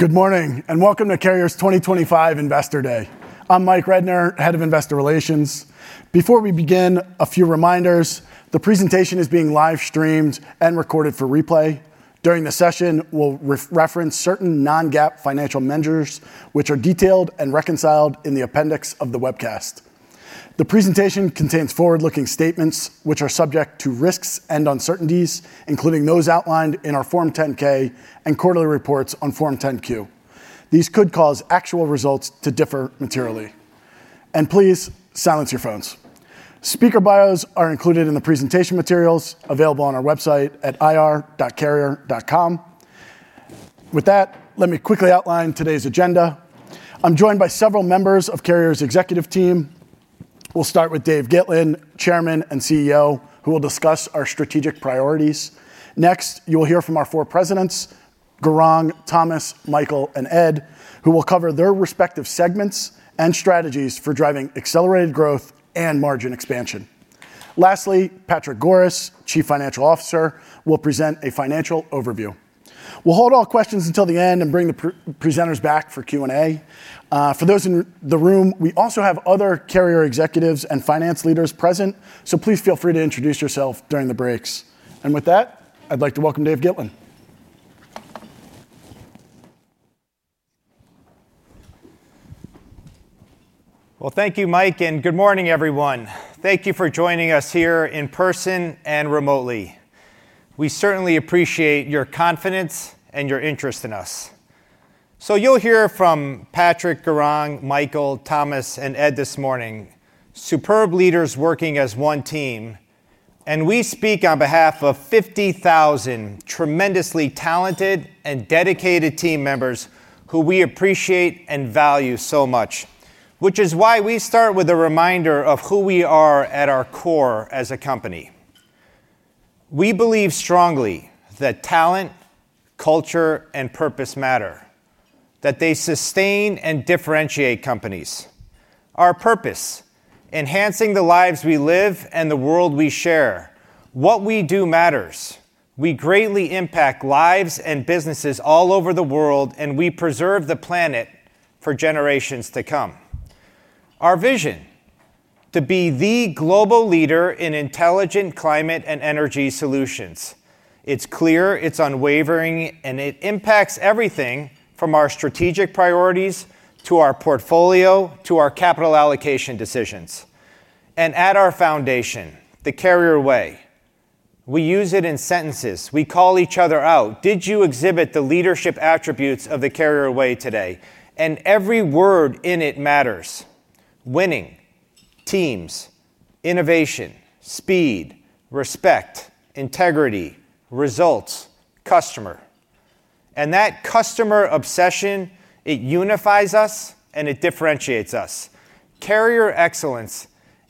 Good morning and welcome to Carrier's 2025 Investor Day. I'm Mike Rednor, Head of Investor Relations. Before we begin, a few reminders: the presentation is being live-streamed and recorded for replay. During the session, we'll reference certain non-GAAP financial measures, which are detailed and reconciled in the appendix of the webcast. The presentation contains forward-looking statements, which are subject to risks and uncertainties, including those outlined in our Form 10-K and quarterly reports on Form 10-Q. These could cause actual results to differ materially. Please silence your phones. Speaker bios are included in the presentation materials available on our website at ir.carrier.com. With that, let me quickly outline today's agenda. I'm joined by several members of Carrier's executive team. We'll start with Dave Gitlin, Chairman and CEO, who will discuss our strategic priorities. Next, you will hear from our four presidents: Gaurang, Thomas, Michael, and Ed, who will cover their respective segments and strategies for driving accelerated growth and margin expansion. Lastly, Patrick Goris, Chief Financial Officer, will present a financial overview. We'll hold all questions until the end and bring the presenters back for Q&A. For those in the room, we also have other Carrier executives and finance leaders present, so please feel free to introduce yourself during the breaks. With that, I'd like to welcome Dave Gitlin. Thank you, Mike, and good morning, everyone. Thank you for joining us here in person and remotely. We certainly appreciate your confidence and your interest in us. You'll hear from Patrick, Gaurang, Michael, Thomas, and Ed this morning, superb leaders working as one team. We speak on behalf of 50,000 tremendously talented and dedicated team members who we appreciate and value so much, which is why we start with a reminder of who we are at our core as a company. We believe strongly that talent, culture, and purpose matter, that they sustain and differentiate companies. Our purpose: enhancing the lives we live and the world we share. What we do matters. We greatly impact lives and businesses all over the world, and we preserve the planet for generations to come. Our vision: to be the global leader in intelligent climate and energy solutions. It's clear, it's unwavering, and it impacts everything from our strategic priorities to our portfolio to our capital allocation decisions. At our foundation, the Carrier Way. We use it in sentences. We call each other out. Did you exhibit the leadership attributes of the Carrier Way today? Every word in it matters. Winning, teams, innovation, speed, respect, integrity, results, customer. That customer obsession, it unifies us and it differentiates us. Carrier excellence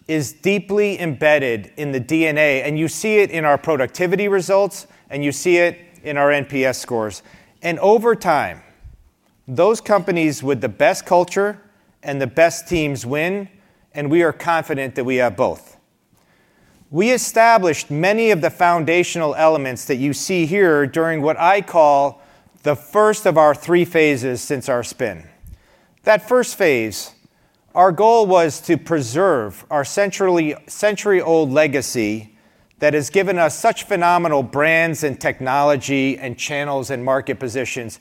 is deeply embedded in the DNA, and you see it in our productivity results, and you see it in our NPS scores. Over time, those companies with the best culture and the best teams win, and we are confident that we have both. We established many of the foundational elements that you see here during what I call the first of our three phases since our spin. That first phase, our goal was to preserve our century-old legacy that has given us such phenomenal brands and technology and channels and market positions.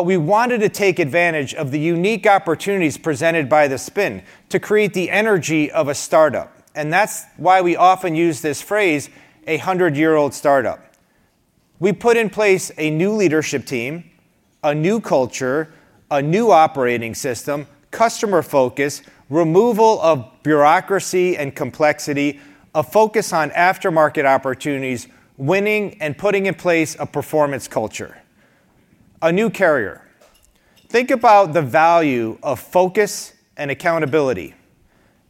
We wanted to take advantage of the unique opportunities presented by the spin to create the energy of a startup. That is why we often use this phrase, a hundred-year-old startup. We put in place a new leadership team, a new culture, a new operating system, customer focus, removal of bureaucracy and complexity, a focus on aftermarket opportunities, winning, and putting in place a performance culture. A new Carrier. Think about the value of focus and accountability.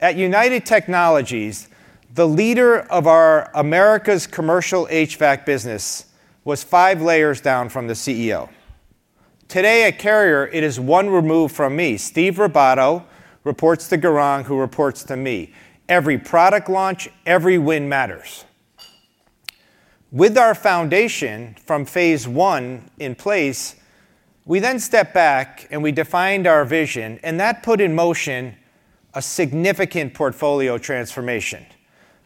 At United Technologies, the leader of our Americas commercial HVAC business was five layers down from the CEO. Today, at Carrier, it is one removed from me. Steve Ribaudo reports to Gaurang, who reports to me. Every product launch, every win matters. With our foundation from phase one in place, we then stepped back and we defined our vision, and that put in motion a significant portfolio transformation.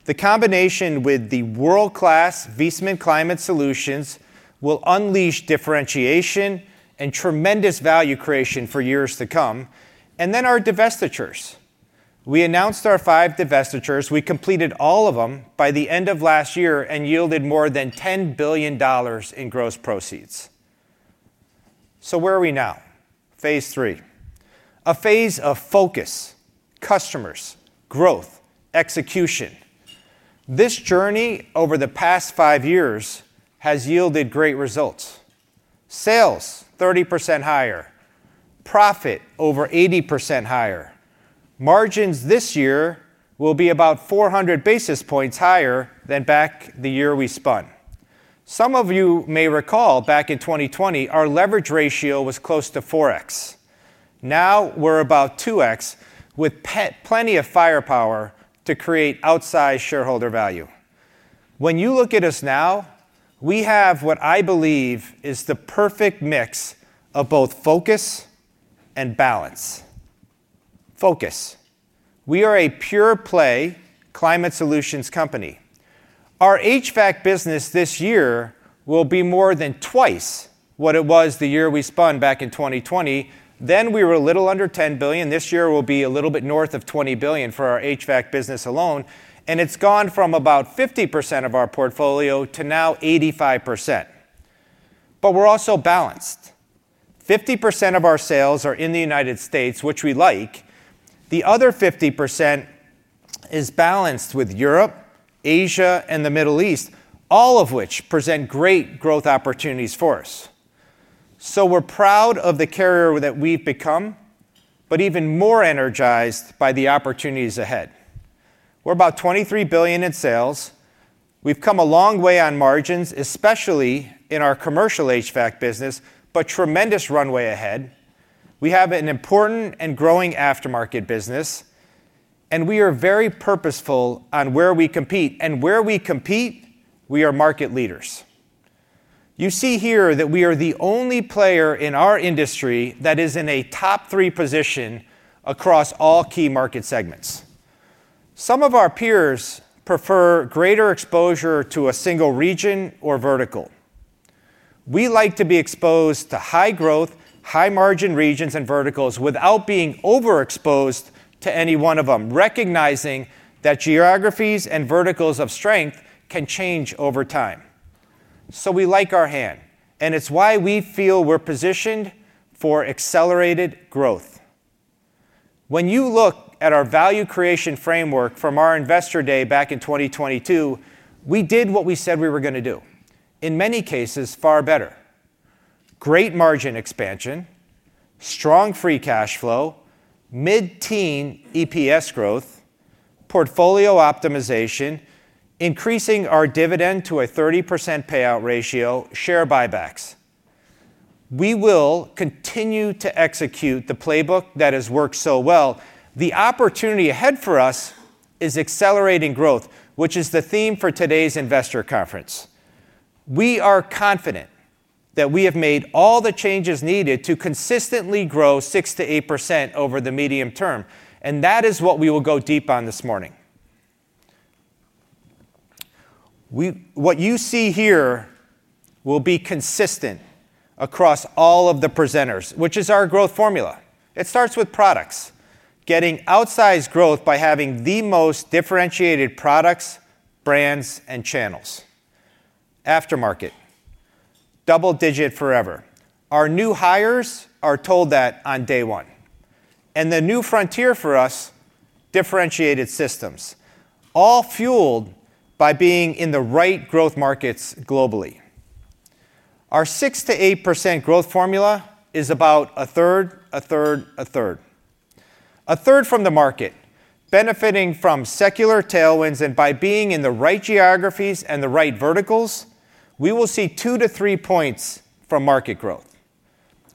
The combination with the world-class Viessmann Climate Solutions will unleash differentiation and tremendous value creation for years to come. Then our divestitures. We announced our five divestitures. We completed all of them by the end of last year and yielded more than $10 billion in gross proceeds. Where are we now? Phase three. A phase of focus, customers, growth, execution. This journey over the past five years has yielded great results. Sales, 30% higher. Profit, over 80% higher. Margins this year will be about 400 basis points higher than back the year we spun. Some of you may recall back in 2020, our leverage ratio was close to 4X. Now we are about 2X with plenty of firepower to create outsized shareholder value. When you look at us now, we have what I believe is the perfect mix of both focus and balance. Focus. We are a pure-play climate solutions company. Our HVAC business this year will be more than twice what it was the year we spun back in 2020. Then we were a little under $10 billion. This year will be a little bit north of $20 billion for our HVAC business alone. It has gone from about 50% of our portfolio to now 85%. We are also balanced. 50% of our sales are in the U.S., which we like. The other 50% is balanced with Europe, Asia, and the Middle East, all of which present great growth opportunities for us. We are proud of the Carrier that we have become, but even more energized by the opportunities ahead. We are about $23 billion in sales. We've come a long way on margins, especially in our commercial HVAC business, but tremendous runway ahead. We have an important and growing aftermarket business, and we are very purposeful on where we compete. Where we compete, we are market leaders. You see here that we are the only player in our industry that is in a top three position across all key market segments. Some of our peers prefer greater exposure to a single region or vertical. We like to be exposed to high-growth, high-margin regions and verticals without being overexposed to any one of them, recognizing that geographies and verticals of strength can change over time. We like our hand, and it's why we feel we're positioned for accelerated growth. When you look at our value creation framework from our investor day back in 2022, we did what we said we were going to do. In many cases, far better. Great margin expansion, strong free cash flow, mid-teen EPS growth, portfolio optimization, increasing our dividend to a 30% payout ratio, share buybacks. We will continue to execute the playbook that has worked so well. The opportunity ahead for us is accelerating growth, which is the theme for today's investor conference. We are confident that we have made all the changes needed to consistently grow 6%-8% over the medium term, and that is what we will go deep on this morning. What you see here will be consistent across all of the presenters, which is our growth formula. It starts with products, getting outsized growth by having the most differentiated products, brands, and channels. Aftermarket, double-digit forever. Our new hires are told that on day one. The new frontier for us, differentiated systems, all fueled by being in the right growth markets globally. Our 6%-8% growth formula is about 1/3, 1/3, 1/3. A third from the market, benefiting from secular tailwinds, and by being in the right geographies and the right verticals, we will see two to three points from market growth.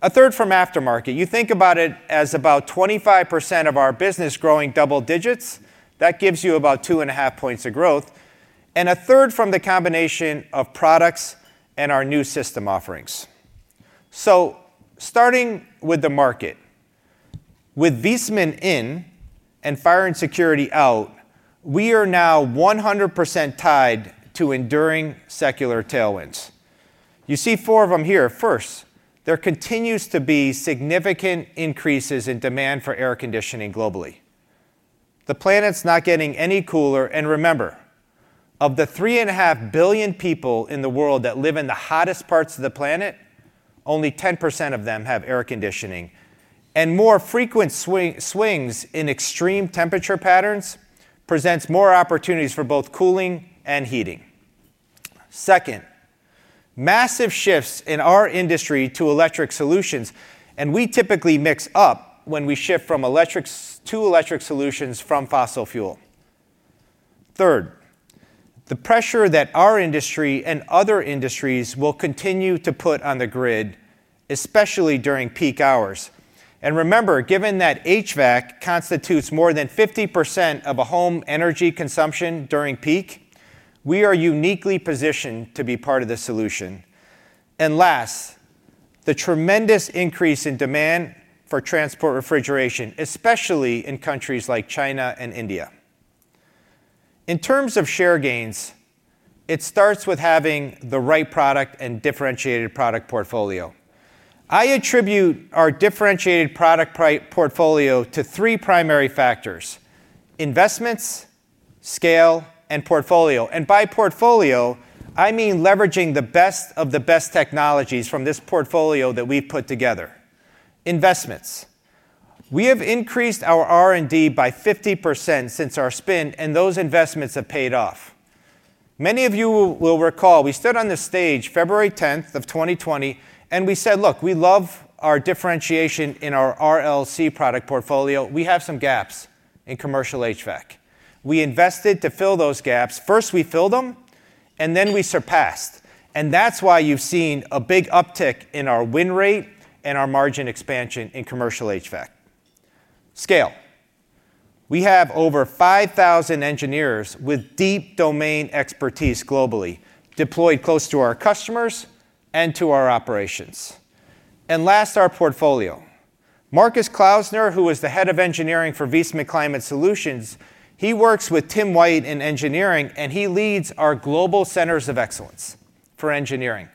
A third from aftermarket. You think about it as about 25% of our business growing double digits. That gives you about two and a half points of growth. A third from the combination of products and our new system offerings. Starting with the market, with Viessmann in and Fire & Security out, we are now 100% tied to enduring secular tailwinds. You see four of them here. First, there continues to be significant increases in demand for air conditioning globally. The planet's not getting any cooler. Remember, of the three and a half billion people in the world that live in the hottest parts of the planet, only 10% of them have air conditioning. More frequent swings in extreme temperature patterns presents more opportunities for both cooling and heating. Second, massive shifts in our industry to electric solutions. We typically mix up when we shift from electric to electric solutions from fossil fuel. Third, the pressure that our industry and other industries will continue to put on the grid, especially during peak hours. Remember, given that HVAC constitutes more than 50% of a home energy consumption during peak, we are uniquely positioned to be part of the solution. Last, the tremendous increase in demand for transport refrigeration, especially in countries like China and India. In terms of share gains, it starts with having the right product and differentiated product portfolio. I attribute our differentiated product portfolio to three primary factors: investments, scale, and portfolio. By portfolio, I mean leveraging the best of the best technologies from this portfolio that we've put together. Investments. We have increased our R&D by 50% since our spin, and those investments have paid off. Many of you will recall we stood on the stage February 10th of 2020, and we said, "Look, we love our differentiation in our ALC product portfolio. We have some gaps in commercial HVAC." We invested to fill those gaps. First, we filled them, and then we surpassed. That is why you've seen a big uptick in our win rate and our margin expansion in commercial HVAC. Scale. We have over 5,000 engineers with deep domain expertise globally deployed close to our customers and to our operations. Last, our portfolio. Markus Klausner, who is the head of engineering for Viessmann Climate Solutions, he works with Tim White in engineering, and he leads our global centers of excellence for engineering.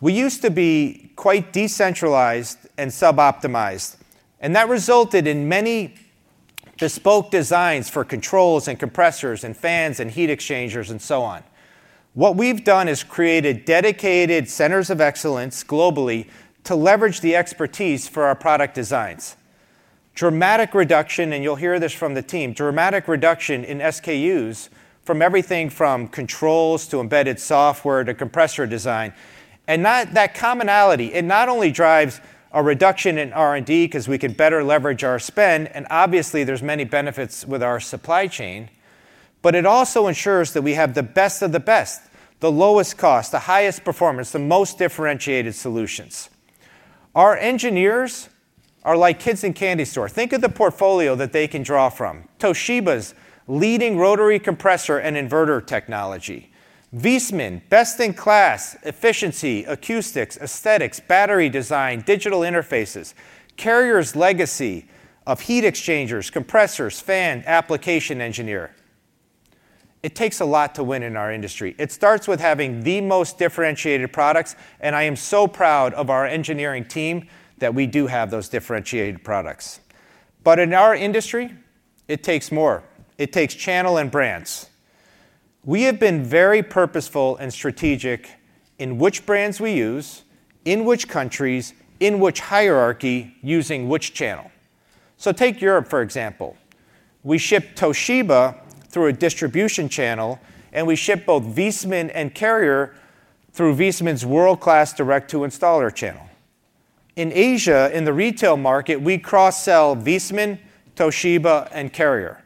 We used to be quite decentralized and sub-optimized, and that resulted in many bespoke designs for controls and compressors and fans and heat exchangers and so on. What we've done is created dedicated centers of excellence globally to leverage the expertise for our product designs. Dramatic reduction, and you'll hear this from the team, dramatic reduction in SKUs from everything from controls to embedded software to compressor design. That commonality, it not only drives a reduction in R&D because we can better leverage our spend, and obviously there's many benefits with our supply chain, but it also ensures that we have the best of the best, the lowest cost, the highest performance, the most differentiated solutions. Our engineers are like kids in a candy store. Think of the portfolio that they can draw from. Toshiba's leading rotary compressor and inverter technology. Viessmann, best in class, efficiency, acoustics, aesthetics, battery design, digital interfaces, Carrier's legacy of heat exchangers, compressors, fan, application engineer. It takes a lot to win in our industry. It starts with having the most differentiated products, and I am so proud of our engineering team that we do have those differentiated products. In our industry, it takes more. It takes channel and brands. We have been very purposeful and strategic in which brands we use, in which countries, in which hierarchy, using which channel. Take Europe, for example. We ship Toshiba through a distribution channel, and we ship both Viessmann and Carrier through Viessmann's world-class direct-to-installer channel. In Asia, in the retail market, we cross-sell Viessmann, Toshiba, and Carrier.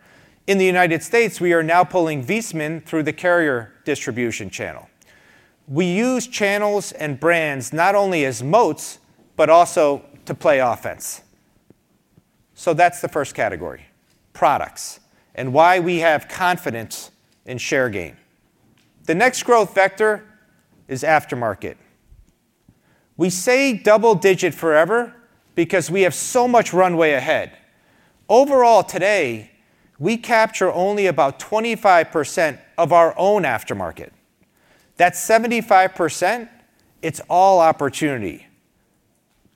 In the United States, we are now pulling Viessmann through the Carrier distribution channel. We use channels and brands not only as moats, but also to play offense. That is the first category: products and why we have confidence in share gain. The next growth vector is aftermarket. We say double-digit forever because we have so much runway ahead. Overall today, we capture only about 25% of our own aftermarket. That 75%, it is all opportunity.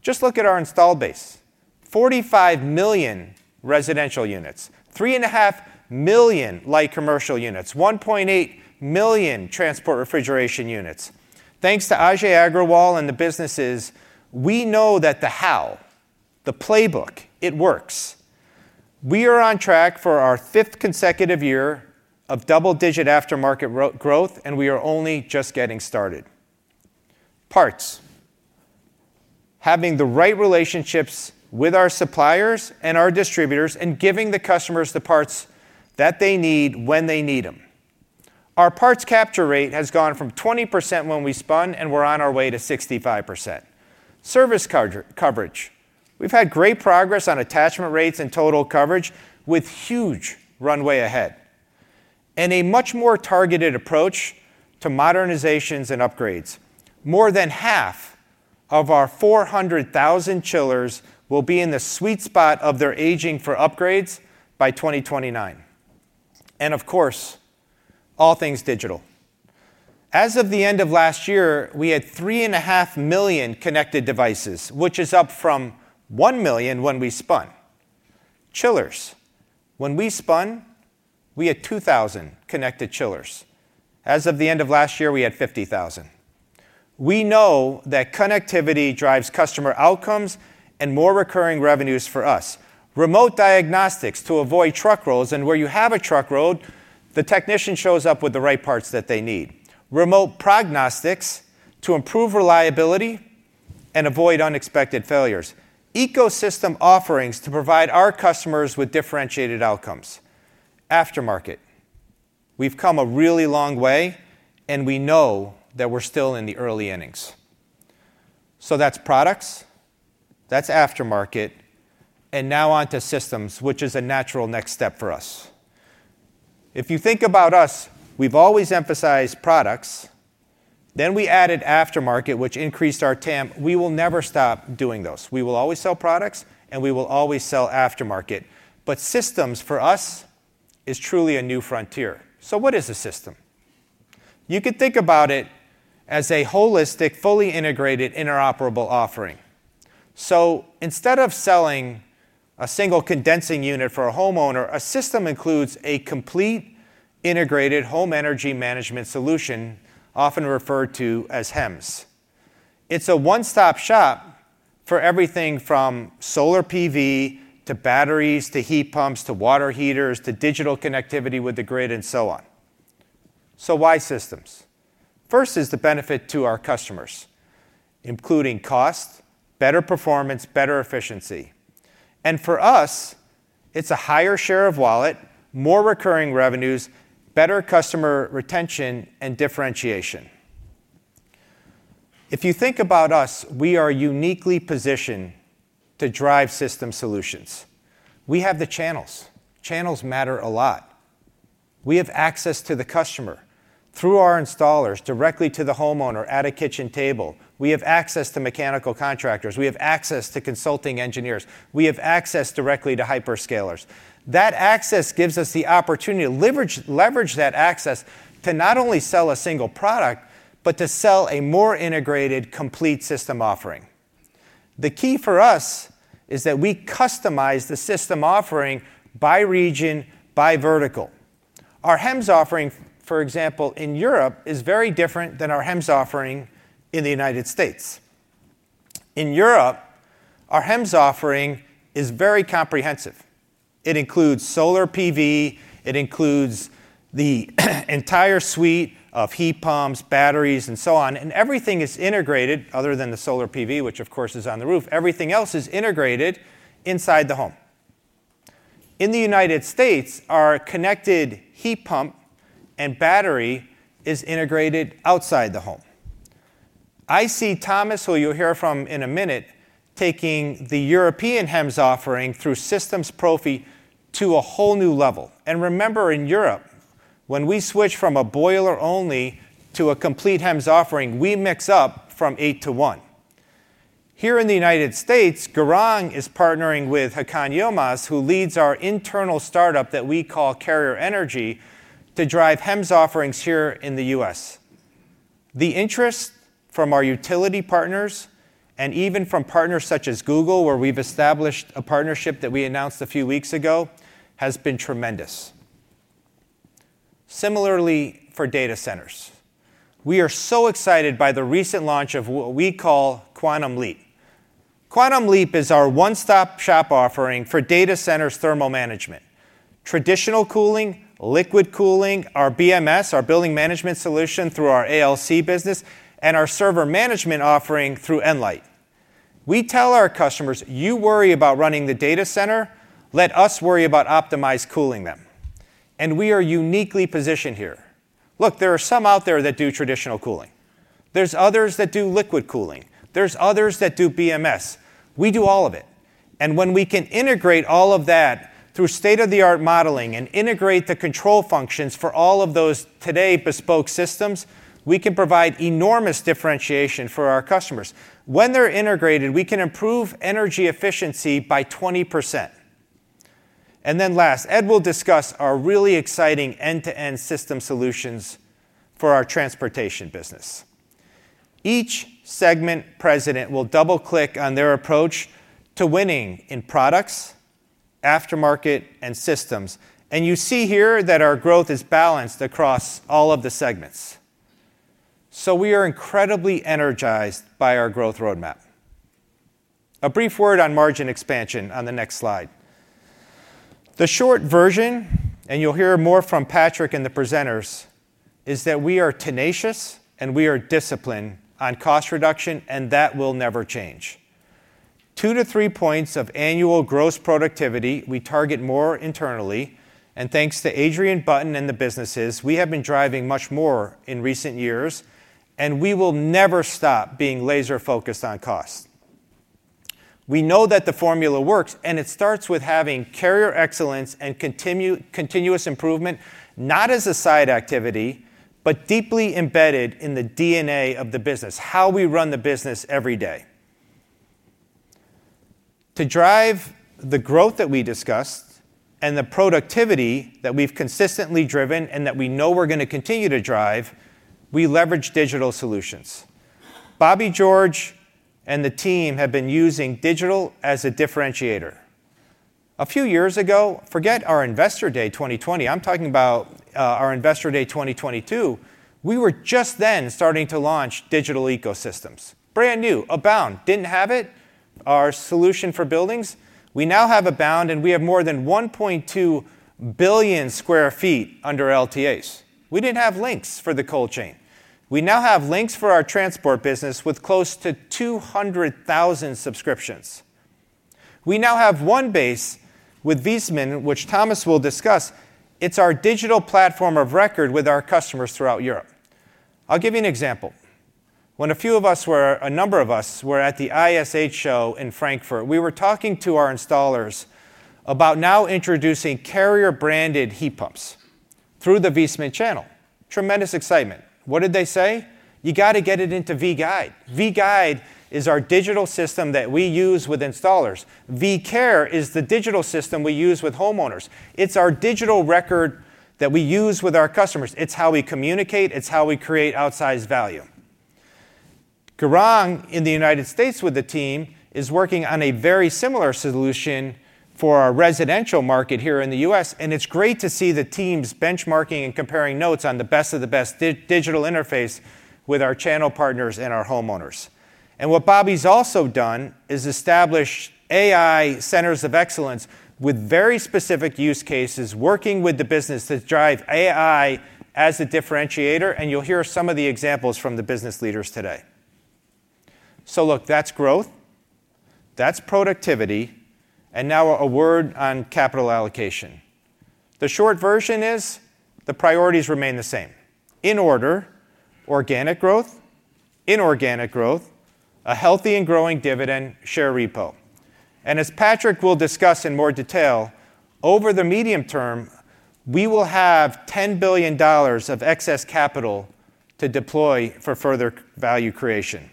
Just look at our install base: 45 million residential units, 3.5 million light commercial units, 1.8 million transport refrigeration units. Thanks to Ajay Agrawal and the businesses, we know that the how, the playbook, it works. We are on track for our fifth consecutive year of double-digit aftermarket growth, and we are only just getting started. Parts. Having the right relationships with our suppliers and our distributors and giving the customers the parts that they need when they need them. Our parts capture rate has gone from 20% when we spun, and we're on our way to 65%. Service coverage. We've had great progress on attachment rates and total coverage with huge runway ahead. A much more targeted approach to modernizations and upgrades. More than half of our 400,000 chillers will be in the sweet spot of their aging for upgrades by 2029. Of course, all things digital. As of the end of last year, we had 3.5 million connected devices, which is up from 1 million when we spun. Chillers. When we spun, we had 2,000 connected chillers. As of the end of last year, we had 50,000. We know that connectivity drives customer outcomes and more recurring revenues for us. Remote diagnostics to avoid truck rolls. Where you have a truck rolled, the technician shows up with the right parts that they need. Remote prognostics to improve reliability and avoid unexpected failures. Ecosystem offerings to provide our customers with differentiated outcomes. Aftermarket. We have come a really long way, and we know that we are still in the early innings. That is products. That is aftermarket. Now on to systems, which is a natural next step for us. If you think about us, we have always emphasized products. Then we added aftermarket, which increased our TAM. We will never stop doing those. We will always sell products, and we will always sell aftermarket. Systems for us is truly a new frontier. What is a system? You can think about it as a holistic, fully integrated, interoperable offering. Instead of selling a single condensing unit for a homeowner, a system includes a complete integrated home energy management solution, often referred to as HEMS. It is a one-stop shop for everything from solar PV to batteries to heat pumps to water heaters to digital connectivity with the grid and so on. Why systems? First is the benefit to our customers, including cost, better performance, better efficiency. For us, it is a higher share of wallet, more recurring revenues, better customer retention, and differentiation. If you think about us, we are uniquely positioned to drive system solutions. We have the channels. Channels matter a lot. We have access to the customer through our installers, directly to the homeowner at a kitchen table. We have access to mechanical contractors. We have access to consulting engineers. We have access directly to hyperscalers. That access gives us the opportunity to leverage that access to not only sell a single product, but to sell a more integrated, complete system offering. The key for us is that we customize the system offering by region, by vertical. Our HEMS offering, for example, in Europe is very different than our HEMS offering in the United States. In Europe, our HEMS offering is very comprehensive. It includes solar PV. It includes the entire suite of heat pumps, batteries, and so on. Everything is integrated, other than the solar PV, which of course is on the roof. Everything else is integrated inside the home. In the United States, our connected heat pump and battery is integrated outside the home. I see Thomas, who you'll hear from in a minute, taking the European HEMS offering through Systems Profi to a whole new level. Remember, in Europe, when we switch from a boiler only to a complete HEMS offering, we mix up from eight to one. Here in the U.S., Gaurang is partnering with Hakan Yilmaz, who leads our internal startup that we call Carrier Energy, to drive HEMS offerings here in the U.S. The interest from our utility partners and even from partners such as Google, where we have established a partnership that we announced a few weeks ago, has been tremendous. Similarly, for data centers, we are so excited by the recent launch of what we call Quantum Leap. Quantum Leap is our one-stop shop offering for data centers thermal management: traditional cooling, liquid cooling, our BMS, our building management solution through our ALC business, and our server management offering through Nlyte. We tell our customers, "You worry about running the data center. Let us worry about optimized cooling them. We are uniquely positioned here. Look, there are some out there that do traditional cooling. There are others that do liquid cooling. There are others that do BMS. We do all of it. When we can integrate all of that through state-of-the-art modeling and integrate the control functions for all of those today bespoke systems, we can provide enormous differentiation for our customers. When they are integrated, we can improve energy efficiency by 20%. Last, Ed will discuss our really exciting end-to-end system solutions for our transportation business. Each segment president will double-click on their approach to winning in products, aftermarket, and systems. You see here that our growth is balanced across all of the segments. We are incredibly energized by our growth roadmap. A brief word on margin expansion on the next slide. The short version, and you'll hear more from Patrick and the presenters, is that we are tenacious and we are disciplined on cost reduction, and that will never change. Two to three points of annual gross productivity, we target more internally. And thanks to Adrian Button and the businesses, we have been driving much more in recent years, and we will never stop being laser-focused on cost. We know that the formula works, and it starts with having Carrier excellence and continuous improvement, not as a side activity, but deeply embedded in the DNA of the business, how we run the business every day. To drive the growth that we discussed and the productivity that we've consistently driven and that we know we're going to continue to drive, we leverage digital solutions. Bobby George and the team have been using digital as a differentiator. A few years ago, forget our Investor Day 2020. I'm talking about our Investor Day 2022. We were just then starting to launch digital ecosystems. Brand new, Abound. Didn't have it. Our solution for buildings. We now have Abound, and we have more than 1.2 billion sq ft under LTAs. We didn't have Links for the cold chain. We now have Links for our transport business with close to 200,000 subscriptions. We now have One Base with Viessmann, which Thomas will discuss. It's our digital platform of record with our customers throughout Europe. I'll give you an example. When a few of us, a number of us, were at the ISH show in Frankfurt, we were talking to our installers about now introducing Carrier-branded heat pumps through the Viessmann channel. Tremendous excitement. What did they say? You got to get it into [VGuide]." VGuide is our digital system that we use with installers. [VCare] is the digital system we use with homeowners. It is our digital record that we use with our customers. It is how we communicate. It is how we create outsized value. Gaurang in the United States with the team is working on a very similar solution for our residential market here in the U.S. It is great to see the team's benchmarking and comparing notes on the best of the best digital interface with our channel partners and our homeowners. What Bobby's also done is established AI centers of excellence with very specific use cases, working with the business to drive AI as a differentiator. You will hear some of the examples from the business leaders today. Look, that is growth. That is productivity. Now a word on capital allocation. The short version is the priorities remain the same: in order, organic growth; in organic growth, a healthy and growing dividend share repo. As Patrick will discuss in more detail, over the medium term, we will have $10 billion of excess capital to deploy for further value creation.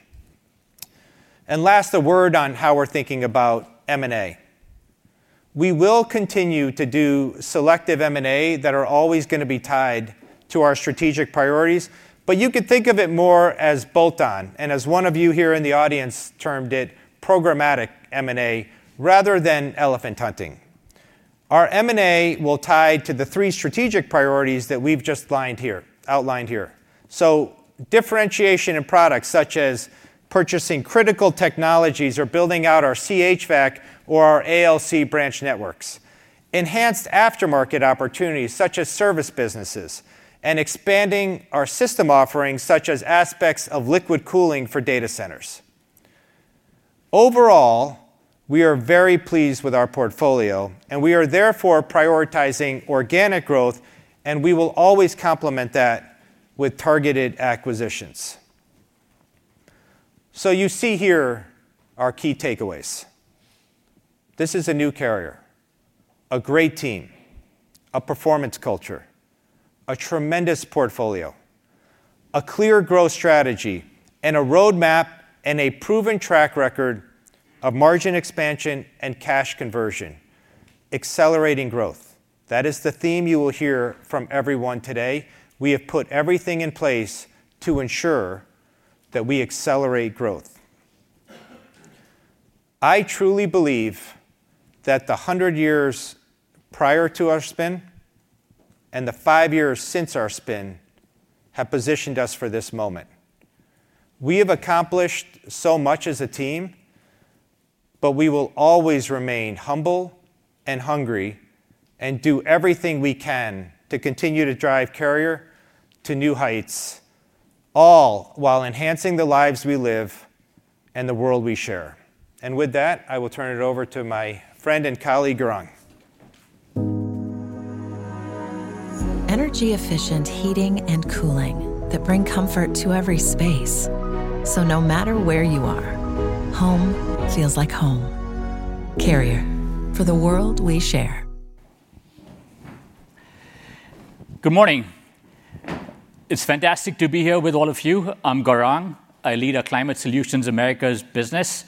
Last, a word on how we are thinking about M&A. We will continue to do selective M&A that are always going to be tied to our strategic priorities. You could think of it more as bolt-on, and as one of you here in the audience termed it, programmatic M&A rather than elephant hunting. Our M&A will tie to the three strategic priorities that we have just outlined here. Differentiation in products such as purchasing critical technologies or building out our CHVAC or our ALC branch networks, enhanced aftermarket opportunities such as service businesses, and expanding our system offerings such as aspects of liquid cooling for data centers. Overall, we are very pleased with our portfolio, and we are therefore prioritizing organic growth, and we will always complement that with targeted acquisitions. You see here our key takeaways. This is a new Carrier, a great team, a performance culture, a tremendous portfolio, a clear growth strategy, and a roadmap and a proven track record of margin expansion and cash conversion, accelerating growth. That is the theme you will hear from everyone today. We have put everything in place to ensure that we accelerate growth. I truly believe that the 100 years prior to our spin and the five years since our spin have positioned us for this moment. We have accomplished so much as a team, but we will always remain humble and hungry and do everything we can to continue to drive Carrier to new heights, all while enhancing the lives we live and the world we share. With that, I will turn it over to my friend and colleague Gaurang. Energy-efficient heating and cooling that bring comfort to every space. No matter where you are, home feels like home. Carrier for the world we share. Good morning. It's fantastic to be here with all of you. I'm Gaurang. I lead a Climate Solutions Americas business.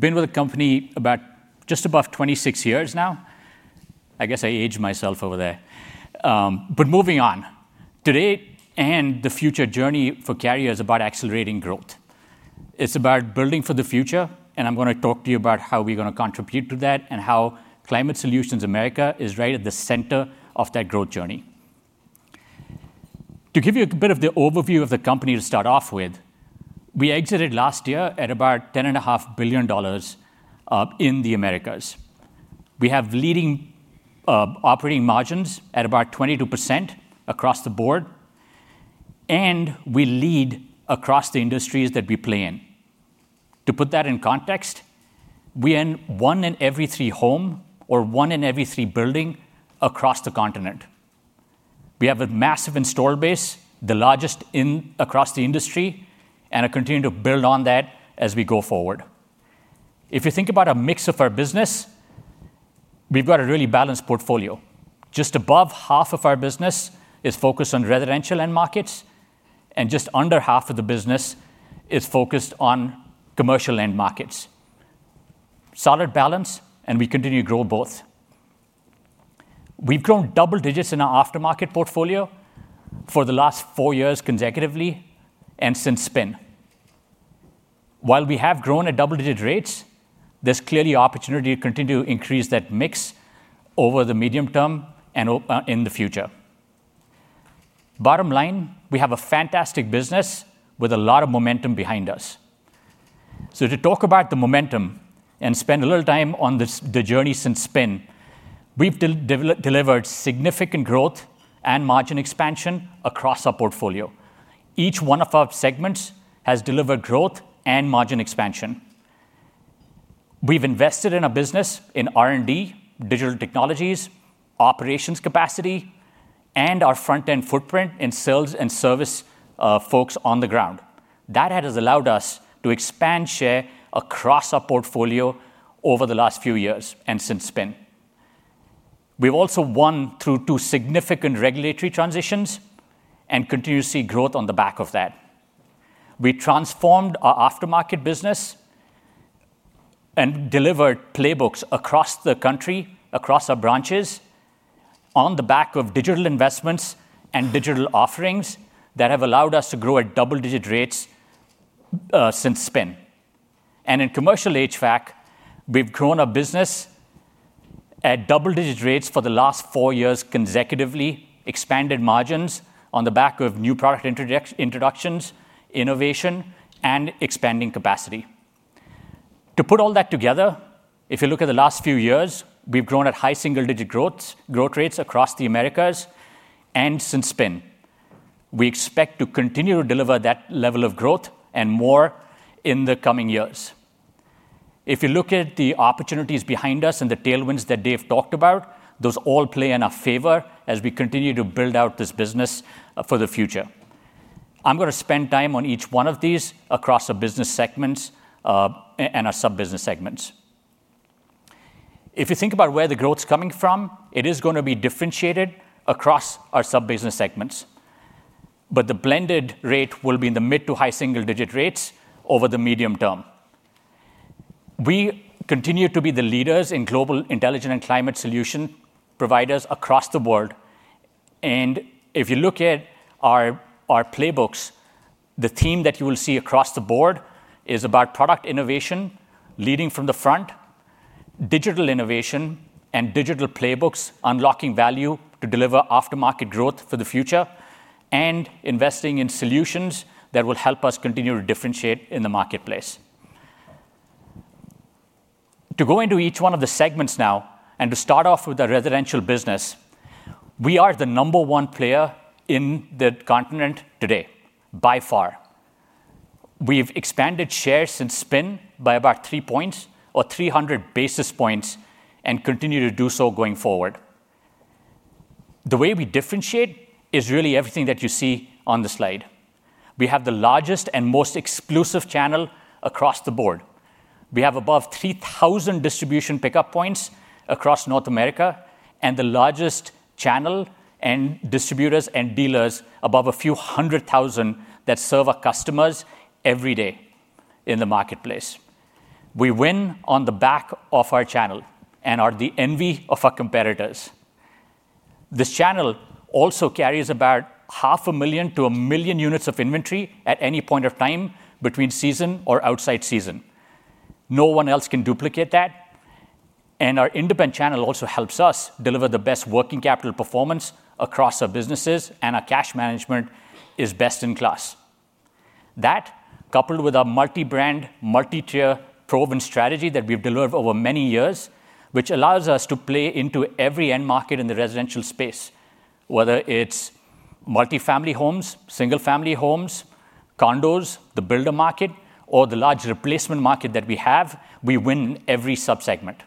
Been with the company about just above 26 years now. I guess I aged myself over there. Moving on, today and the future journey for Carrier is about accelerating growth. It's about building for the future. I'm going to talk to you about how we're going to contribute to that and how Climate Solutions America is right at the center of that growth journey. To give you a bit of the overview of the company to start off with, we exited last year at about $10.5 billion in the Americas. We have leading operating margins at about 22% across the board. We lead across the industries that we play in. To put that in context, we own one in every three home or one in every three building across the continent. We have a massive install base, the largest across the industry, and are continuing to build on that as we go forward. If you think about a mix of our business, we've got a really balanced portfolio. Just above half of our business is focused on residential end markets, and just under half of the business is focused on commercial end markets. Solid balance, and we continue to grow both. We've grown double digits in our aftermarket portfolio for the last four years consecutively and since spin. While we have grown at double digit rates, there's clearly opportunity to continue to increase that mix over the medium term and in the future. Bottom line, we have a fantastic business with a lot of momentum behind us. To talk about the momentum and spend a little time on the journey since spin, we've delivered significant growth and margin expansion across our portfolio. Each one of our segments has delivered growth and margin expansion. We've invested in our business in R&D, digital technologies, operations capacity, and our front-end footprint in sales and service folks on the ground. That has allowed us to expand share across our portfolio over the last few years and since spin. We've also won through two significant regulatory transitions and continuously growth on the back of that. We transformed our aftermarket business and delivered playbooks across the country, across our branches, on the back of digital investments and digital offerings that have allowed us to grow at double-digit rates since spin. In commercial HVAC, we've grown our business at double-digit rates for the last four years consecutively, expanded margins on the back of new product introductions, innovation, and expanding capacity. To put all that together, if you look at the last few years, we've grown at high single-digit growth rates across the Americas and since spin. We expect to continue to deliver that level of growth and more in the coming years. If you look at the opportunities behind us and the tailwinds that Dave talked about, those all play in our favor as we continue to build out this business for the future. I'm going to spend time on each one of these across our business segments and our sub-business segments. If you think about where the growth's coming from, it is going to be differentiated across our sub-business segments. The blended rate will be in the mid to high single-digit rates over the medium term. We continue to be the leaders in global intelligent and climate solution providers across the world. If you look at our playbooks, the theme that you will see across the board is about product innovation, leading from the front, digital innovation, and digital playbooks unlocking value to deliver aftermarket growth for the future, and investing in solutions that will help us continue to differentiate in the marketplace. To go into each one of the segments now and to start off with our residential business, we are the number one player in the continent today, by far. We have expanded share since spin by about three points or 300 basis points and continue to do so going forward. The way we differentiate is really everything that you see on the slide. We have the largest and most exclusive channel across the board. We have above 3,000 distribution pickup points across North America and the largest channel and distributors and dealers above a few hundred thousand that serve our customers every day in the marketplace. We win on the back of our channel and are the envy of our competitors. This channel also carries about 500,000-1,000,000 units of inventory at any point of time between season or outside season. No one else can duplicate that. Our independent channel also helps us deliver the best working capital performance across our businesses, and our cash management is best in class. That, coupled with our multi-brand, multi-tier proven strategy that we have delivered over many years, which allows us to play into every end market in the residential space, whether it is multi-family homes, single-family homes, condos, the builder market, or the large replacement market that we have, we win every sub-segment.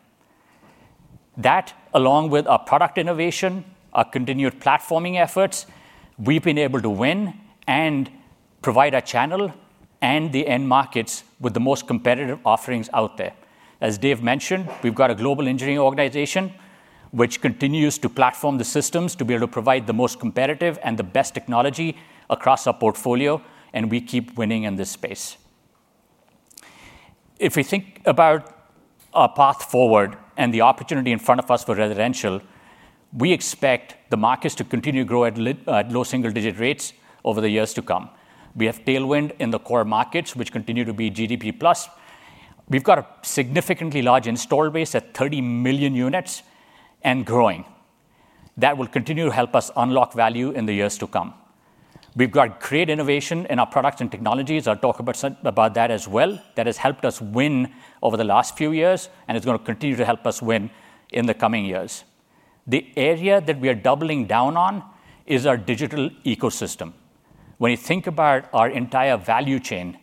That, along with our product innovation, our continued platforming efforts, we've been able to win and provide our channel and the end markets with the most competitive offerings out there. As Dave mentioned, we've got a global engineering organization which continues to platform the systems to be able to provide the most competitive and the best technology across our portfolio, and we keep winning in this space. If we think about our path forward and the opportunity in front of us for residential, we expect the markets to continue to grow at low single-digit rates over the years to come. We have tailwind in the core markets, which continue to be GDP plus. We've got a significantly large install base at 30 million units and growing. That will continue to help us unlock value in the years to come. We've got great innovation in our products and technologies. I'll talk about that as well. That has helped us win over the last few years and is going to continue to help us win in the coming years. The area that we are doubling down on is our digital ecosystem. When you think about our entire value chain,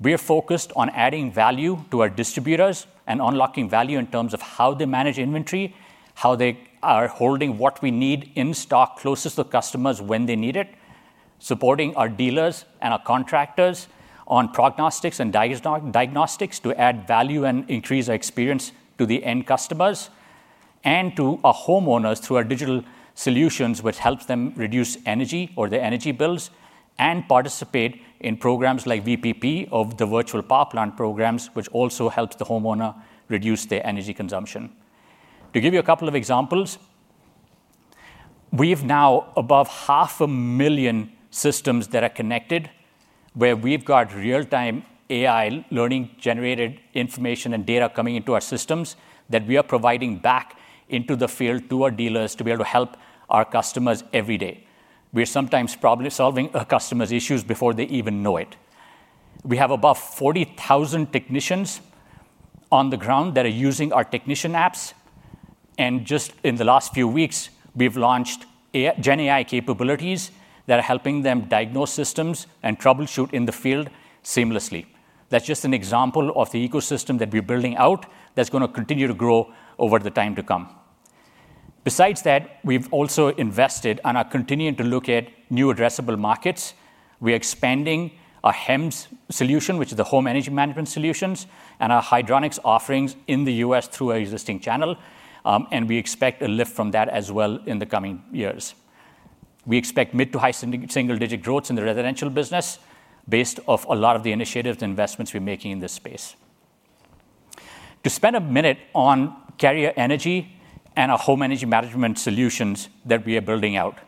we are focused on adding value to our distributors and unlocking value in terms of how they manage inventory, how they are holding what we need in stock closest to customers when they need it, supporting our dealers and our contractors on prognostics and diagnostics to add value and increase our experience to the end customers and to our homeowners through our digital solutions, which helps them reduce energy or their energy bills and participate in programs like VPP or the virtual power plant programs, which also helps the homeowner reduce their energy consumption. To give you a couple of examples, we have now above 500,000 systems that are connected where we've got real-time AI learning-generated information and data coming into our systems that we are providing back into the field to our dealers to be able to help our customers every day. We're sometimes probably solving our customers' issues before they even know it. We have above 40,000 technicians on the ground that are using our technician apps. Just in the last few weeks, we've launched GenAI capabilities that are helping them diagnose systems and troubleshoot in the field seamlessly. That's just an example of the ecosystem that we're building out that's going to continue to grow over the time to come. Besides that, we've also invested and are continuing to look at new addressable markets. We are expanding our HEMS solution, which is the home energy management solutions, and our hydronics offerings in the U.S. through our existing channel. We expect a lift from that as well in the coming years. We expect mid to high single-digit growth in the residential business based off a lot of the initiatives and investments we are making in this space. To spend a minute on Carrier Energy and our home energy management solutions that we are building out.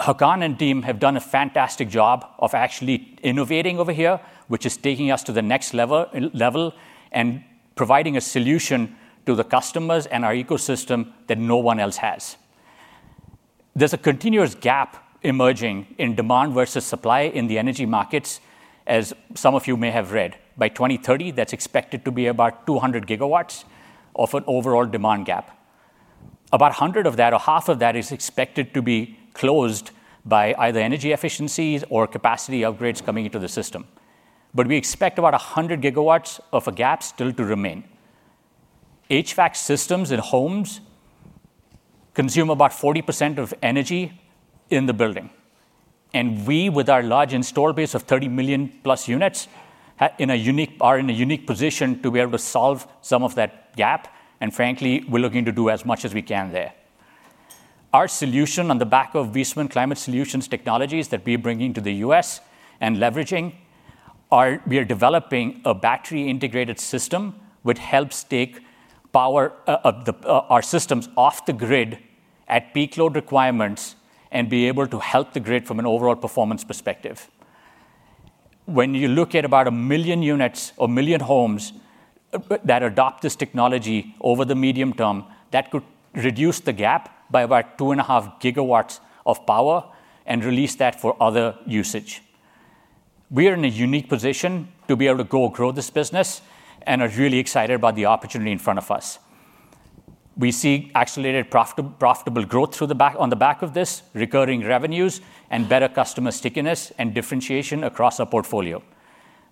Hakan and team have done a fantastic job of actually innovating over here, which is taking us to the next level and providing a solution to the customers and our ecosystem that no one else has. There is a continuous gap emerging in demand versus supply in the energy markets, as some of you may have read. By 2030, that is expected to be about 200 GW of an overall demand gap. About 100 of that or half of that is expected to be closed by either energy efficiencies or capacity upgrades coming into the system. We expect about 100 GW of a gap still to remain. HVAC systems in homes consume about 40% of energy in the building. We, with our large install base of 30+ million units, are in a unique position to be able to solve some of that gap. Frankly, we're looking to do as much as we can there. Our solution on the back of Eastman Climate Solutions technologies that we are bringing to the US and leveraging, we are developing a battery-integrated system which helps take power of our systems off the grid at peak load requirements and be able to help the grid from an overall performance perspective. When you look at about a million units or a million homes that adopt this technology over the medium term, that could reduce the gap by about 2.5 GW of power and release that for other usage. We are in a unique position to be able to grow this business and are really excited about the opportunity in front of us. We see accelerated profitable growth on the back of this, recurring revenues and better customer stickiness and differentiation across our portfolio.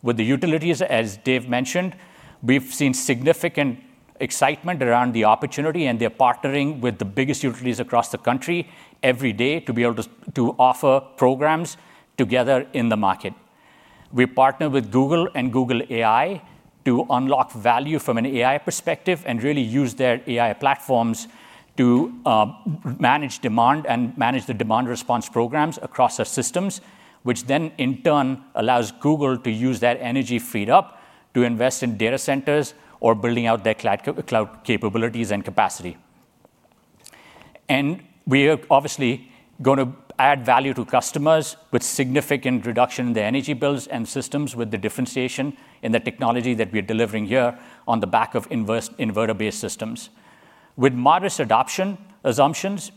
With the utilities, as Dave mentioned, we've seen significant excitement around the opportunity, and they're partnering with the biggest utilities across the country every day to be able to offer programs together in the market. We partner with Google and Google AI to unlock value from an AI perspective and really use their AI platforms to manage demand and manage the demand response programs across our systems, which in turn allows Google to use that energy freed up to invest in data centers or building out their cloud capabilities and capacity. We are obviously going to add value to customers with significant reduction in the energy bills and systems with the differentiation in the technology that we are delivering here on the back of inverter-based systems. With modest adoption assumptions,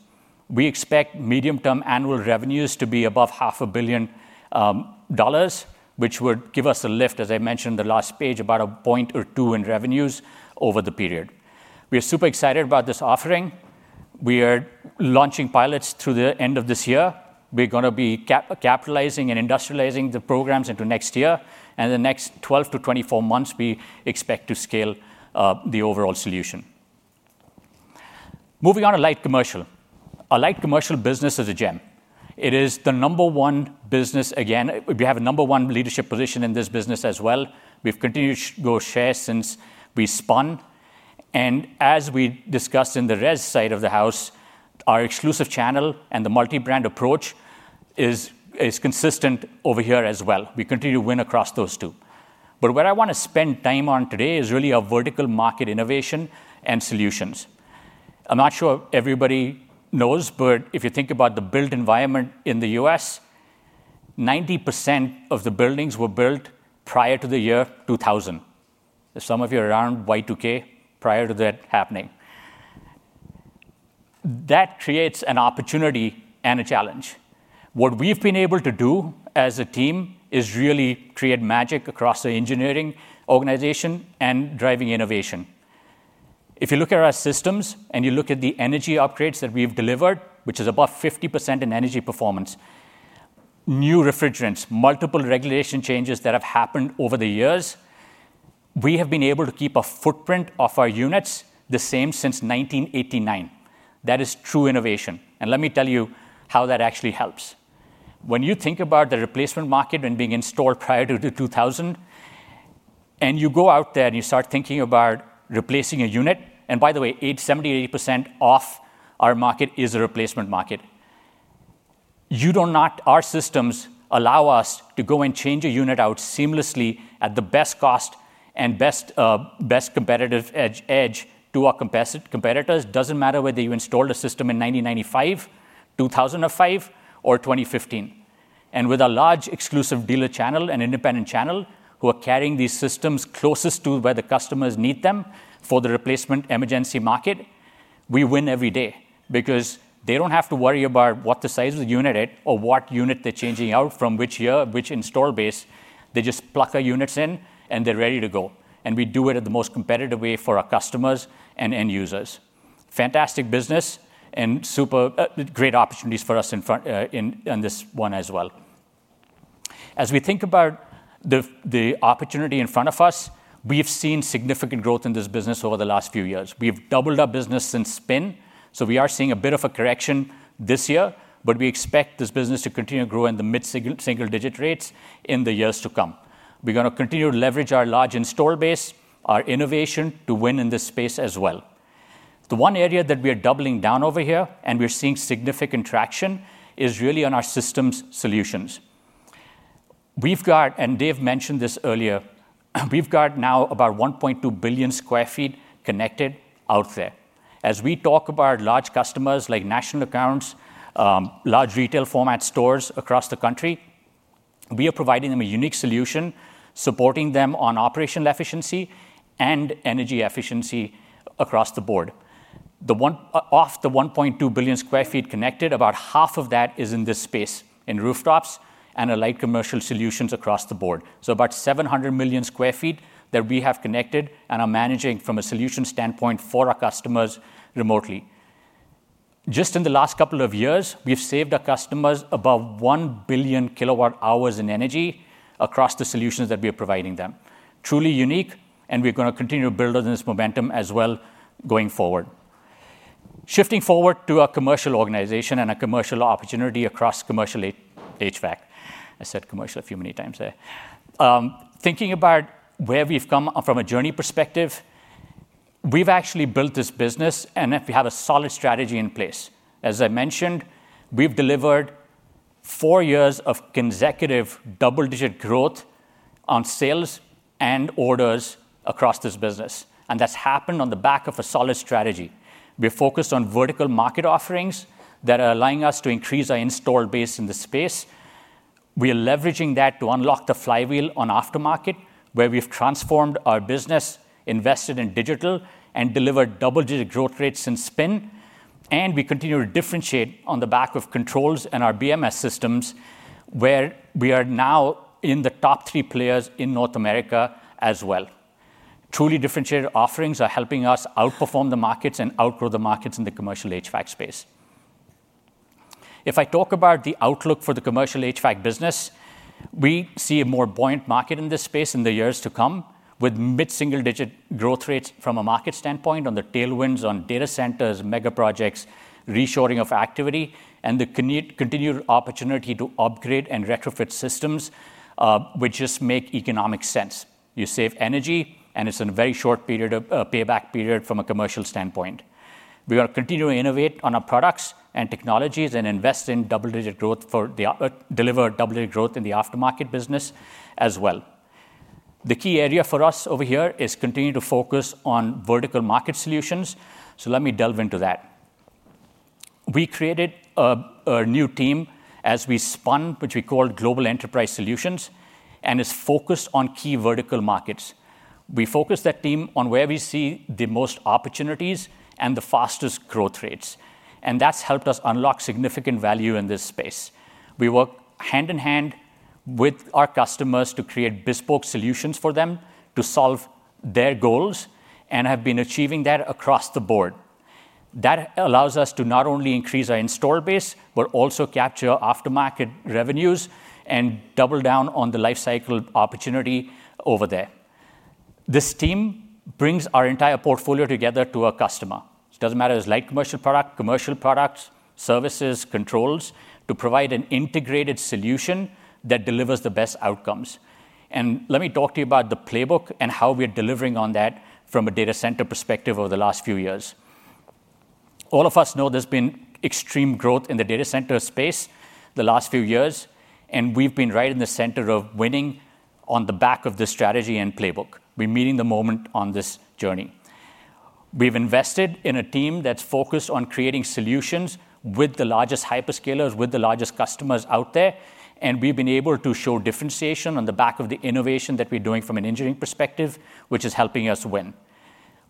we expect medium-term annual revenues to be above $0.5 billion which would give us a lift, as I mentioned in the last page, about a point or two in revenues over the period. We are super excited about this offering. We are launching pilots through the end of this year. We're going to be capitalizing and industrializing the programs into next year. In the next 12 to 24 months, we expect to scale the overall solution. Moving on to light commercial. Our light commercial business is a gem. It is the number one business. Again, we have a number one leadership position in this business as well. We've continued to grow share since we spun. As we discussed in the res side of the house, our exclusive channel and the multi-brand approach is consistent over here as well. We continue to win across those two. Where I want to spend time on today is really our vertical market innovation and solutions. I'm not sure everybody knows, but if you think about the built environment in the U.S., 90% of the buildings were built prior to the year 2000. There's some of you around Y2K prior to that happening. That creates an opportunity and a challenge. What we've been able to do as a team is really create magic across the engineering organization and driving innovation. If you look at our systems and you look at the energy upgrades that we've delivered, which is above 50% in energy performance, new refrigerants, multiple regulation changes that have happened over the years, we have been able to keep a footprint of our units the same since 1989. That is true innovation. Let me tell you how that actually helps. When you think about the replacement market and being installed prior to 2000, and you go out there and you start thinking about replacing a unit, and by the way, 78% of our market is a replacement market. Our systems allow us to go and change a unit out seamlessly at the best cost and best competitive edge to our competitors. It does not matter whether you installed a system in 1995, 2005, or 2015. With a large exclusive dealer channel and independent channel who are carrying these systems closest to where the customers need them for the replacement emergency market, we win every day because they do not have to worry about what the size of the unit is or what unit they are changing out from which year, which install base. They just pluck our units in, and they are ready to go. We do it in the most competitive way for our customers and end users. Fantastic business and super great opportunities for us in this one as well. As we think about the opportunity in front of us, we have seen significant growth in this business over the last few years. We've doubled our business since spin, so we are seeing a bit of a correction this year, but we expect this business to continue to grow in the mid-single-digit rates in the years to come. We're going to continue to leverage our large install base, our innovation to win in this space as well. The one area that we are doubling down over here and we're seeing significant traction is really on our systems solutions. Dave mentioned this earlier. We've got now about 1.2 billion sq ft connected out there. As we talk about large customers like national accounts, large retail format stores across the country, we are providing them a unique solution supporting them on operational efficiency and energy efficiency across the board. Off the 1.2 billion sq ft connected, about half of that is in this space in rooftops and light commercial solutions across the board. So about 700 million sq ft that we have connected and are managing from a solution standpoint for our customers remotely. Just in the last couple of years, we've saved our customers about 1 billion kilowatt-hours in energy across the solutions that we are providing them. Truly unique, and we're going to continue to build on this momentum as well going forward. Shifting forward to our commercial organization and our commercial opportunity across commercial HVAC. I said commercial a few many times there. Thinking about where we've come from a journey perspective, we've actually built this business, and we have a solid strategy in place. As I mentioned, we've delivered four years of consecutive double-digit growth on sales and orders across this business. That's happened on the back of a solid strategy. We're focused on vertical market offerings that are allowing us to increase our install base in the space. We are leveraging that to unlock the flywheel on aftermarket, where we've transformed our business, invested in digital, and delivered double-digit growth rates since spin. We continue to differentiate on the back of controls and our BMS systems, where we are now in the top three players in North America as well. Truly differentiated offerings are helping us outperform the markets and outgrow the markets in the commercial HVAC space. If I talk about the outlook for the commercial HVAC business, we see a more buoyant market in this space in the years to come with mid-single-digit growth rates from a market standpoint on the tailwinds on data centers, mega projects, reshoring of activity, and the continued opportunity to upgrade and retrofit systems, which just make economic sense. You save energy, and it's in a very short payback period from a commercial standpoint. We are continuing to innovate on our products and technologies and invest in double-digit growth for the deliver double-digit growth in the aftermarket business as well. The key area for us over here is continuing to focus on vertical market solutions. Let me delve into that. We created a new team as we spun, which we called Global Enterprise Solutions, and it's focused on key vertical markets. We focused that team on where we see the most opportunities and the fastest growth rates. That has helped us unlock significant value in this space. We work hand in hand with our customers to create bespoke solutions for them to solve their goals and have been achieving that across the board. That allows us to not only increase our install base, but also capture aftermarket revenues and double down on the lifecycle opportunity over there. This team brings our entire portfolio together to our customer. It does not matter if it is light commercial product, commercial products, services, controls to provide an integrated solution that delivers the best outcomes. Let me talk to you about the playbook and how we are delivering on that from a data center perspective over the last few years. All of us know there's been extreme growth in the data center space the last few years, and we've been right in the center of winning on the back of this strategy and playbook. We're meeting the moment on this journey. We've invested in a team that's focused on creating solutions with the largest hyperscalers, with the largest customers out there. We've been able to show differentiation on the back of the innovation that we're doing from an engineering perspective, which is helping us win.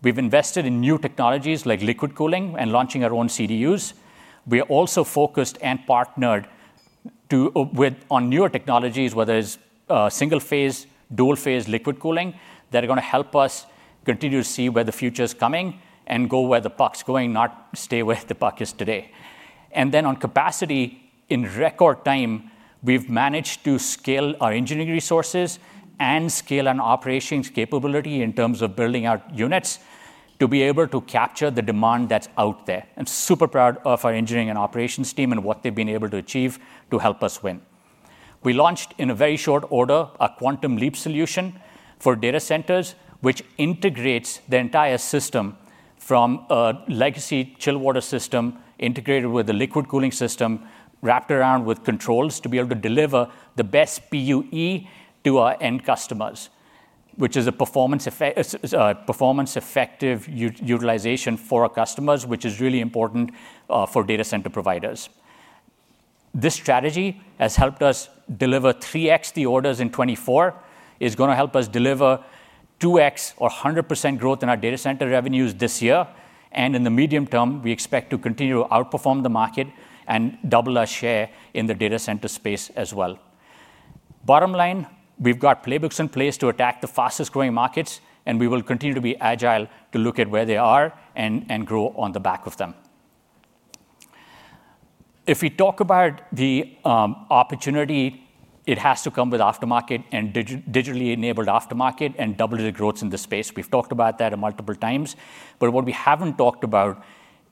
We've invested in new technologies like liquid cooling and launching our own CDUs. We are also focused and partnered on newer technologies, whether it's single-phase, dual-phase liquid cooling, that are going to help us continue to see where the future is coming and go where the puck's going, not stay where the puck is today. On capacity, in record time, we have managed to scale our engineering resources and scale our operations capability in terms of building out units to be able to capture the demand that is out there. I am super proud of our engineering and operations team and what they have been able to achieve to help us win. We launched in a very short order a Quantum Leap solution for data centers, which integrates the entire system from a legacy chilled water system integrated with a liquid cooling system wrapped around with controls to be able to deliver the best PUE to our end customers, which is a performance-effective utilization for our customers, which is really important for data center providers. This strategy has helped us deliver 3x the orders in 2024. It is going to help us deliver 2x or 100% growth in our data center revenues this year. In the medium term, we expect to continue to outperform the market and double our share in the data center space as well. Bottom line, we have playbooks in place to attack the fastest growing markets, and we will continue to be agile to look at where they are and grow on the back of them. If we talk about the opportunity, it has to come with aftermarket and digitally enabled aftermarket and double-digit growths in the space. We have talked about that multiple times. What we have not talked about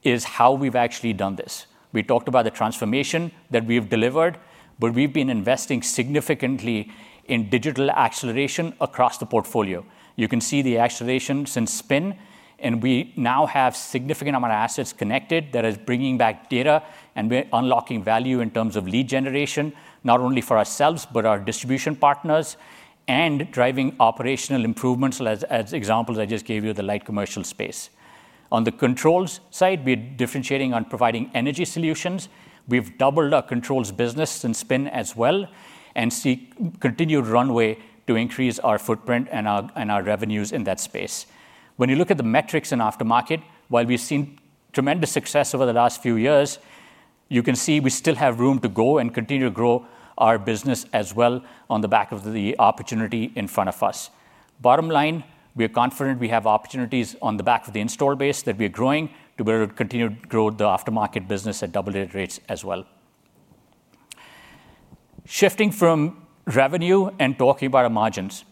is how we have actually done this. We talked about the transformation that we have delivered, but we have been investing significantly in digital acceleration across the portfolio. You can see the acceleration since spin, and we now have a significant amount of assets connected that are bringing back data and unlocking value in terms of lead generation, not only for ourselves, but our distribution partners and driving operational improvements, as examples I just gave you in the light commercial space. On the controls side, we're differentiating on providing energy solutions. We've doubled our controls business since spin as well and seek continued runway to increase our footprint and our revenues in that space. When you look at the metrics in aftermarket, while we've seen tremendous success over the last few years, you can see we still have room to go and continue to grow our business as well on the back of the opportunity in front of us. Bottom line, we are confident we have opportunities on the back of the install base that we are growing to be able to continue to grow the aftermarket business at double-digit rates as well. Shifting from revenue and talking about our margins,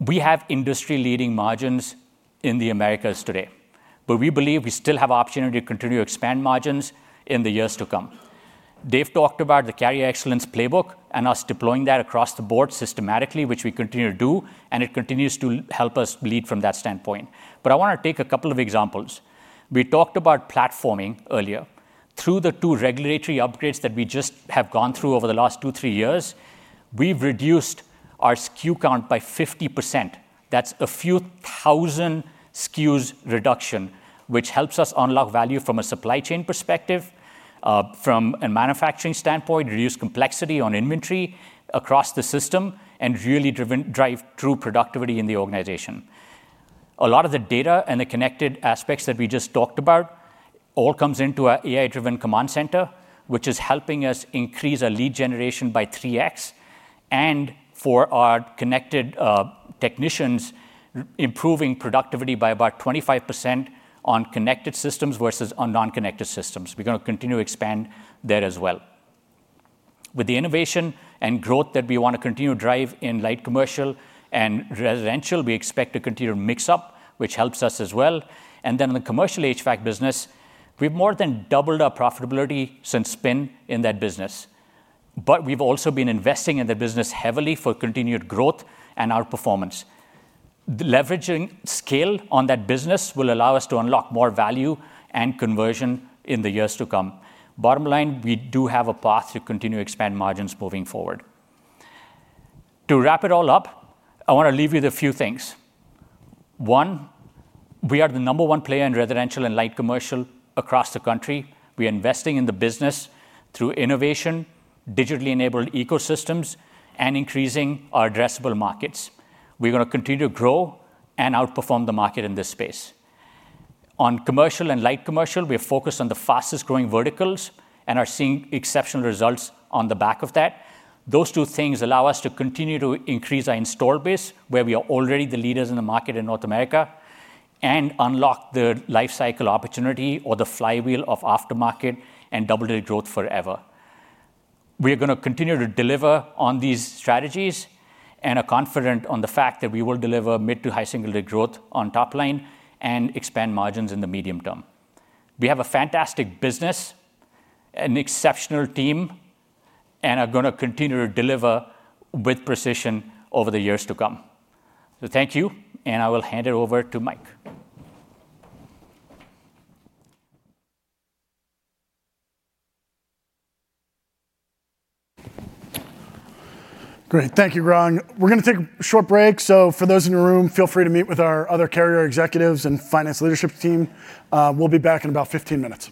we have industry-leading margins in the Americas today, but we believe we still have opportunity to continue to expand margins in the years to come. Dave talked about the Carrier excellence playbook and us deploying that across the board systematically, which we continue to do, and it continues to help us lead from that standpoint. I want to take a couple of examples. We talked about platforming earlier. Through the two regulatory upgrades that we just have gone through over the last two-three years, we have reduced our SKU count by 50%. That's a few thousand SKUs reduction, which helps us unlock value from a supply chain perspective, from a manufacturing standpoint, reduce complexity on inventory across the system, and really drive true productivity in the organization. A lot of the data and the connected aspects that we just talked about all comes into our AI-driven command center, which is helping us increase our lead generation by 3x. For our connected technicians, improving productivity by about 25% on connected systems versus on non-connected systems. We're going to continue to expand there as well. With the innovation and growth that we want to continue to drive in light commercial and residential, we expect to continue to mix up, which helps us as well. In the commercial HVAC business, we've more than doubled our profitability since spin in that business. We have also been investing in the business heavily for continued growth and our performance. Leveraging scale on that business will allow us to unlock more value and conversion in the years to come. Bottom line, we do have a path to continue to expand margins moving forward. To wrap it all up, I want to leave you with a few things. One, we are the number one player in residential and light commercial across the country. We are investing in the business through innovation, digitally enabled ecosystems, and increasing our addressable markets. We are going to continue to grow and outperform the market in this space. On commercial and light commercial, we are focused on the fastest growing verticals and are seeing exceptional results on the back of that. Those two things allow us to continue to increase our install base, where we are already the leaders in the market in North America, and unlock the lifecycle opportunity or the flywheel of aftermarket and double-digit growth forever. We are going to continue to deliver on these strategies and are confident on the fact that we will deliver mid to high single-digit growth on top line and expand margins in the medium term. We have a fantastic business, an exceptional team, and are going to continue to deliver with precision over the years to come. Thank you, and I will hand it over to Mike. Great. Thank you, Gaurang. We're going to take a short break. For those in the room, feel free to meet with our other Carrier executives and finance leadership team. We'll be back in about 15 minutes.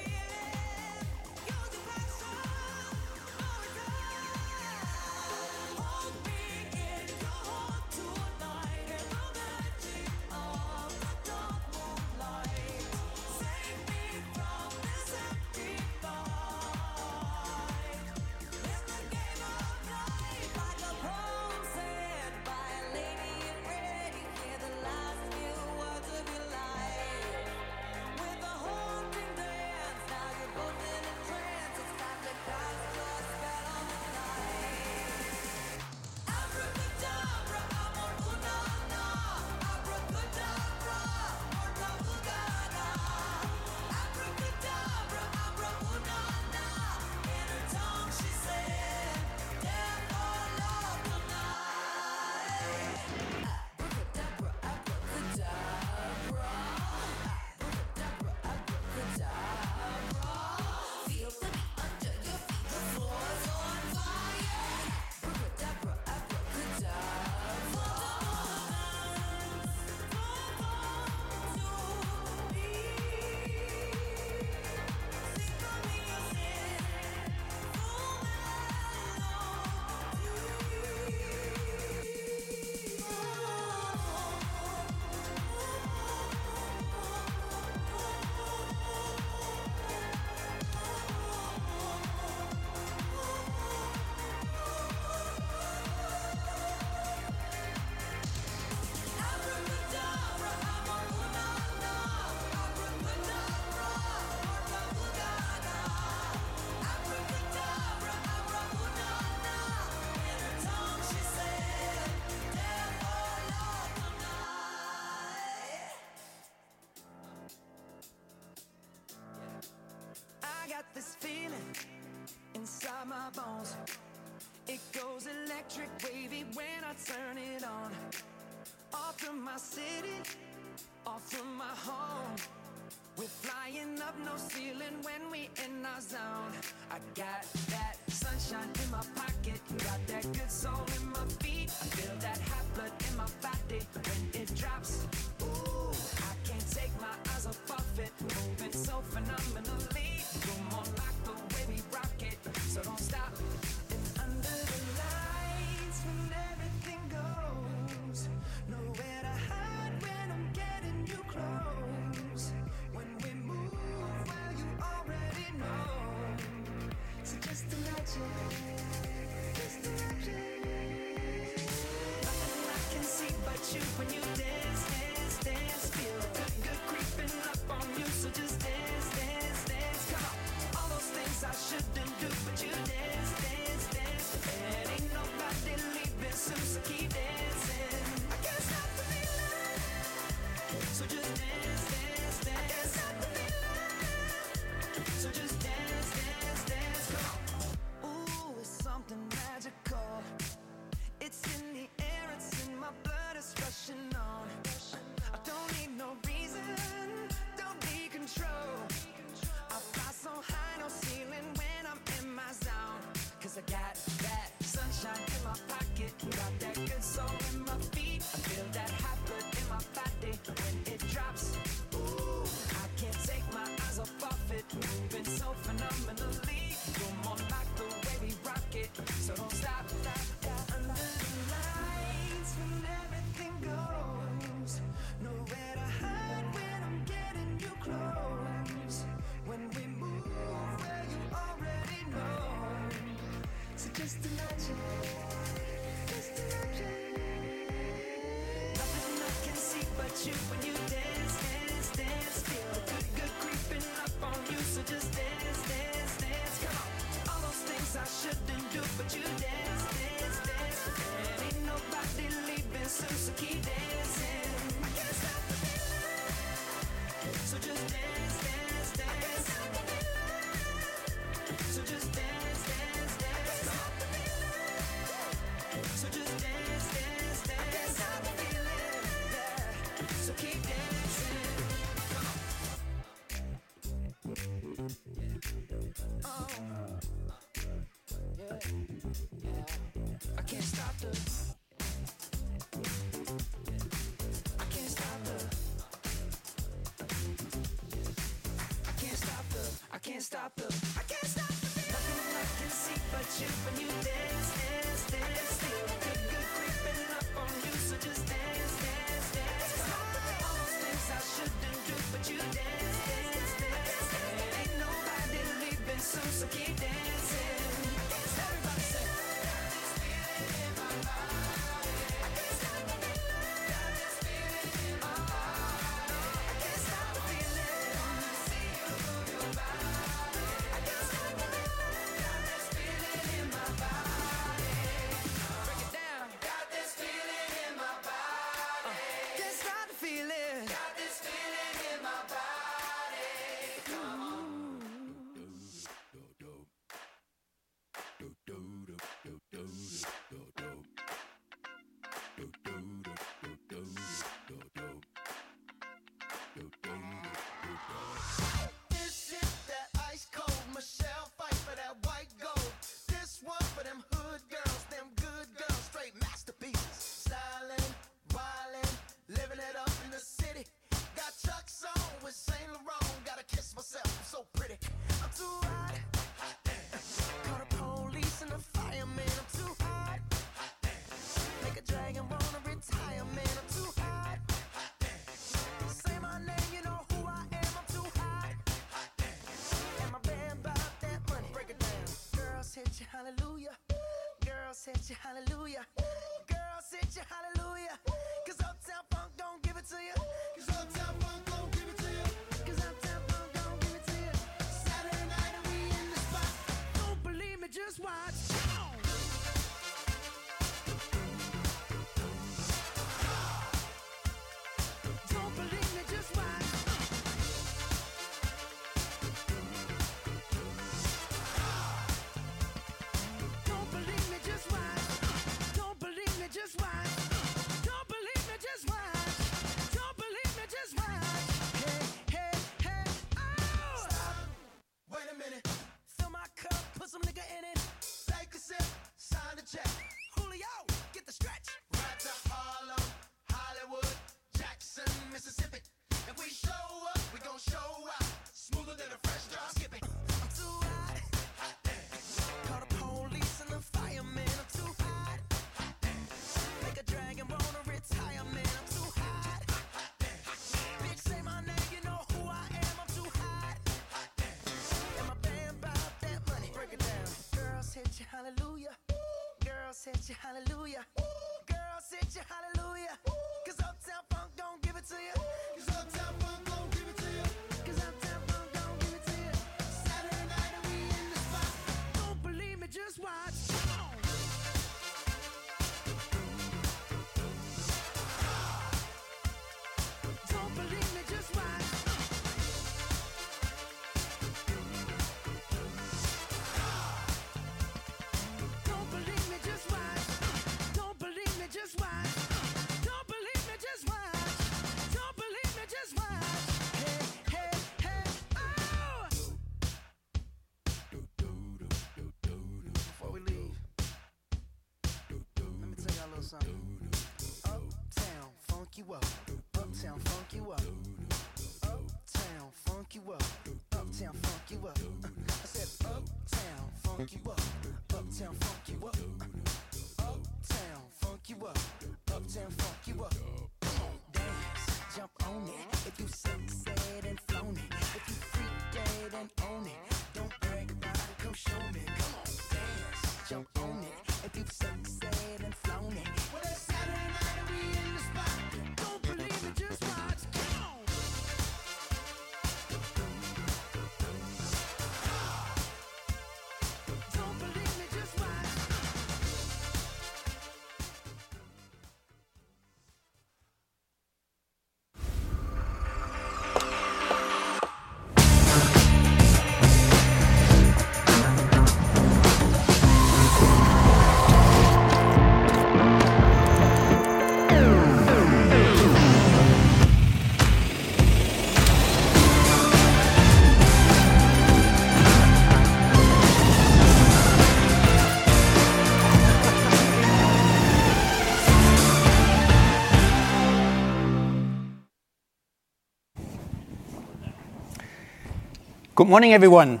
Good morning, everyone.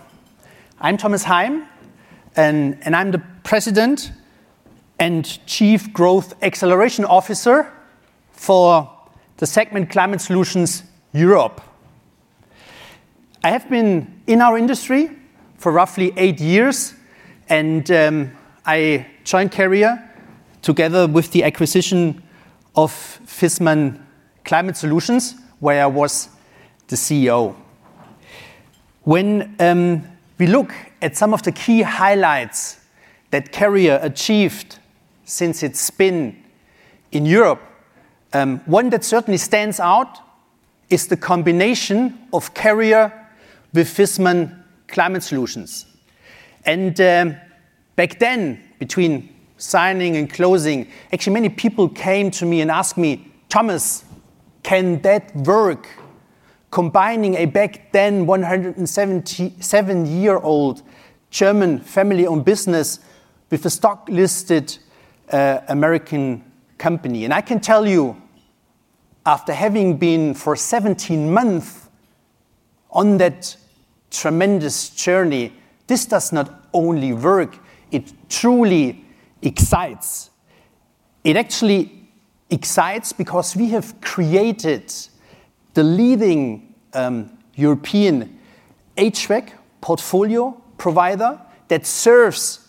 I'm Thomas Heim, and I'm the President and Chief Growth Acceleration Officer for the segment Climate Solutions Europe. I have been in our industry for roughly eight years, and I joined Carrier together with the acquisition of Viessmann Climate Solutions, where I was the CEO. When we look at some of the key highlights that Carrier achieved since its spin in Europe, one that certainly stands out is the combination of Carrier with Viessmann Climate Solutions. Back then, between signing and closing, actually many people came to me and asked me, "Thomas, can that work combining a back then 177-year-old German family-owned business with a stock-listed American company?" I can tell you, after having been for 17 months on that tremendous journey, this does not only work, it truly excites. It actually excites because we have created the leading European HVAC portfolio provider that serves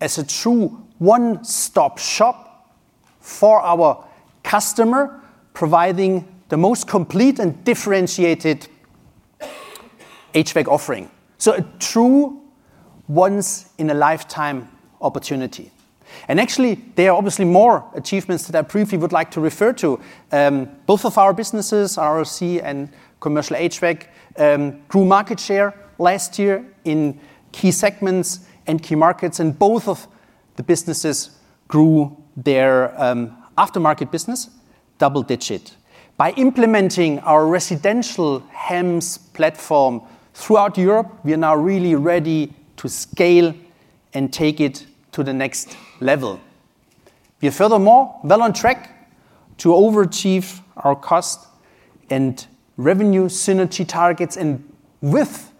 as a true one-stop shop for our customer, providing the most complete and differentiated HVAC offering. A true once-in-a-lifetime opportunity. Actually, there are obviously more achievements that I briefly would like to refer to. Both of our businesses, ROC and Commercial HVAC, grew market share last year in key segments and key markets, and both of the businesses grew their aftermarket business double-digit. By implementing our residential HEMS platform throughout Europe, we are now really ready to scale and take it to the next level. We are furthermore well on track to overachieve our cost and revenue synergy targets, and with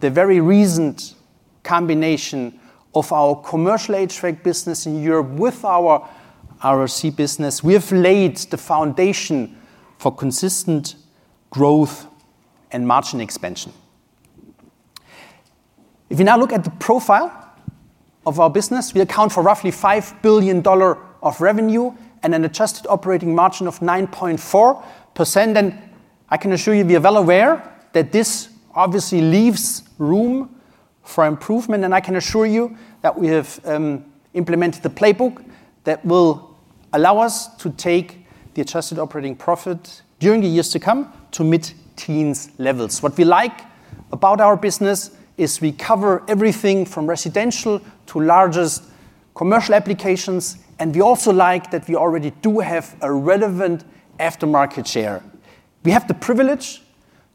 the very recent combination of our Commercial HVAC business in Europe with our ROC business, we have laid the foundation for consistent growth and margin expansion. If we now look at the profile of our business, we account for roughly $5 billion of revenue and an adjusted operating margin of 9.4%. I can assure you, we are well aware that this obviously leaves room for improvement, and I can assure you that we have implemented the playbook that will allow us to take the adjusted operating profit during the years to come to mid-teens levels. What we like about our business is we cover everything from residential to largest commercial applications, and we also like that we already do have a relevant aftermarket share. We have the privilege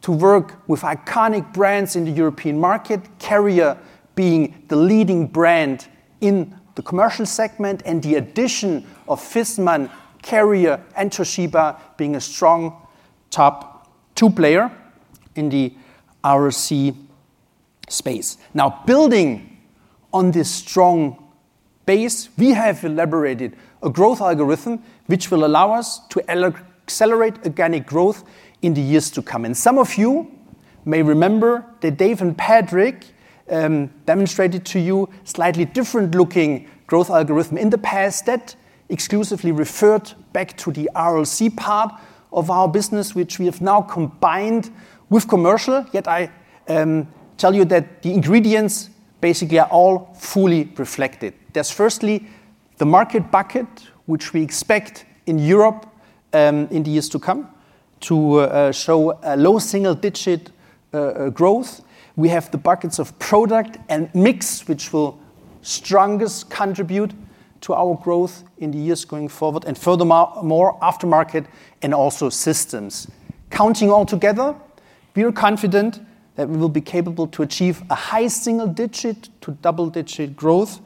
to work with iconic brands in the European market, Carrier being the leading brand in the commercial segment, and the addition of Viessmann, Carrier, and Toshiba being a strong top two player in the ROC space. Now, building on this strong base, we have elaborated a growth algorithm which will allow us to accelerate organic growth in the years to come. Some of you may remember that Dave and Patrick demonstrated to you a slightly different-looking growth algorithm in the past that exclusively referred back to the ROC part of our business, which we have now combined with commercial. Yet I tell you that the ingredients basically are all fully reflected. There is firstly the market bucket, which we expect in Europe in the years to come to show a low single-digit growth. We have the buckets of product and mix, which will strongest contribute to our growth in the years going forward, and furthermore, aftermarket and also systems. Counting all together, we are confident that we will be capable to achieve a high single-digit to double-digit growth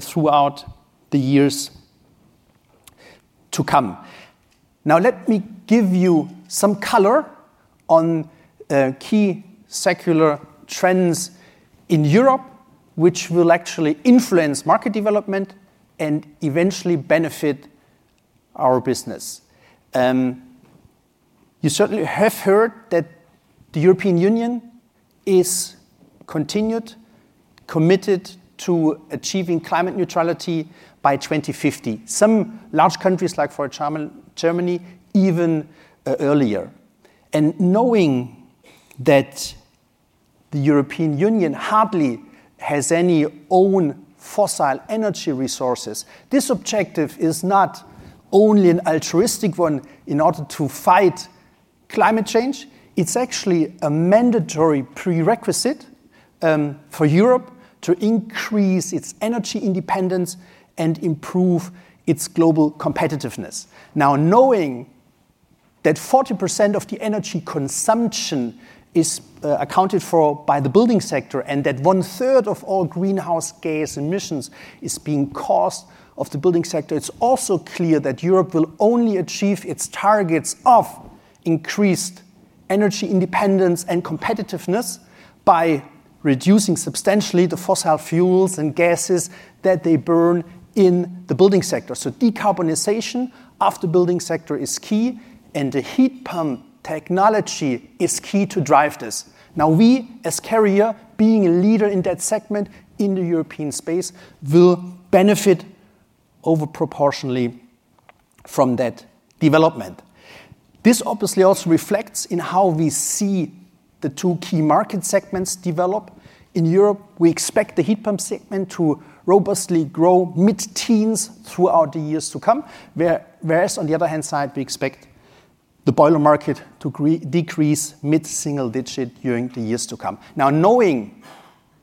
throughout the years to come. Now, let me give you some color on key secular trends in Europe, which will actually influence market development and eventually benefit our business. You certainly have heard that the European Union is continued committed to achieving climate neutrality by 2050. Some large countries, like for example, Germany, even earlier. Knowing that the European Union hardly has any own fossil energy resources, this objective is not only an altruistic one in order to fight climate change. It's actually a mandatory prerequisite for Europe to increase its energy independence and improve its global competitiveness. Now, knowing that 40% of the energy consumption is accounted for by the building sector, and that one-third of all greenhouse gas emissions is being caused by the building sector, it's also clear that Europe will only achieve its targets of increased energy independence and competitiveness by reducing substantially the fossil fuels and gases that they burn in the building sector. Decarbonization of the building sector is key, and the heat pump technology is key to drive this. Now, we as Carrier, being a leader in that segment in the European space, will benefit overproportionally from that development. This obviously also reflects in how we see the two key market segments develop. In Europe, we expect the heat pump segment to robustly grow mid-teens throughout the years to come, whereas on the other hand side, we expect the boiler market to decrease mid-single digit during the years to come. Now, knowing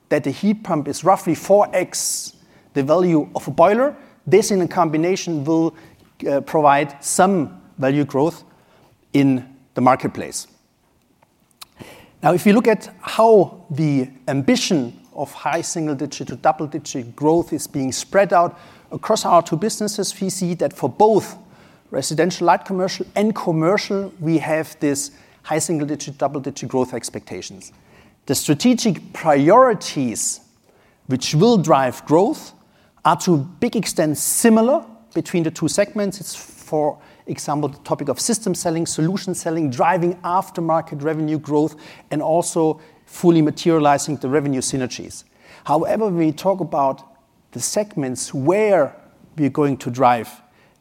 that the heat pump is roughly 4x the value of a boiler, this in combination will provide some value growth in the marketplace. Now, if you look at how the ambition of high single-digit to double-digit growth is being spread out across our two businesses, we see that for both residential, light commercial, and commercial, we have this high single-digit, double-digit growth expectations. The strategic priorities, which will drive growth, are to a big extent similar between the two segments. It's, for example, the topic of system selling, solution selling, driving aftermarket revenue growth, and also fully materializing the revenue synergies. However, when we talk about the segments where we are going to drive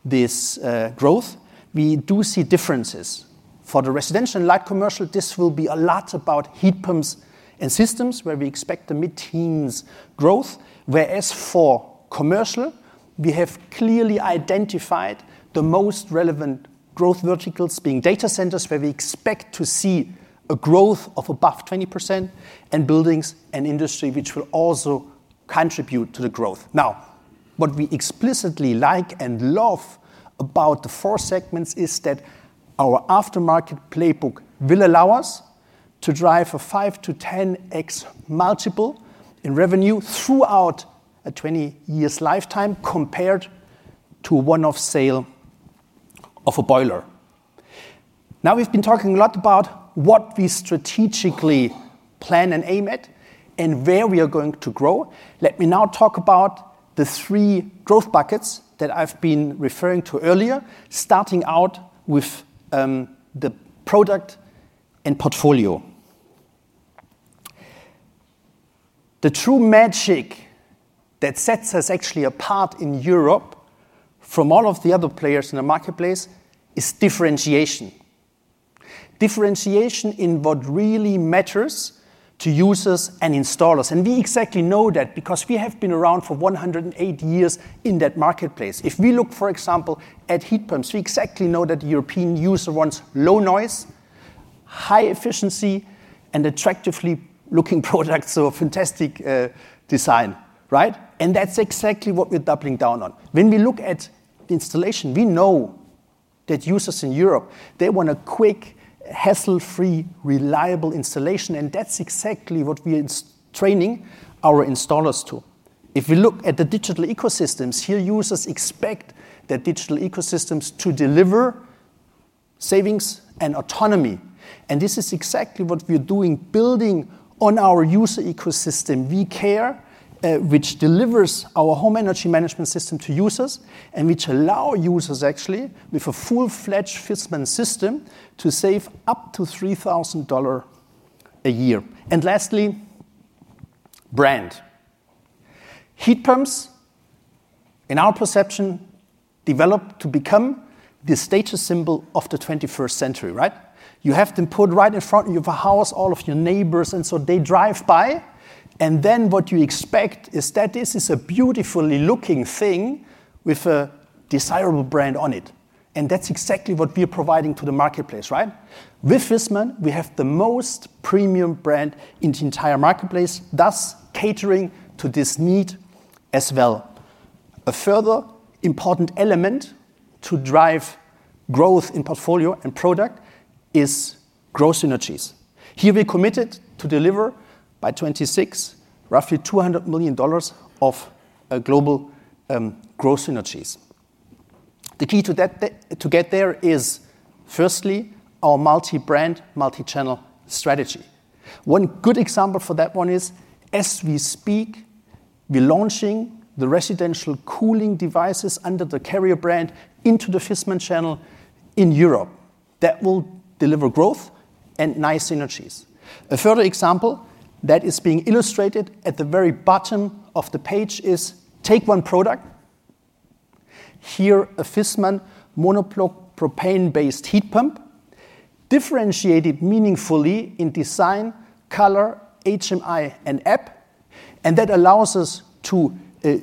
this growth, we do see differences. For the residential and light commercial, this will be a lot about heat pumps and systems, where we expect the mid-teens growth, whereas for commercial, we have clearly identified the most relevant growth verticals being data centers, where we expect to see a growth of above 20%, and buildings and industry, which will also contribute to the growth. Now, what we explicitly like and love about the four segments is that our aftermarket playbook will allow us to drive a 5x-10x multiple in revenue throughout a 20-year lifetime compared to one-off sale of a boiler. Now, we've been talking a lot about what we strategically plan and aim at and where we are going to grow. Let me now talk about the three growth buckets that I've been referring to earlier, starting out with the product and portfolio. The true magic that sets us actually apart in Europe from all of the other players in the marketplace is differentiation. Differentiation in what really matters to users and installers. And we exactly know that because we have been around for 108 years in that marketplace. If we look, for example, at heat pumps, we exactly know that the European user wants low noise, high efficiency, and attractively looking products, so a fantastic design, right? And that's exactly what we're doubling down on. When we look at the installation, we know that users in Europe, they want a quick, hassle-free, reliable installation, and that's exactly what we're training our installers to. If we look at the digital ecosystems, here users expect that digital ecosystems to deliver savings and autonomy. This is exactly what we're doing, building on our user ecosystem, VCare, which delivers our home energy management system to users and which allows users actually, with a full-fledged Viessmann system, to save up to $3,000 a year. Lastly, brand. Heat pumps, in our perception, develop to become the status symbol of the 21st century, right? You have them put right in front of your house, all of your neighbors, and so they drive by. What you expect is that this is a beautifully looking thing with a desirable brand on it. That's exactly what we are providing to the marketplace, right? With Viessmann, we have the most premium brand in the entire marketplace, thus catering to this need as well. A further important element to drive growth in portfolio and product is growth synergies. Here we are committed to deliver by 2026 roughly $200 million of global growth synergies. The key to get there is, firstly, our multi-brand, multi-channel strategy. One good example for that one is, as we speak, we're launching the residential cooling devices under the Carrier brand into the Viessmann channel in Europe. That will deliver growth and nice synergies. A further example that is being illustrated at the very bottom of the page is take one product. Here, a Viessmann monoblock propane-based heat pump, differentiated meaningfully in design, color, HMI, and app, and that allows us to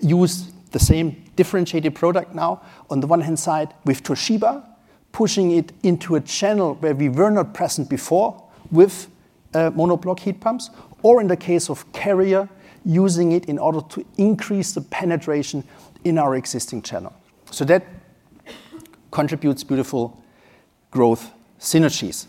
use the same differentiated product now on the one-hand side with Toshiba, pushing it into a channel where we were not present before with monoblock heat pumps, or in the case of Carrier, using it in order to increase the penetration in our existing channel. That contributes beautiful growth synergies.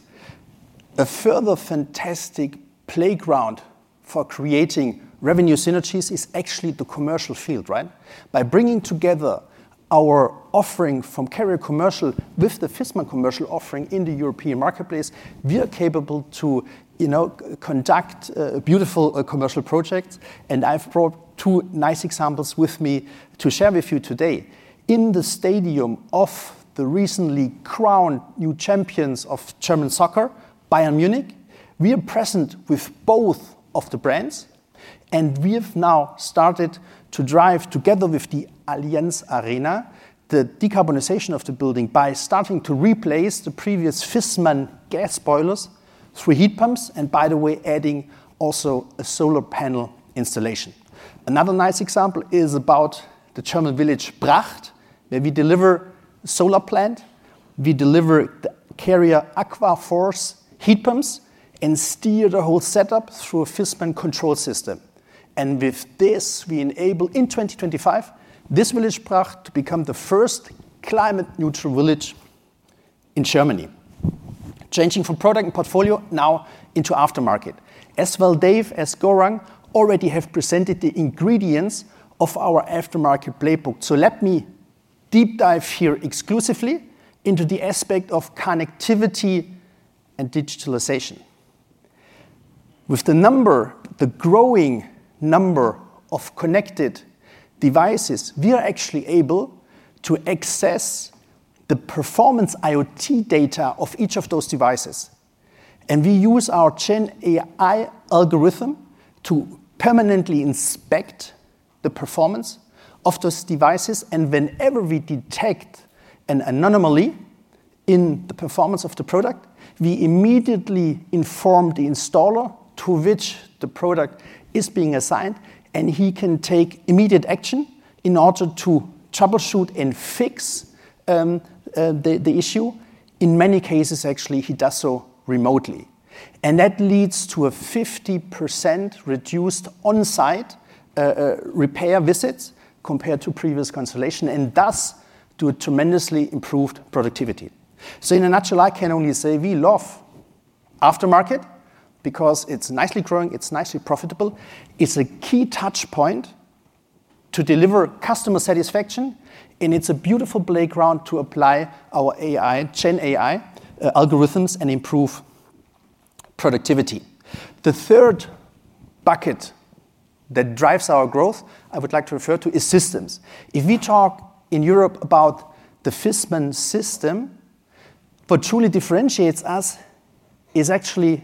A further fantastic playground for creating revenue synergies is actually the commercial field, right? By bringing together our offering from Carrier commercial with the Viessmann commercial offering in the European marketplace, we are capable to conduct beautiful commercial projects. I have brought two nice examples with me to share with you today. In the stadium of the recently crowned new champions of German soccer, Bayern Munich, we are present with both of the brands, and we have now started to drive together with the Allianz Arena the decarbonization of the building by starting to replace the previous Viessmann gas boilers through heat pumps, and by the way, adding also a solar panel installation. Another nice example is about the German village Bracht, where we deliver a solar plant. We deliver the Carrier AquaForce heat pumps and steer the whole setup through a Viessmann control system. With this, we enable in 2025 this village Bracht to become the first climate-neutral village in Germany. Changing from product and portfolio now into aftermarket. As well, Dave as Gaurang already have presented the ingredients of our aftermarket playbook. Let me deep dive here exclusively into the aspect of connectivity and digitalization. With the growing number of connected devices, we are actually able to access the performance IoT data of each of those devices. We use our GenAI algorithm to permanently inspect the performance of those devices. Whenever we detect an anomaly in the performance of the product, we immediately inform the installer to which the product is being assigned, and he can take immediate action in order to troubleshoot and fix the issue. In many cases, actually, he does so remotely. That leads to a 50% reduced on-site repair visits compared to previous consolation and thus do a tremendously improved productivity. In a nutshell, I can only say we love aftermarket because it's nicely growing, it's nicely profitable. It's a key touchpoint to deliver customer satisfaction, and it's a beautiful playground to apply our AI, GenAI algorithms, and improve productivity. The third bucket that drives our growth I would like to refer to is systems. If we talk in Europe about the Viessmann system, what truly differentiates us is actually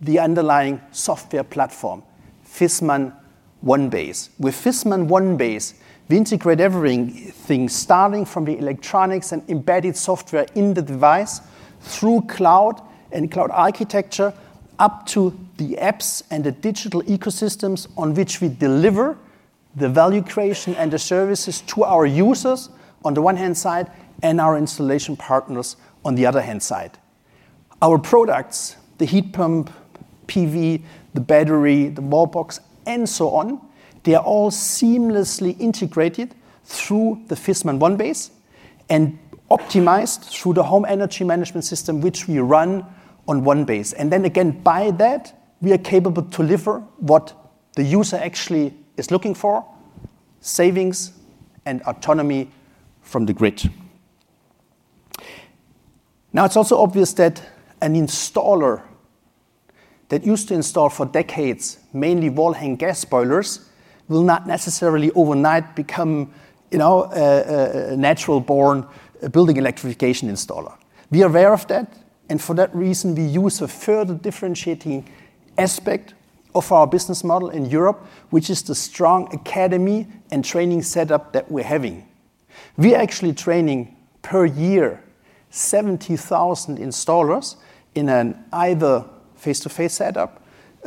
the underlying software platform, Viessmann One Base. With Viessmann One Base, we integrate everything starting from the electronics and embedded software in the device through cloud and cloud architecture up to the apps and the digital ecosystems on which we deliver the value creation and the services to our users on the one-hand side and our installation partners on the other-hand side. Our products, the heat pump, PV, the battery, the wall box, and so on, they are all seamlessly integrated through the Viessmann One Base and optimized through the home energy management system, which we run on One Base. By that, we are capable to deliver what the user actually is looking for: savings and autonomy from the grid. Now, it's also obvious that an installer that used to install for decades mainly wall hang gas boilers will not necessarily overnight become a natural-born building electrification installer. We are aware of that, and for that reason, we use a further differentiating aspect of our business model in Europe, which is the strong academy and training setup that we're having. We are actually training per year 70,000 installers in an either face-to-face setup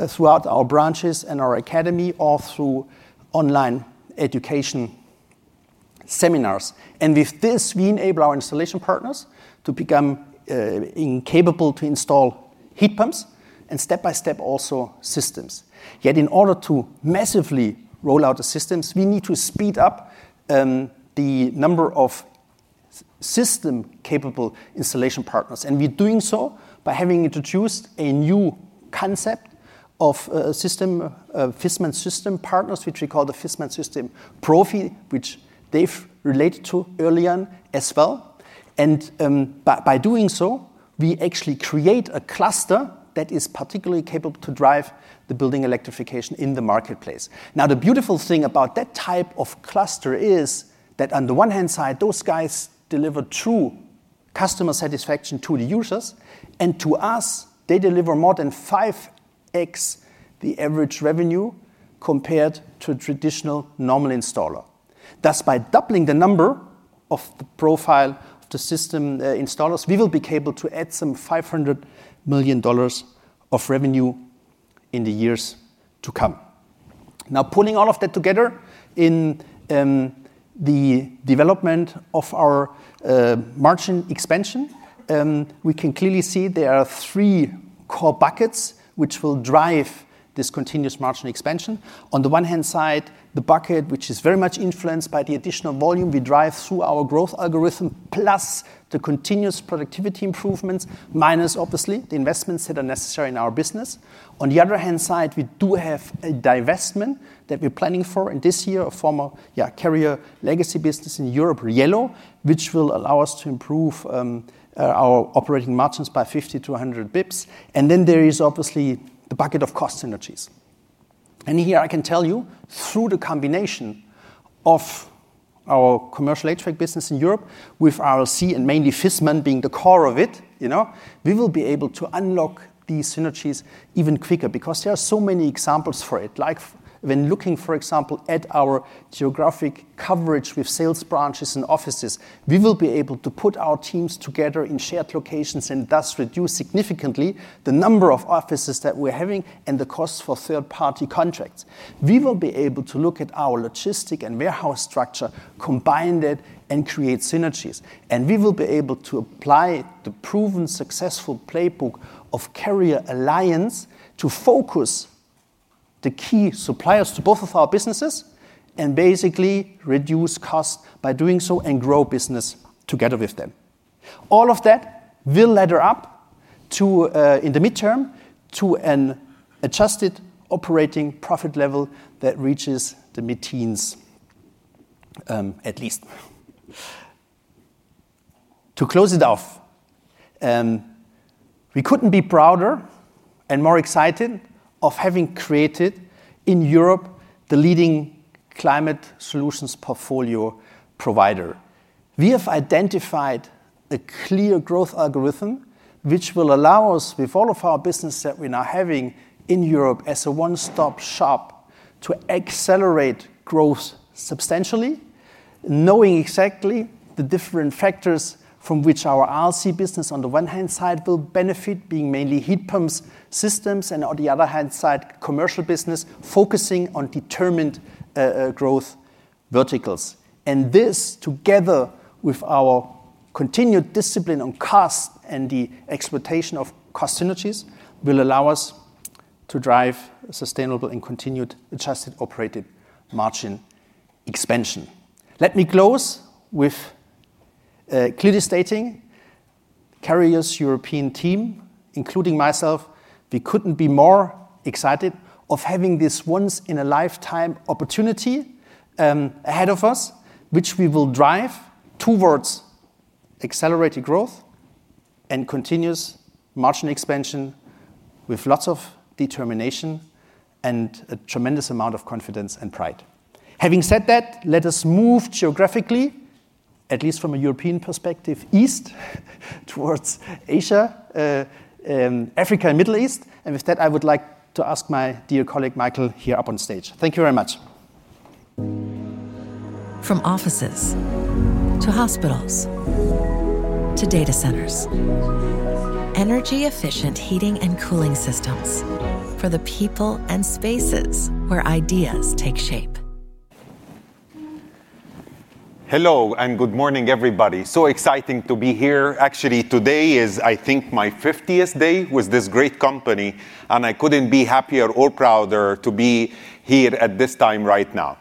throughout our branches and our academy or through online education seminars. With this, we enable our installation partners to become capable to install heat pumps and step-by-step also systems. Yet in order to massively roll out the systems, we need to speed up the number of system-capable installation partners. We are doing so by having introduced a new concept of Viessmann system partners, which we call the Viessmann System Profi, which Dave related to early on as well. By doing so, we actually create a cluster that is particularly capable to drive the building electrification in the marketplace. Now, the beautiful thing about that type of cluster is that on the one-hand side, those guys deliver true customer satisfaction to the users, and to us, they deliver more than 5x the average revenue compared to a traditional normal installer. Thus, by doubling the number of the profile of the system installers, we will be able to add some $500 million of revenue in the years to come. Now, pulling all of that together in the development of our margin expansion, we can clearly see there are three core buckets which will drive this continuous margin expansion. On the one-hand side, the bucket which is very much influenced by the additional volume we drive through our growth algorithm, plus the continuous productivity improvements, minus obviously the investments that are necessary in our business. On the other hand side, we do have a divestment that we're planning for in this year, a former Carrier legacy business in Europe, Yellow, which will allow us to improve our operating margins by 50 to 100 basis points. There is obviously the bucket of cost synergies. Here I can tell you, through the combination of our commercial HVAC business in Europe with ALC and mainly Viessmann being the core of it, we will be able to unlock these synergies even quicker because there are so many examples for it. Like when looking, for example, at our geographic coverage with sales branches and offices, we will be able to put our teams together in shared locations and thus reduce significantly the number of offices that we're having and the costs for third-party contracts. We will be able to look at our logistic and warehouse structure, combine that, and create synergies. We will be able to apply the proven successful playbook of Carrier Alliance to focus the key suppliers to both of our businesses and basically reduce costs by doing so and grow business together with them. All of that will ladder up in the midterm to an adjusted operating profit level that reaches the mid-teens at least. To close it off, we could not be prouder and more excited of having created in Europe the leading climate solutions portfolio provider. We have identified a clear growth algorithm which will allow us, with all of our business that we're now having in Europe as a one-stop shop, to accelerate growth substantially, knowing exactly the different factors from which our ALC business on the one-hand side will benefit, being mainly heat pumps systems, and on the other-hand side, commercial business focusing on determined growth verticals. This, together with our continued discipline on cost and the exploitation of cost synergies, will allow us to drive sustainable and continued adjusted operating margin expansion. Let me close with clearly stating Carrier's European team, including myself, we could not be more excited of having this once-in-a-lifetime opportunity ahead of us, which we will drive towards accelerated growth and continuous margin expansion with lots of determination and a tremendous amount of confidence and pride. Having said that, let us move geographically, at least from a European perspective, east towards Asia, Africa, and Middle East. With that, I would like to ask my dear colleague Michael here up on stage. Thank you very much. From offices to hospitals to data centers, energy-efficient heating and cooling systems for the people and spaces where ideas take shape. Hello and good morning, everybody. So exciting to be here. Actually, today is, I think, my 50th day with this great company, and I could not be happier or prouder to be here at this time right now.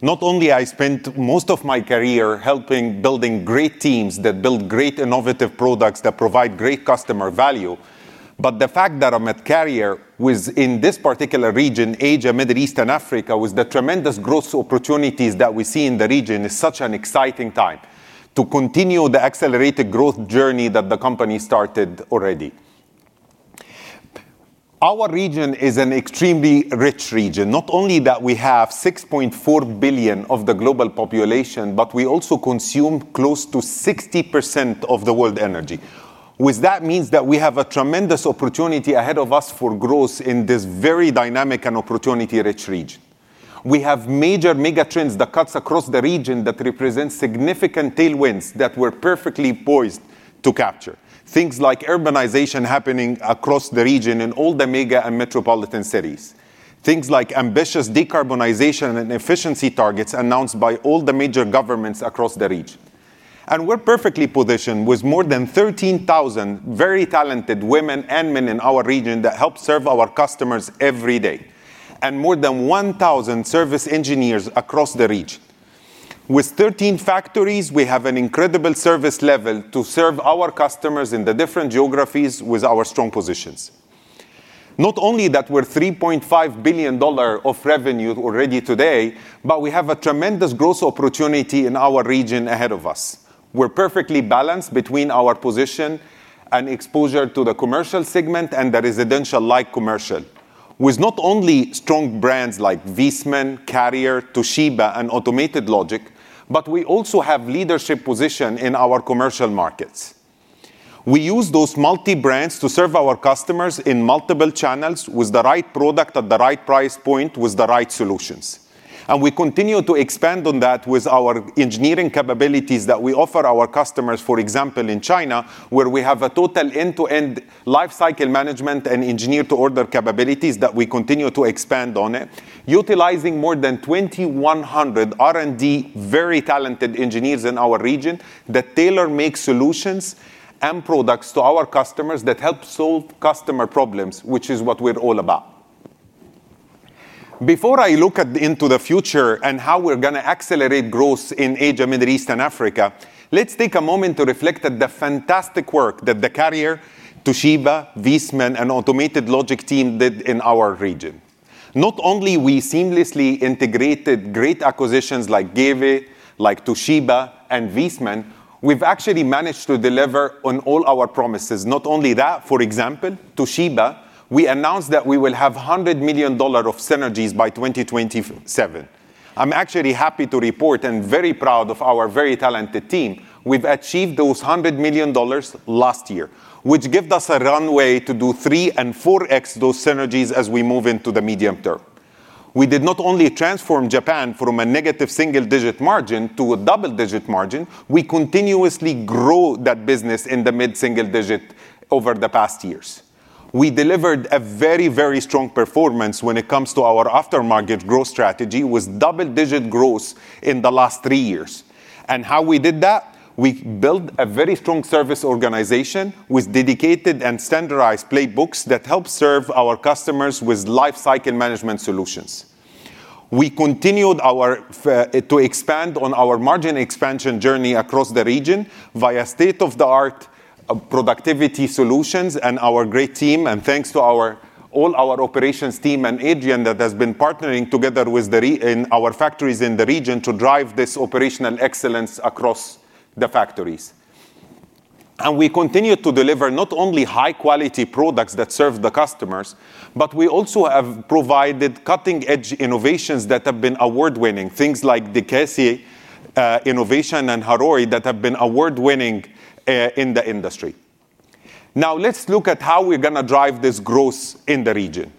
Not only have I spent most of my career helping build great teams that build great innovative products that provide great customer value, but the fact that I'm at Carrier within this particular region, Asia, Middle East, and Africa, with the tremendous growth opportunities that we see in the region, is such an exciting time to continue the accelerated growth journey that the company started already. Our region is an extremely rich region. Not only do we have 6.4 billion of the global population, but we also consume close to 60% of the world's energy. That means that we have a tremendous opportunity ahead of us for growth in this very dynamic and opportunity-rich region. We have major megatrends, the cuts across the region that represent significant tailwinds that we're perfectly poised to capture. Things like urbanization happening across the region in all the mega and metropolitan cities, things like ambitious decarbonization and efficiency targets announced by all the major governments across the region. We are perfectly positioned with more than 13,000 very talented women and men in our region that help serve our customers every day, and more than 1,000 service engineers across the region. With 13 factories, we have an incredible service level to serve our customers in the different geographies with our strong positions. Not only that we are $3.5 billion of revenue already today, but we have a tremendous growth opportunity in our region ahead of us. We are perfectly balanced between our position and exposure to the commercial segment and the residential-like commercial, with not only strong brands like Viessmann, Carrier, Toshiba, and Automated Logic, but we also have leadership positions in our commercial markets. We use those multi-brands to serve our customers in multiple channels with the right product at the right price point with the right solutions. We continue to expand on that with our engineering capabilities that we offer our customers, for example, in China, where we have a total end-to-end lifecycle management and engineer-to-order capabilities that we continue to expand on, utilizing more than 2,100 R&D very talented engineers in our region that tailor-make solutions and products to our customers that help solve customer problems, which is what we are all about. Before I look into the future and how we are going to accelerate growth in Asia, Middle East, and Africa, let's take a moment to reflect on the fantastic work that the Carrier, Toshiba, Viessmann, and Automated Logic team did in our region. Not only have we seamlessly integrated great acquisitions like Giwee, like Toshiba, and Viessmann, we've actually managed to deliver on all our promises. Not only that, for example, Toshiba, we announced that we will have $100 million of synergies by 2027. I'm actually happy to report and very proud of our very talented team. We've achieved those $100 million last year, which gives us a runway to do three and four X those synergies as we move into the medium term. We did not only transform Japan from a negative single-digit margin to a double-digit margin. We continuously grew that business in the mid-single digit over the past years. We delivered a very, very strong performance when it comes to our after-market growth strategy with double-digit growth in the last three years. And how we did that? We built a very strong service organization with dedicated and standardized playbooks that help serve our customers with lifecycle management solutions. We continued to expand on our margin expansion journey across the region via state-of-the-art productivity solutions and our great team. Thanks to all our operations team and Adrian that has been partnering together in our factories in the region to drive this operational excellence across the factories. We continue to deliver not only high-quality products that serve the customers, but we also have provided cutting-edge innovations that have been award-winning, things like the Kasey Innovation and Harori that have been award-winning in the industry. Now, let's look at how we're going to drive this growth in the region.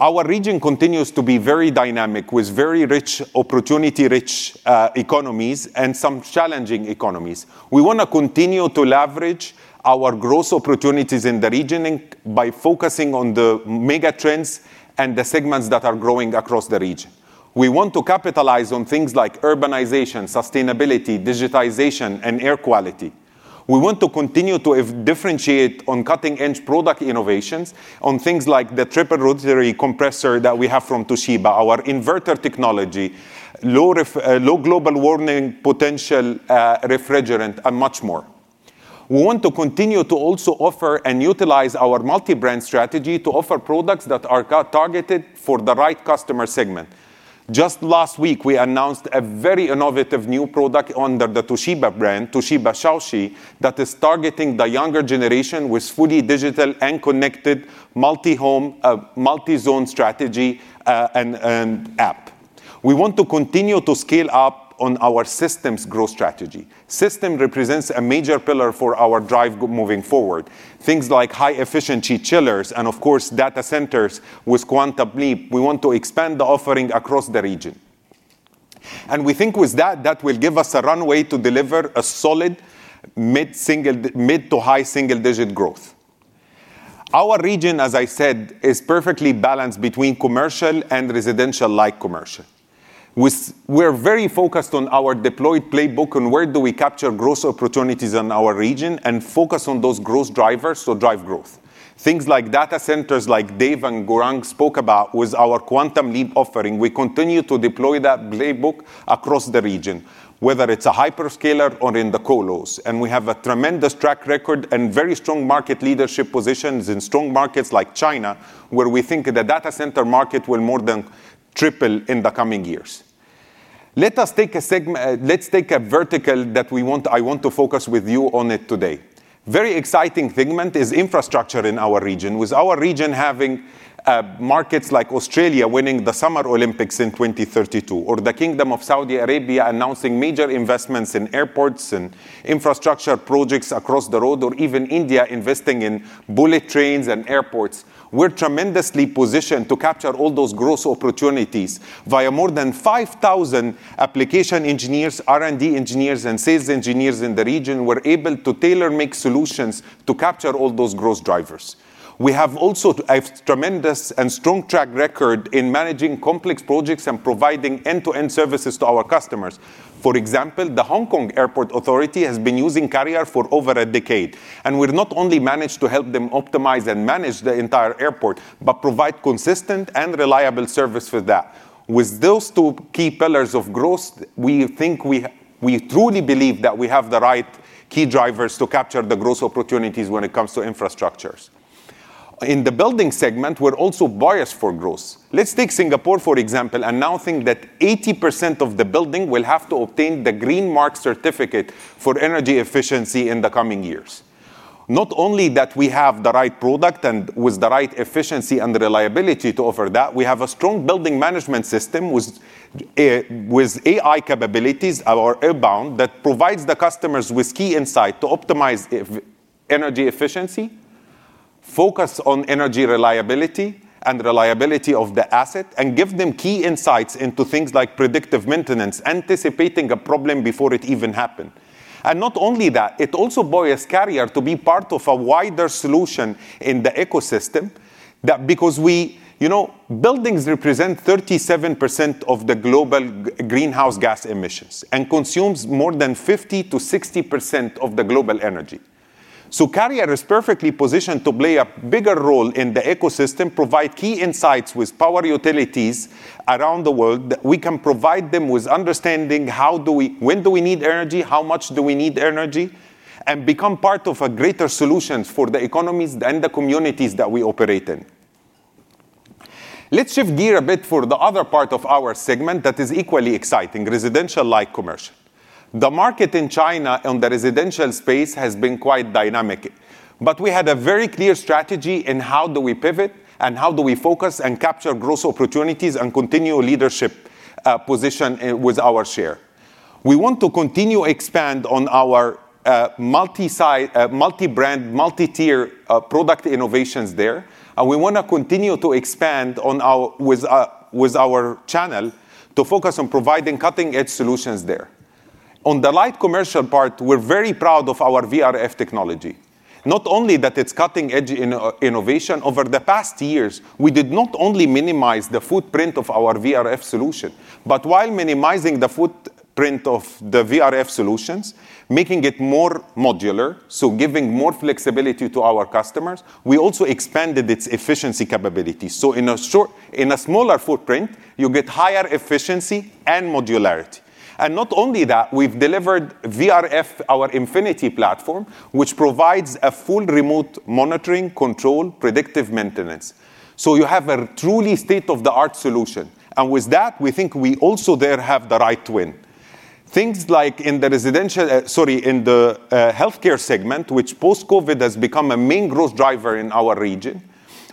Our region continues to be very dynamic with very rich, opportunity-rich economies and some challenging economies. We want to continue to leverage our growth opportunities in the region by focusing on the megatrends and the segments that are growing across the region. We want to capitalize on things like urbanization, sustainability, digitization, and air quality. We want to continue to differentiate on cutting-edge product innovations on things like the triple-rotary compressor that we have from Toshiba, our inverter technology, low global warming potential refrigerant, and much more. We want to continue to also offer and utilize our multi-brand strategy to offer products that are targeted for the right customer segment. Just last week, we announced a very innovative new product under the Toshiba brand, Toshiba [Xiaoxi], that is targeting the younger generation with fully digital and connected multi-home, multi-zone strategy and app. We want to continue to scale up on our systems growth strategy. Systems represent a major pillar for our drive moving forward, things like high-efficiency chillers and, of course, data centers with Quantum Leap. We want to expand the offering across the region. We think with that, that will give us a runway to deliver a solid mid-to-high single-digit growth. Our region, as I said, is perfectly balanced between commercial and residential-like commercial. We're very focused on our deployed playbook and where do we capture growth opportunities in our region and focus on those growth drivers to drive growth. Things like data centers like Dave and Gaurang spoke about with our Quantum Leap offering. We continue to deploy that playbook across the region, whether it's a hyperscaler or in the co-los. We have a tremendous track record and very strong market leadership positions in strong markets like China, where we think the data center market will more than triple in the coming years. Let us take a vertical that I want to focus with you on it today. Very exciting thing is infrastructure in our region, with our region having markets like Australia winning the Summer Olympics in 2032, or the Kingdom of Saudi Arabia announcing major investments in airports and infrastructure projects across the road, or even India investing in bullet trains and airports. We're tremendously positioned to capture all those growth opportunities. Via more than 5,000 application engineers, R&D engineers, and sales engineers in the region, we're able to tailor-make solutions to capture all those growth drivers. We have also a tremendous and strong track record in managing complex projects and providing end-to-end services to our customers. For example, the Hong Kong Airport Authority has been using Carrier for over a decade, and we've not only managed to help them optimize and manage the entire airport, but provide consistent and reliable service for that. With those two key pillars of growth, we truly believe that we have the right key drivers to capture the growth opportunities when it comes to infrastructures. In the building segment, we're also biased for growth. Let's take Singapore, for example, announcing that 80% of the building will have to obtain the green mark certificate for energy efficiency in the coming years. Not only that, we have the right product and with the right efficiency and reliability to offer that. We have a strong building management system with AI capabilities that provide the customers with key insight to optimize energy efficiency, focus on energy reliability and reliability of the asset, and give them key insights into things like predictive maintenance, anticipating a problem before it even happens. It also buys Carrier to be part of a wider solution in the ecosystem because buildings represent 37% of the global greenhouse gas emissions and consume more than 50%-60% of the global energy. Carrier is perfectly positioned to play a bigger role in the ecosystem, provide key insights with power utilities around the world. We can provide them with understanding how do we, when do we need energy, how much do we need energy, and become part of greater solutions for the economies and the communities that we operate in. Let's shift gears a bit for the other part of our segment that is equally exciting, residential-like commercial. The market in China and the residential space has been quite dynamic, but we had a very clear strategy in how do we pivot and how do we focus and capture growth opportunities and continue leadership position with our share. We want to continue to expand on our multi-brand, multi-tier product innovations there, and we want to continue to expand with our channel to focus on providing cutting-edge solutions there. On the light commercial part, we're very proud of our VRF technology. Not only that, it's cutting-edge innovation. Over the past years, we did not only minimize the footprint of our VRF solution, but while minimizing the footprint of the VRF solutions, making it more modular, so giving more flexibility to our customers, we also expanded its efficiency capabilities. In a smaller footprint, you get higher efficiency and modularity. Not only that, we've delivered VRF, our Infinity Platform, which provides full remote monitoring, control, and predictive maintenance. You have a truly state-of-the-art solution. With that, we think we also there have the right twin. Things like in the residential, sorry, in the healthcare segment, which post-COVID has become a main growth driver in our region,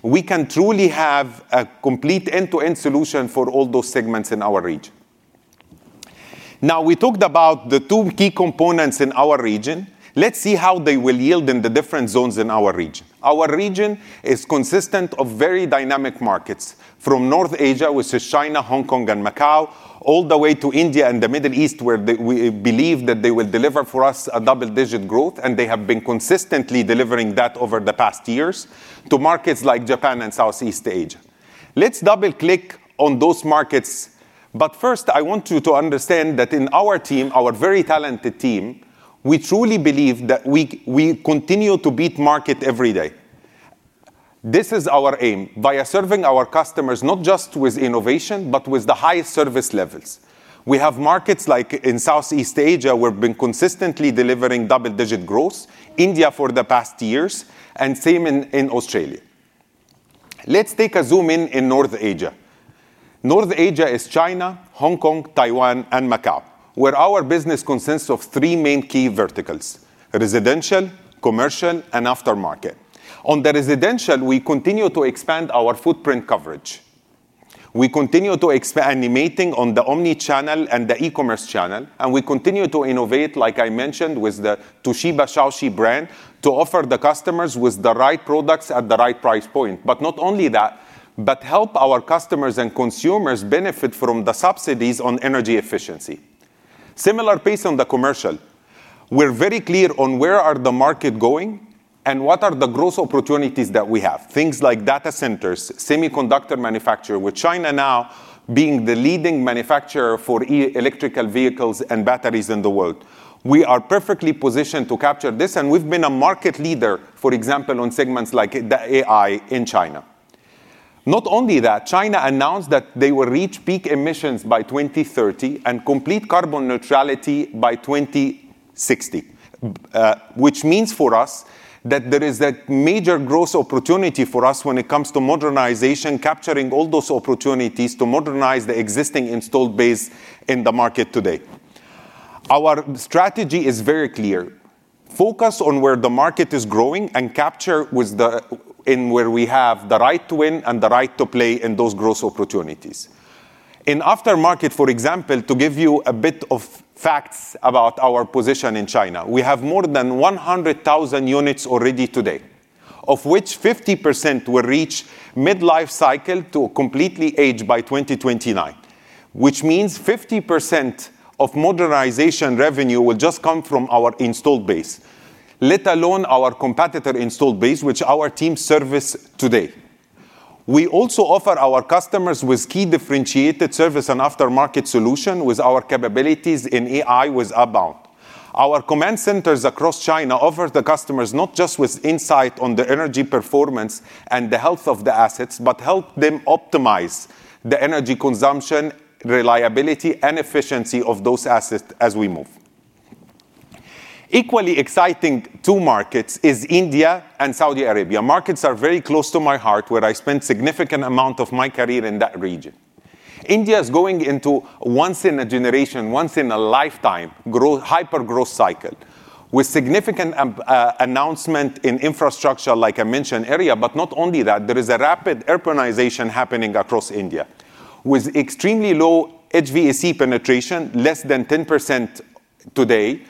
we can truly have a complete end-to-end solution for all those segments in our region. Now, we talked about the two key components in our region. Let's see how they will yield in the different zones in our region. Our region is consistent of very dynamic markets from North Asia, which is China, Hong Kong, and Macau, all the way to India and the Middle East, where we believe that they will deliver for us a double-digit growth, and they have been consistently delivering that over the past years to markets like Japan and Southeast Asia. Let's double-click on those markets. First, I want you to understand that in our team, our very talented team, we truly believe that we continue to beat market every day. This is our aim via serving our customers not just with innovation, but with the highest service levels. We have markets like in Southeast Asia, we've been consistently delivering double-digit growth, India for the past years, and same in Australia. Let's take a zoom in in North Asia. North Asia is China, Hong Kong, Taiwan, and Macau, where our business consists of three main key verticals: residential, commercial, and aftermarket. On the residential, we continue to expand our footprint coverage. We continue to expand animating on the omni-channel and the e-commerce channel, and we continue to innovate, like I mentioned, with the Toshiba Xiaoxi brand to offer the customers the right products at the right price point. Not only that, we help our customers and consumers benefit from the subsidies on energy efficiency. Similar pace on the commercial. We're very clear on where the market is going and what the growth opportunities are that we have, things like data centers, semiconductor manufacturers, with China now being the leading manufacturer for electrical vehicles and batteries in the world. We are perfectly positioned to capture this, and we've been a market leader, for example, on segments like AI in China. Not only that, China announced that they will reach peak emissions by 2030 and complete carbon neutrality by 2060, which means for us that there is a major growth opportunity for us when it comes to modernization, capturing all those opportunities to modernize the existing installed base in the market today. Our strategy is very clear: focus on where the market is growing and capture in where we have the right to win and the right to play in those growth opportunities. In aftermarket, for example, to give you a bit of facts about our position in China, we have more than 100,000 units already today, of which 50% will reach mid-life cycle to completely age by 2029, which means 50% of modernization revenue will just come from our installed base, let alone our competitor installed base, which our team serves today. We also offer our customers key differentiated service and aftermarket solutions with our capabilities in AI with Abound. Our command centers across China offer the customers not just insight on the energy performance and the health of the assets, but help them optimize the energy consumption, reliability, and efficiency of those assets as we move. Equally exciting two markets are India and Saudi Arabia. Markets are very close to my heart, where I spent a significant amount of my career in that region. India is going into a once-in-a-generation, once-in-a-lifetime hyper-growth cycle with significant announcements in infrastructure, like I mentioned, area. Not only that, there is a rapid urbanization happening across India with extremely low HVAC penetration, less than 10% today.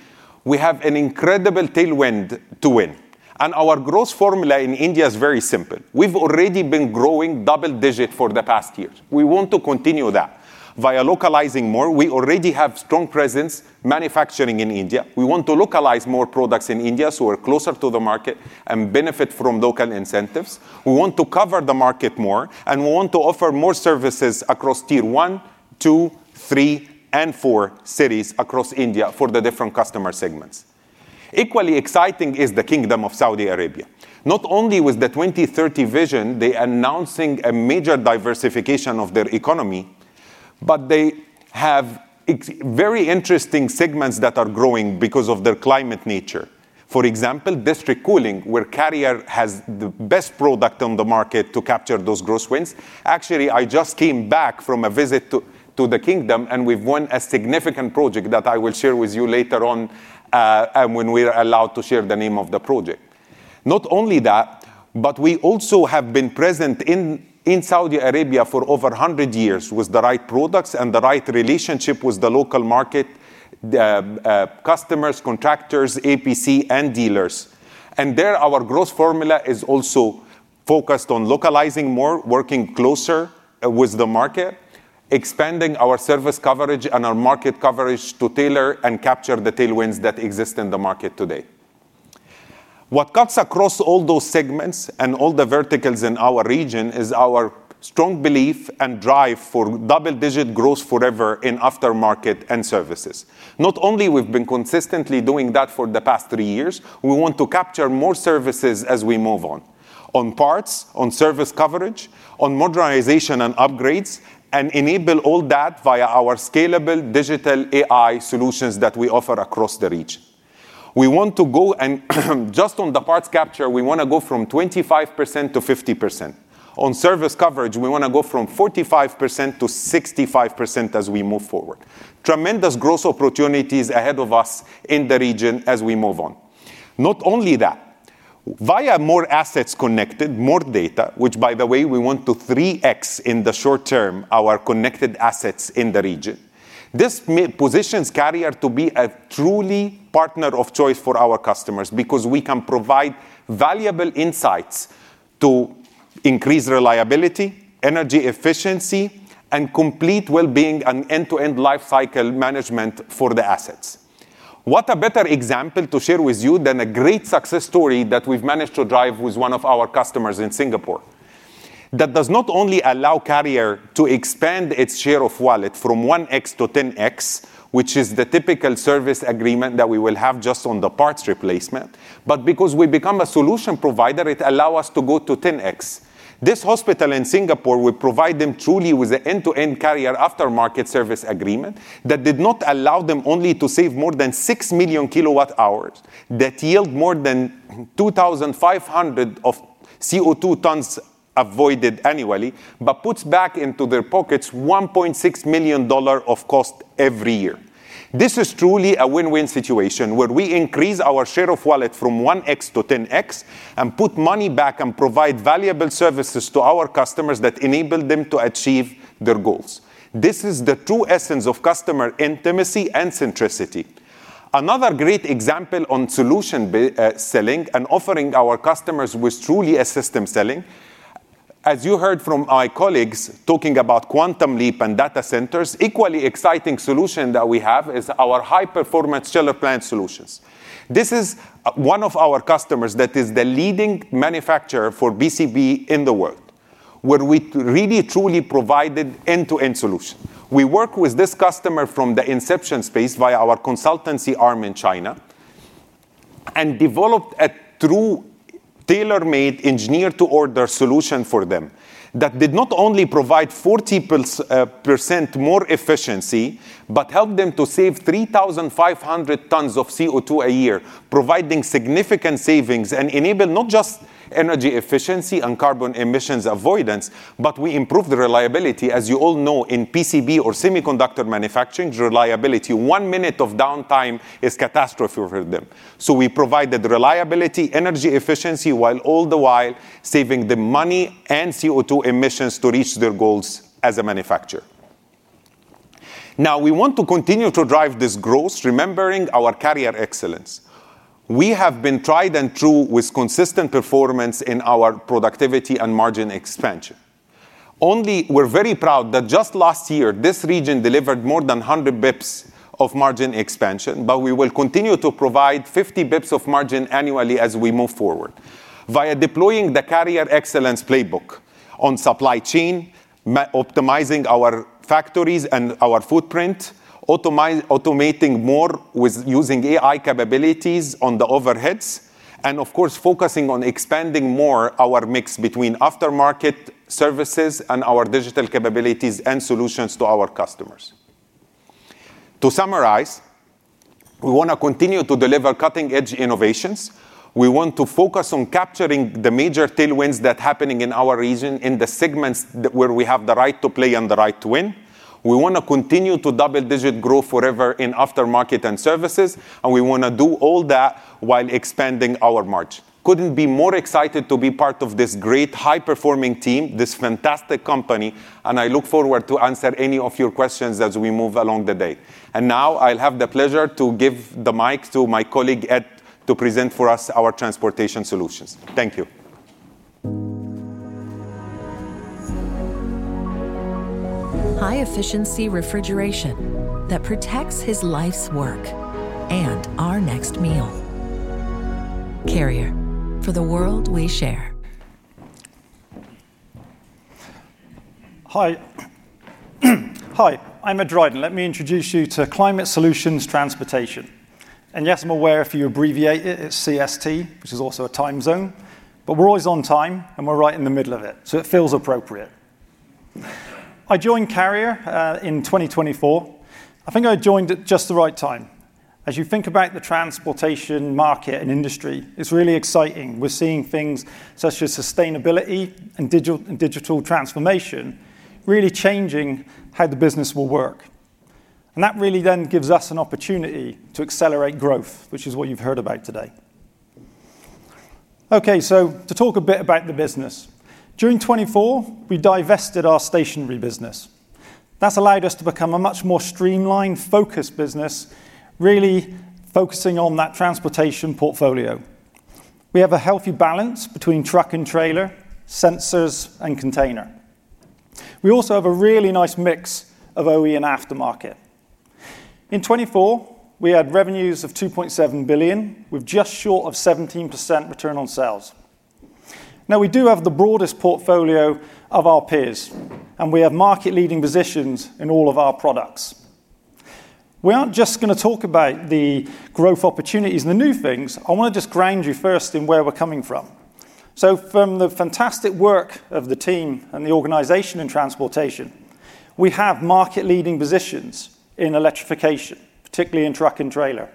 We have an incredible tailwind to win. Our growth formula in India is very simple. We've already been growing double-digit for the past year. We want to continue that via localizing more. We already have a strong presence manufacturing in India. We want to localize more products in India so we're closer to the market and benefit from local incentives. We want to cover the market more, and we want to offer more services across tier one, two, three, and four cities across India for the different customer segments. Equally exciting is the Kingdom of Saudi Arabia. Not only with the 2030 vision, they are announcing a major diversification of their economy, but they have very interesting segments that are growing because of their climate nature. For example, district cooling, where Carrier has the best product on the market to capture those growth wins. Actually, I just came back from a visit to the Kingdom, and we've won a significant project that I will share with you later on when we're allowed to share the name of the project. Not only that, but we also have been present in Saudi Arabia for over 100 years with the right products and the right relationship with the local market customers, contractors, APC, and dealers. Our growth formula is also focused on localizing more, working closer with the market, expanding our service coverage and our market coverage to tailor and capture the tailwinds that exist in the market today. What cuts across all those segments and all the verticals in our region is our strong belief and drive for double-digit growth forever in aftermarket and services. Not only have we been consistently doing that for the past three years, we want to capture more services as we move on, on parts, on service coverage, on modernization and upgrades, and enable all that via our scalable digital AI solutions that we offer across the region. We want to go and just on the parts capture, we want to go from 25% to 50%. On service coverage, we want to go from 45% to 65% as we move forward. Tremendous growth opportunities ahead of us in the region as we move on. Not only that, via more assets connected, more data, which, by the way, we want to 3x in the short term, our connected assets in the region. This positions Carrier to be a truly partner of choice for our customers because we can provide valuable insights to increase reliability, energy efficiency, and complete well-being and end-to-end life cycle management for the assets. What a better example to share with you than a great success story that we've managed to drive with one of our customers in Singapore that does not only allow Carrier to expand its share of wallet from 1x to 10x, which is the typical service agreement that we will have just on the parts replacement, but because we become a solution provider, it allows us to go to 10x. This hospital in Singapore, we provide them truly with an end-to-end Carrier aftermarket service agreement that did not allow them only to save more than 6 million kWh that yield more than 2,500 of CO2 tons avoided annually, but puts back into their pockets $1.6 million of cost every year. This is truly a win-win situation where we increase our share of wallet from 1x to 10x and put money back and provide valuable services to our customers that enable them to achieve their goals. This is the true essence of customer intimacy and centricity. Another great example on solution selling and offering our customers was truly a system selling. As you heard from my colleagues talking about Quantum Leap and data centers, an equally exciting solution that we have is our high-performance chiller plant solutions. This is one of our customers that is the leading manufacturer for PCB in the world, where we really truly provided end-to-end solution. We worked with this customer from the inception space via our consultancy arm in China and developed a true tailor-made engineer-to-order solution for them that did not only provide 40% more efficiency, but helped them to save 3,500 tons of CO2 a year, providing significant savings and enabling not just energy efficiency and carbon emissions avoidance, but we improved the reliability. As you all know, in PCB or semiconductor manufacturing, reliability, one minute of downtime is a catastrophe for them. We provided reliability, energy efficiency, while all the while saving the money and CO2 emissions to reach their goals as a manufacturer. Now, we want to continue to drive this growth, remembering our Carrier excellence. We have been tried and true with consistent performance in our productivity and margin expansion. Only, we're very proud that just last year, this region delivered more than 100 basis points of margin expansion, but we will continue to provide 50 basis points of margin annually as we move forward via deploying the Carrier excellence playbook on supply chain, optimizing our factories and our footprint, automating more with using AI capabilities on the overheads, and of course, focusing on expanding more our mix between aftermarket services and our digital capabilities and solutions to our customers. To summarize, we want to continue to deliver cutting-edge innovations. We want to focus on capturing the major tailwinds that are happening in our region in the segments where we have the right to play and the right to win. We want to continue to double-digit growth forever in aftermarket and services, and we want to do all that while expanding our margin. Couldn't be more excited to be part of this great high-performing team, this fantastic company, and I look forward to answering any of your questions as we move along the day. Now, I'll have the pleasure to give the mic to my colleague Ed to present for us our transportation solutions. Thank you. High-efficiency refrigeration that protects his life's work and our next meal. Carrier for the world we share. Hi. Hi, I'm Ed Dryden. Let me introduce you to Climate Solutions Transportation. Yes, I'm aware if you abbreviate it, it's CST, which is also a time zone, but we're always on time, and we're right in the middle of it, so it feels appropriate. I joined Carrier in 2024. I think I joined at just the right time. As you think about the transportation market and industry, it's really exciting. We're seeing things such as sustainability and digital transformation really changing how the business will work. That really then gives us an opportunity to accelerate growth, which is what you've heard about today. Okay, to talk a bit about the business. During 2024, we divested our stationary business. That's allowed us to become a much more streamlined, focused business, really focusing on that transportation portfolio. We have a healthy balance between truck and trailer, sensors and container. We also have a really nice mix of OE and aftermarket. In 2024, we had revenues of $2.7 billion. We're just short of 17% return on sales. Now, we do have the broadest portfolio of our peers, and we have market-leading positions in all of our products. We aren't just going to talk about the growth opportunities and the new things. I want to just ground you first in where we're coming from. From the fantastic work of the team and the organization in transportation, we have market-leading positions in electrification, particularly in truck and trailer.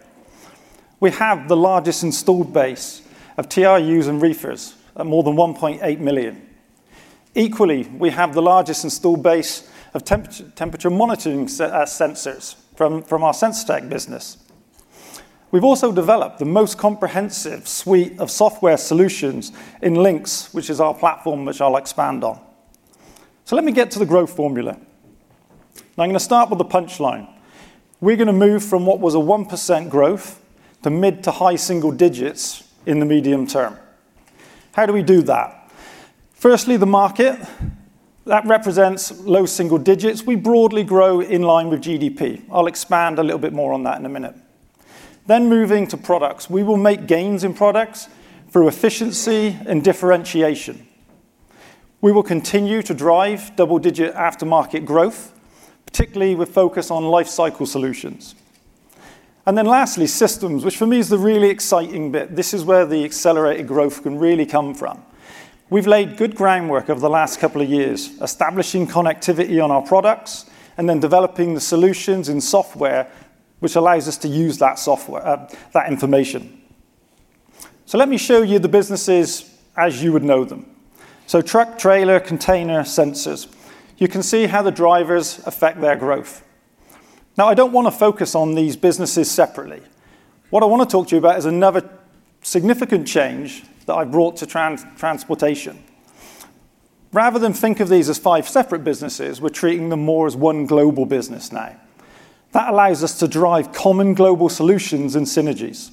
We have the largest installed base of TRUs and reefers at more than 1.8 million. Equally, we have the largest installed base of temperature monitoring sensors from our sensor tech business. We've also developed the most comprehensive suite of software solutions in Lynx, which is our platform, which I'll expand on. Let me get to the growth formula. Now, I'm going to start with a punchline. We're going to move from what was a 1% growth to mid to high single digits in the medium term. How do we do that? Firstly, the market that represents low single digits, we broadly grow in line with GDP. I'll expand a little bit more on that in a minute. Moving to products, we will make gains in products through efficiency and differentiation. We will continue to drive double-digit aftermarket growth, particularly with focus on life cycle solutions. Lastly, systems, which for me is the really exciting bit. This is where the accelerated growth can really come from. We've laid good groundwork over the last couple of years, establishing connectivity on our products and then developing the solutions in software, which allows us to use that information. Let me show you the businesses as you would know them. Truck, trailer, container, sensors. You can see how the drivers affect their growth. I don't want to focus on these businesses separately. What I want to talk to you about is another significant change that I've brought to transportation. Rather than think of these as five separate businesses, we're treating them more as one global business now. That allows us to drive common global solutions and synergies.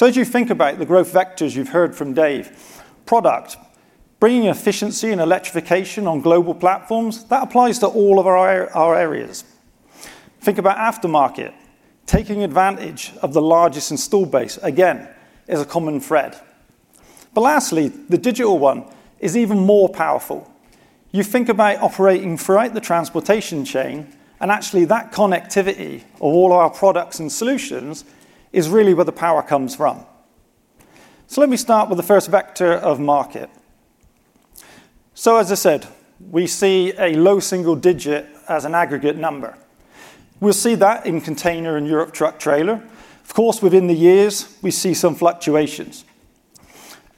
As you think about the growth vectors you've heard from Dave, product, bringing efficiency and electrification on global platforms, that applies to all of our areas. Think about aftermarket, taking advantage of the largest installed base, again, is a common thread. Lastly, the digital one is even more powerful. You think about operating throughout the transportation chain, and actually that connectivity of all our products and solutions is really where the power comes from. Let me start with the first vector of market. As I said, we see a low single digit as an aggregate number. We'll see that in container and Europe truck trailer. Of course, within the years, we see some fluctuations.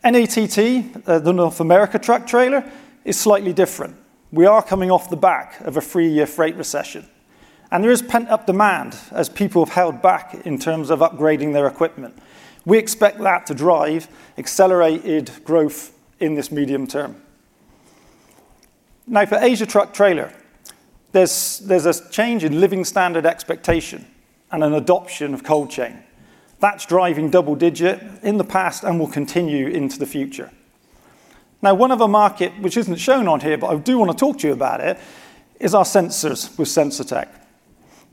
NATT, the North America truck trailer, is slightly different. We are coming off the back of a three-year freight recession, and there is pent-up demand as people have held back in terms of upgrading their equipment. We expect that to drive accelerated growth in this medium term. Now, for Asia truck trailer, there's a change in living standard expectation and an adoption of cold chain. That's driving double digit in the past and will continue into the future. Now, one of our market, which isn't shown on here, but I do want to talk to you about it, is our sensors with SensorTech.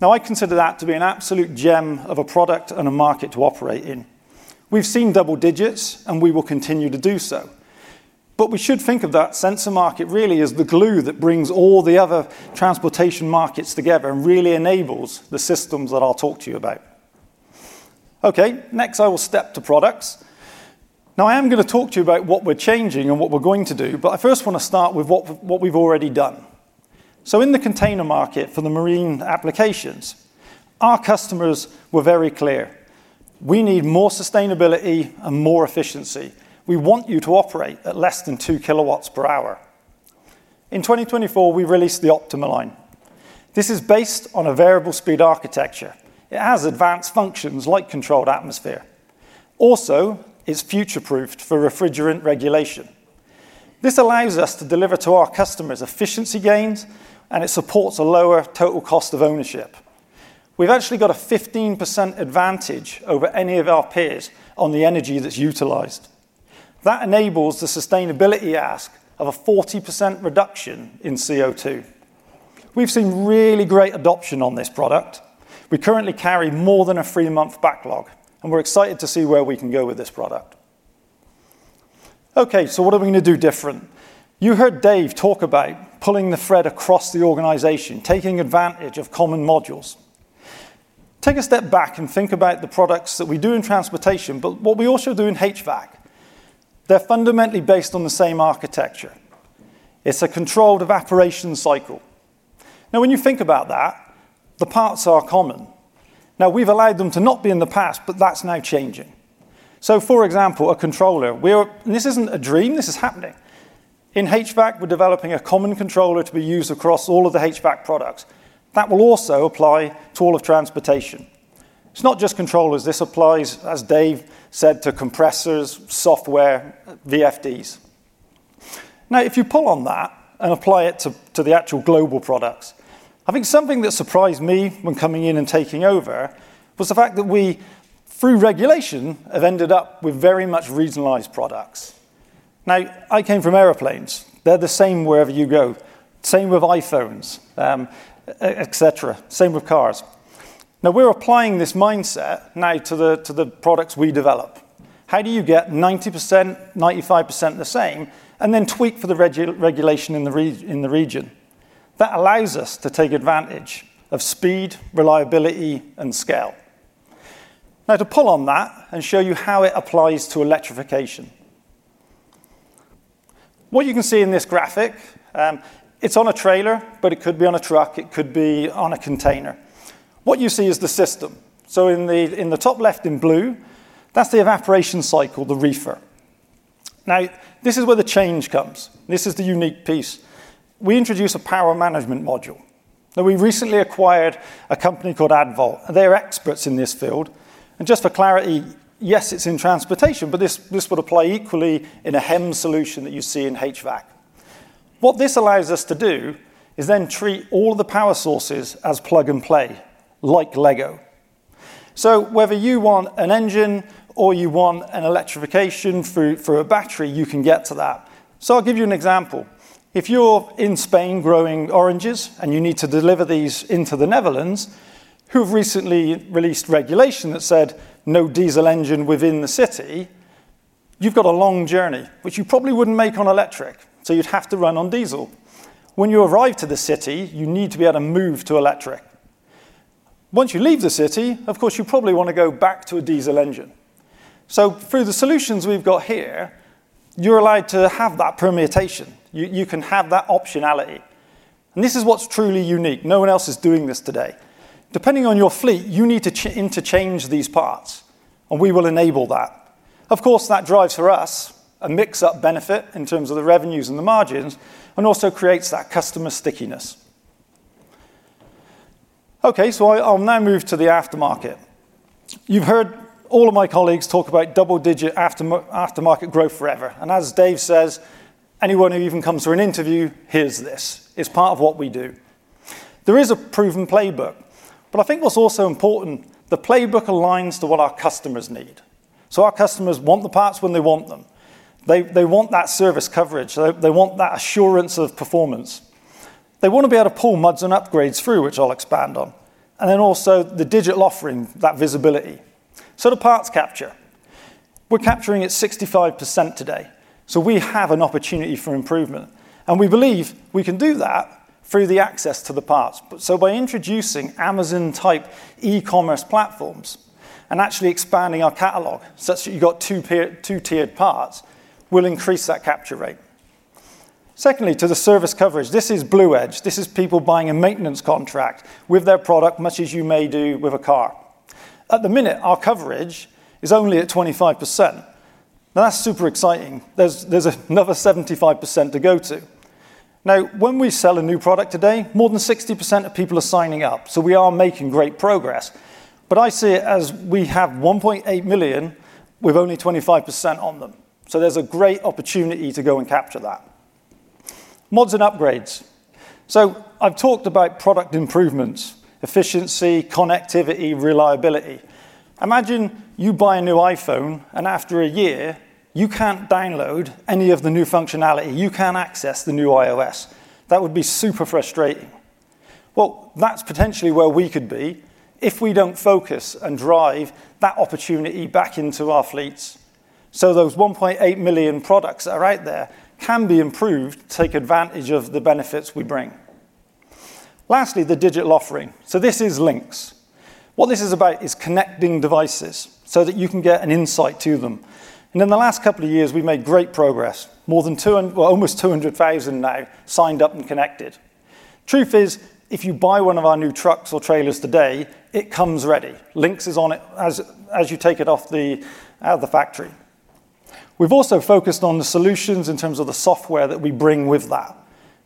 Now, I consider that to be an absolute gem of a product and a market to operate in. We've seen double digits, and we will continue to do so. We should think of that sensor market really as the glue that brings all the other transportation markets together and really enables the systems that I'll talk to you about. Okay, next I will step to products. Now, I am going to talk to you about what we're changing and what we're going to do, but I first want to start with what we've already done. In the container market for the marine applications, our customers were very clear. We need more sustainability and more efficiency. We want you to operate at less than 2 kW/h. In 2024, we released the OptimaLINE. This is based on a variable speed architecture. It has advanced functions like controlled atmosphere. Also, it's future-proofed for refrigerant regulation. This allows us to deliver to our customers efficiency gains, and it supports a lower total cost of ownership. We've actually got a 15% advantage over any of our peers on the energy that's utilized. That enables the sustainability ask of a 40% reduction in CO2. We've seen really great adoption on this product. We currently carry more than a three-month backlog, and we're excited to see where we can go with this product. Okay, what are we going to do different? You heard Dave talk about pulling the thread across the organization, taking advantage of common modules. Take a step back and think about the products that we do in transportation, but what we also do in HVAC. They're fundamentally based on the same architecture. It's a controlled evaporation cycle. Now, when you think about that, the parts are common. Now, we've allowed them to not be in the past, but that's now changing. For example, a controller, this isn't a dream. This is happening. In HVAC, we're developing a common controller to be used across all of the HVAC products. That will also apply to all of transportation. It's not just controllers. This applies, as Dave said, to compressors, software, VFDs. Now, if you pull on that and apply it to the actual global products, I think something that surprised me when coming in and taking over was the fact that we, through regulation, have ended up with very much regionalized products. Now, I came from airplanes. They're the same wherever you go. Same with iPhones, et cetera. Same with cars. Now, we're applying this mindset now to the products we develop. How do you get 90%-95% the same, and then tweak for the regulation in the region? That allows us to take advantage of speed, reliability, and scale. Now, to pull on that and show you how it applies to electrification. What you can see in this graphic, it's on a trailer, but it could be on a truck. It could be on a container. What you see is the system. In the top left in blue, that's the evaporation cycle, the reefer. Now, this is where the change comes. This is the unique piece. We introduce a power management module. We recently acquired a company called Adval, and they are experts in this field. Just for clarity, yes, it's in transportation, but this would apply equally in a HEM solution that you see in HVAC. What this allows us to do is then treat all of the power sources as plug and play, like Lego. Whether you want an engine or you want an electrification through a battery, you can get to that. I'll give you an example. If you're in Spain growing oranges and you need to deliver these into the Netherlands, who have recently released regulation that said no diesel engine within the city, you've got a long journey, which you probably wouldn't make on electric. You'd have to run on diesel. When you arrive to the city, you need to be able to move to electric. Once you leave the city, of course, you probably want to go back to a diesel engine. Through the solutions we've got here, you're allowed to have that permutation. You can have that optionality. This is what's truly unique. No one else is doing this today. Depending on your fleet, you need to interchange these parts, and we will enable that. Of course, that drives for us a mix-up benefit in terms of the revenues and the margins and also creates that customer stickiness. Okay, I'll now move to the aftermarket. You've heard all of my colleagues talk about double-digit aftermarket growth forever. As Dave says, anyone who even comes for an interview hears this. It's part of what we do. There is a proven playbook, but I think what's also important, the playbook aligns to what our customers need. Our customers want the parts when they want them. They want that service coverage. They want that assurance of performance. They want to be able to pull muds and upgrades through, which I'll expand on. Also, the digital offering, that visibility. The parts capture. We're capturing at 65% today. We have an opportunity for improvement. We believe we can do that through the access to the parts. By introducing Amazon-type e-commerce platforms and actually expanding our catalog such that you've got two-tiered parts, we'll increase that capture rate. Secondly, to the service coverage. This is BluEdge. This is people buying a maintenance contract with their product, much as you may do with a car. At the minute, our coverage is only at 25%. Now, that's super exciting. There's another 75% to go to. When we sell a new product today, more than 60% of people are signing up. We are making great progress. I see it as we have 1.8 million with only 25% on them. There's a great opportunity to go and capture that. Muds and upgrades. I've talked about product improvements, efficiency, connectivity, reliability. Imagine you buy a new iPhone, and after a year, you can't download any of the new functionality. You can't access the new iOS. That would be super frustrating. That is potentially where we could be if we do not focus and drive that opportunity back into our fleets. Those 1.8 million products that are out there can be improved, take advantage of the benefits we bring. Lastly, the digital offering. This is Lynx. What this is about is connecting devices so that you can get an insight to them. In the last couple of years, we have made great progress. More than, well, almost 200,000 now signed up and connected. Truth is, if you buy one of our new trucks or trailers today, it comes ready. Lynx is on it as you take it off the factory. We have also focused on the solutions in terms of the software that we bring with that.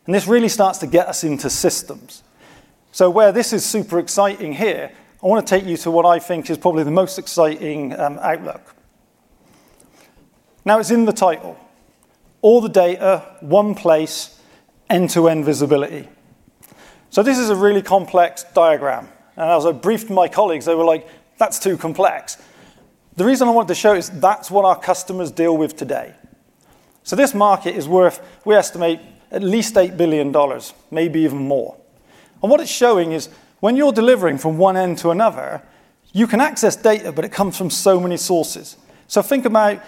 This really starts to get us into systems. Where this is super exciting here, I want to take you to what I think is probably the most exciting outlook. It's in the title. All the data, one place, end-to-end visibility. This is a really complex diagram. As I briefed my colleagues, they were like, "That's too complex." The reason I wanted to show it is that's what our customers deal with today. This market is worth, we estimate, at least $8 billion, maybe even more. What it's showing is when you're delivering from one end to another, you can access data, but it comes from so many sources. Think about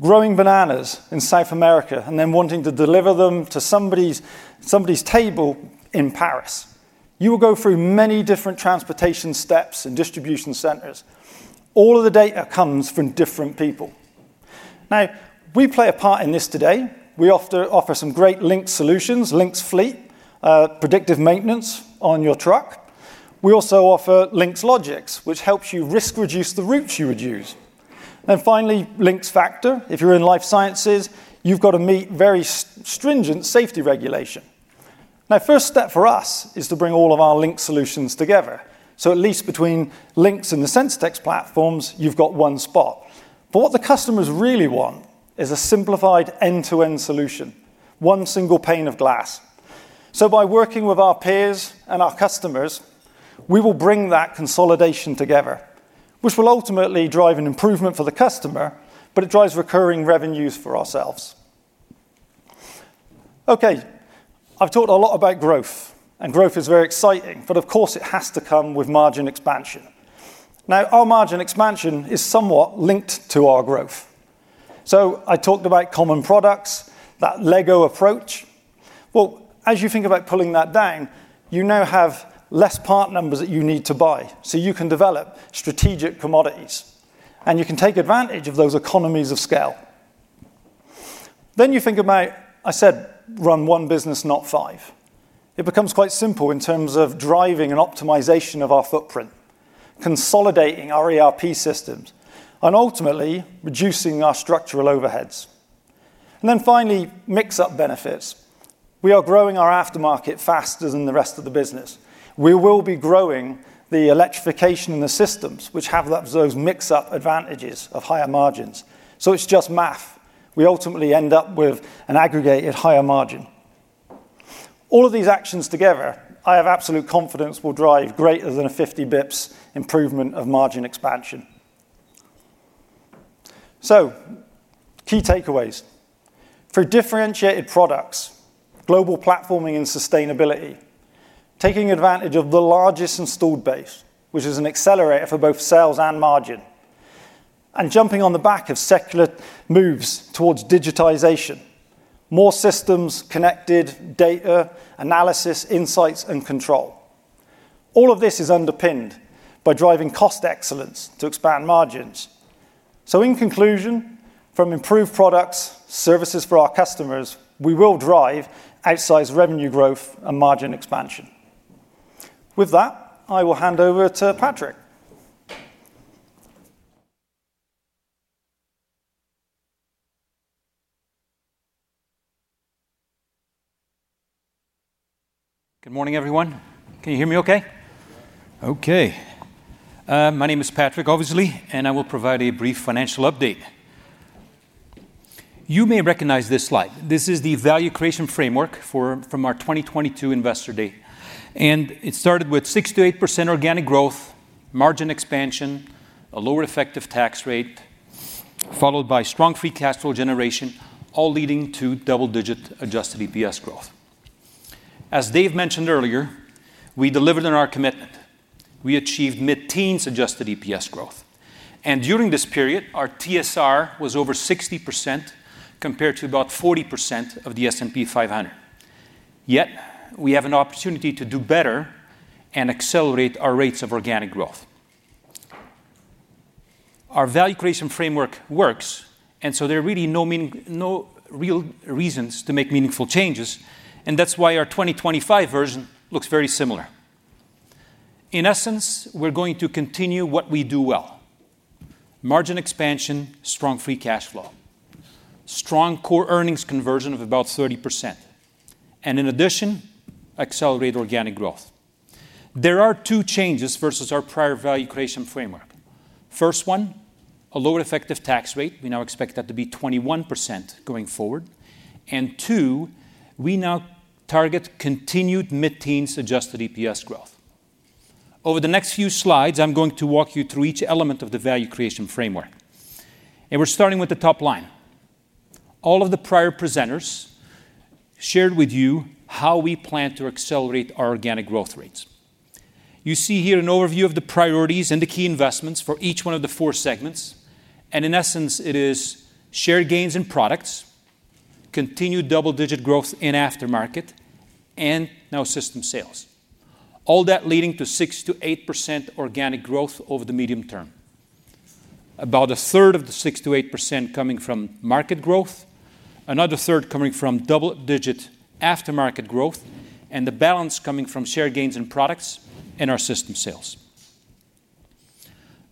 growing bananas in South America and then wanting to deliver them to somebody's table in Paris. You will go through many different transportation steps and distribution centers. All of the data comes from different people. Now, we play a part in this today. We offer some great Lynx solutions, Lynx Fleet, predictive maintenance on your truck. We also offer Lynx Logics, which helps you risk-reduce the routes you would use. Finally, Lynx Factor. If you're in life sciences, you've got to meet very stringent safety regulation. The first step for us is to bring all of our Lynx solutions together. At least between Lynx and the SensorTech platforms, you've got one spot. What the customers really want is a simplified end-to-end solution, one single pane of glass. By working with our peers and our customers, we will bring that consolidation together, which will ultimately drive an improvement for the customer, but it drives recurring revenues for ourselves. Okay, I've talked a lot about growth, and growth is very exciting, but of course, it has to come with margin expansion. Now, our margin expansion is somewhat linked to our growth. I talked about common products, that Lego approach. As you think about pulling that down, you now have fewer part numbers that you need to buy. You can develop strategic commodities, and you can take advantage of those economies of scale. I said, run one business, not five. It becomes quite simple in terms of driving an optimization of our footprint, consolidating our ERP systems, and ultimately reducing our structural overheads. Finally, mix-up benefits. We are growing our aftermarket faster than the rest of the business. We will be growing the electrification in the systems, which have those mix-up advantages of higher margins. It is just math. We ultimately end up with an aggregated higher margin. All of these actions together, I have absolute confidence will drive greater than a 50 basis points improvement of margin expansion. Key takeaways. For differentiated products, global platforming and sustainability, taking advantage of the largest installed base, which is an accelerator for both sales and margin, and jumping on the back of secular moves towards digitization. More systems, connected data, analysis, insights, and control. All of this is underpinned by driving cost excellence to expand margins. In conclusion, from improved products, services for our customers, we will drive outsized revenue growth and margin expansion. With that, I will hand over to Patrick. Good morning, everyone. Can you hear me okay? Okay. My name is Patrick, obviously, and I will provide a brief financial update. You may recognize this slide. This is the value creation framework from our 2022 investor date. It started with 6%-8% organic growth, margin expansion, a lower effective tax rate, followed by strong free cash flow generation, all leading to double-digit adjusted EPS growth. As Dave mentioned earlier, we delivered on our commitment. We achieved mid-teens adjusted EPS growth. During this period, our TSR was over 60% compared to about 40% of the S&P 500. Yet, we have an opportunity to do better and accelerate our rates of organic growth. Our value creation framework works, and so there are really no real reasons to make meaningful changes, and that's why our 2025 version looks very similar. In essence, we're going to continue what we do well: margin expansion, strong free cash flow, strong core earnings conversion of about 30%, and in addition, accelerate organic growth. There are two changes versus our prior value creation framework. First one, a lower effective tax rate. We now expect that to be 21% going forward. Two, we now target continued mid-teens adjusted EPS growth. Over the next few slides, I'm going to walk you through each element of the value creation framework. We are starting with the top line. All of the prior presenters shared with you how we plan to accelerate our organic growth rates. You see here an overview of the priorities and the key investments for each one of the four segments. In essence, it is shared gains in products, continued double-digit growth in aftermarket, and now system sales. All that leading to 6-8% organic growth over the medium term. About 1/3 of the 6%-8% coming from market growth, another 1/3 coming from double-digit aftermarket growth, and the balance coming from shared gains in products and our system sales.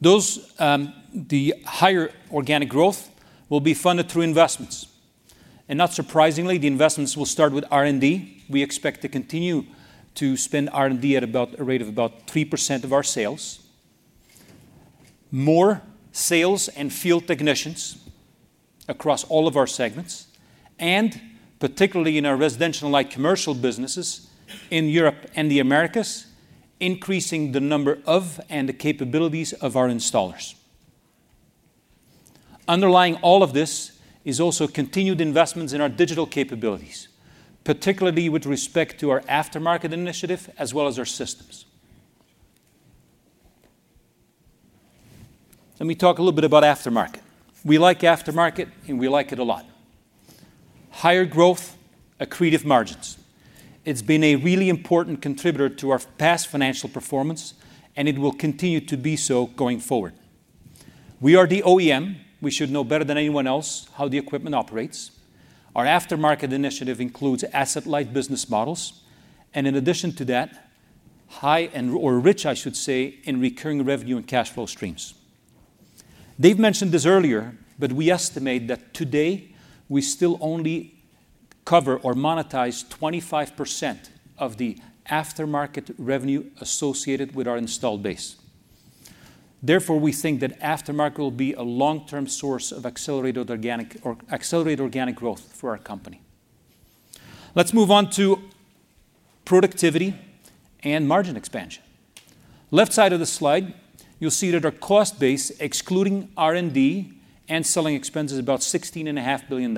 The higher organic growth will be funded through investments. Not surprisingly, the investments will start with R&D. We expect to continue to spend R&D at a rate of about 3% of our sales. More sales and field technicians across all of our segments, and particularly in our residential-like commercial businesses in Europe and the Americas, increasing the number of and the capabilities of our installers. Underlying all of this is also continued investments in our digital capabilities, particularly with respect to our aftermarket initiative as well as our systems. Let me talk a little bit about aftermarket. We like aftermarket, and we like it a lot. Higher growth, accretive margins. It's been a really important contributor to our past financial performance, and it will continue to be so going forward. We are the OEM. We should know better than anyone else how the equipment operates. Our aftermarket initiative includes asset-light business models. In addition to that, high and/or rich, I should say, in recurring revenue and cash flow streams. Dave mentioned this earlier, but we estimate that today we still only cover or monetize 25% of the aftermarket revenue associated with our installed base. Therefore, we think that aftermarket will be a long-term source of accelerated organic growth for our company. Let's move on to productivity and margin expansion. Left side of the slide, you'll see that our cost base, excluding R&D and selling expenses, is about $16.5 billion.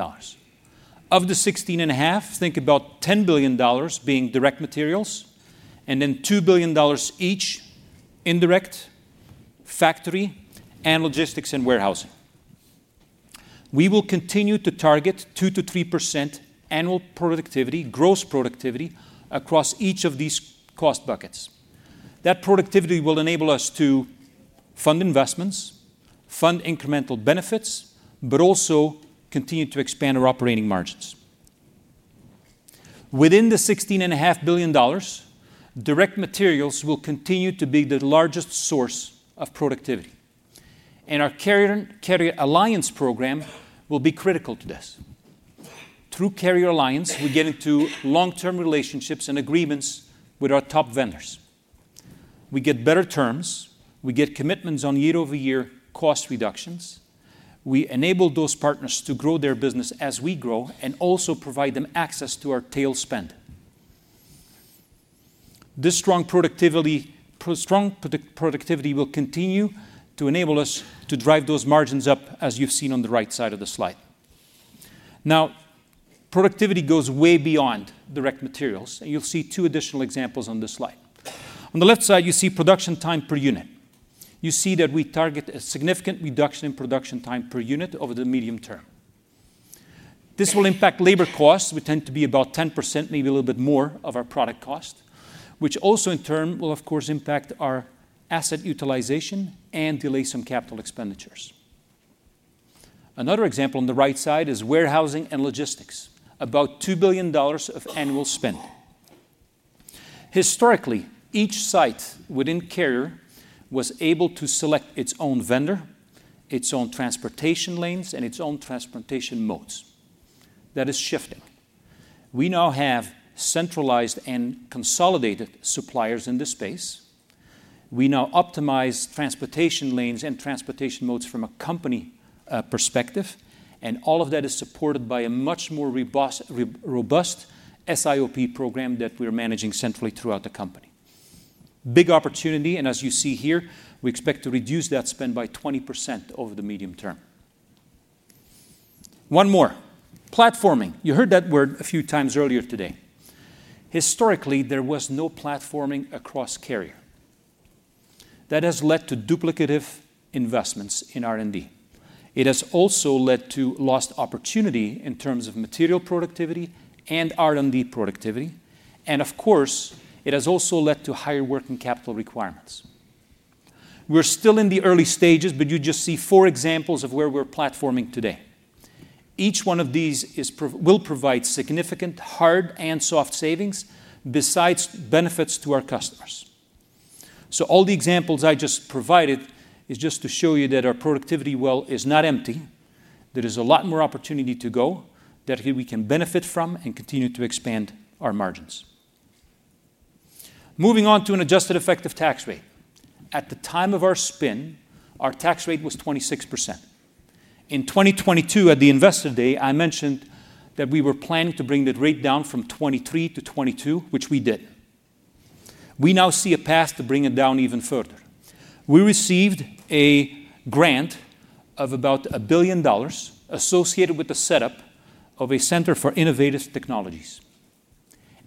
Of the $16.5 billion, think about $10 billion being direct materials, and then $2 billion each indirect, factory, and logistics and warehousing. We will continue to target 2%-3% annual productivity, gross productivity across each of these cost buckets. That productivity will enable us to fund investments, fund incremental benefits, but also continue to expand our operating margins. Within the $16.5 billion, direct materials will continue to be the largest source of productivity. And our Carrier Alliance program will be critical to this. Through Carrier Alliance, we get into long-term relationships and agreements with our top vendors. We get better terms. We get commitments on year-over-year cost reductions. We enable those partners to grow their business as we grow and also provide them access to our tail spend. This strong productivity will continue to enable us to drive those margins up, as you've seen on the right side of the slide. Now, productivity goes way beyond direct materials, and you'll see two additional examples on this slide. On the left side, you see production time per unit. You see that we target a significant reduction in production time per unit over the medium term. This will impact labor costs, which tend to be about 10%, maybe a little bit more of our product cost, which also in turn will, of course, impact our asset utilization and delay some capital expenditures. Another example on the right side is warehousing and logistics, about $2 billion of annual spend. Historically, each site within Carrier was able to select its own vendor, its own transportation lanes, and its own transportation modes. That is shifting. We now have centralized and consolidated suppliers in this space. We now optimize transportation lanes and transportation modes from a company perspective. All of that is supported by a much more robust SIOP program that we're managing centrally throughout the company. Big opportunity, and as you see here, we expect to reduce that spend by 20% over the medium term. One more. Platforming. You heard that word a few times earlier today. Historically, there was no platforming across Carrier. That has led to duplicative investments in R&D. It has also led to lost opportunity in terms of material productivity and R&D productivity. It has also led to higher working capital requirements. We're still in the early stages, but you just see four examples of where we're platforming today. Each one of these will provide significant hard and soft savings besides benefits to our customers. All the examples I just provided is just to show you that our productivity well is not empty. There is a lot more opportunity to go that we can benefit from and continue to expand our margins. Moving on to an adjusted effective tax rate. At the time of our spin, our tax rate was 26%. In 2022, at the investor day, I mentioned that we were planning to bring the rate down from 23% to 22%, which we did. We now see a path to bring it down even further. We received a grant of about $1 billion associated with the setup of a center for innovative technologies.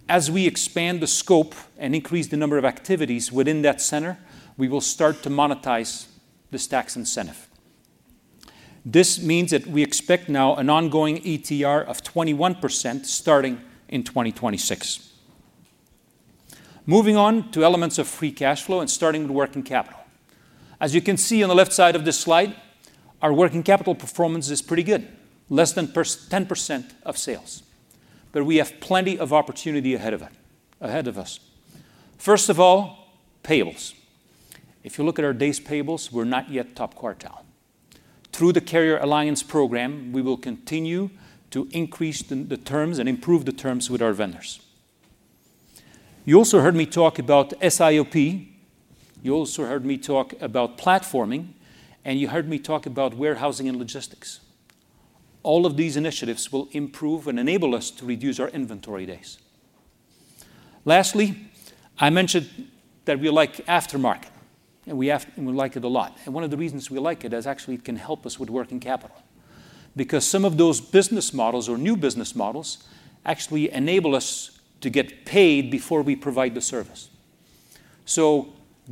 As we expand the scope and increase the number of activities within that center, we will start to monetize this tax incentive. This means that we expect now an ongoing ETR of 21% starting in 2026. Moving on to elements of free cash flow and starting with working capital. As you can see on the left side of this slide, our working capital performance is pretty good, less than 10% of sales. We have plenty of opportunity ahead of us. First of all, payables. If you look at our day's payables, we're not yet top quartile. Through the Carrier Alliance program, we will continue to increase the terms and improve the terms with our vendors. You also heard me talk about SIOP. You also heard me talk about platforming, and you heard me talk about warehousing and logistics. All of these initiatives will improve and enable us to reduce our inventory days. Lastly, I mentioned that we like aftermarket, and we like it a lot. One of the reasons we like it is actually it can help us with working capital. Because some of those business models or new business models actually enable us to get paid before we provide the service.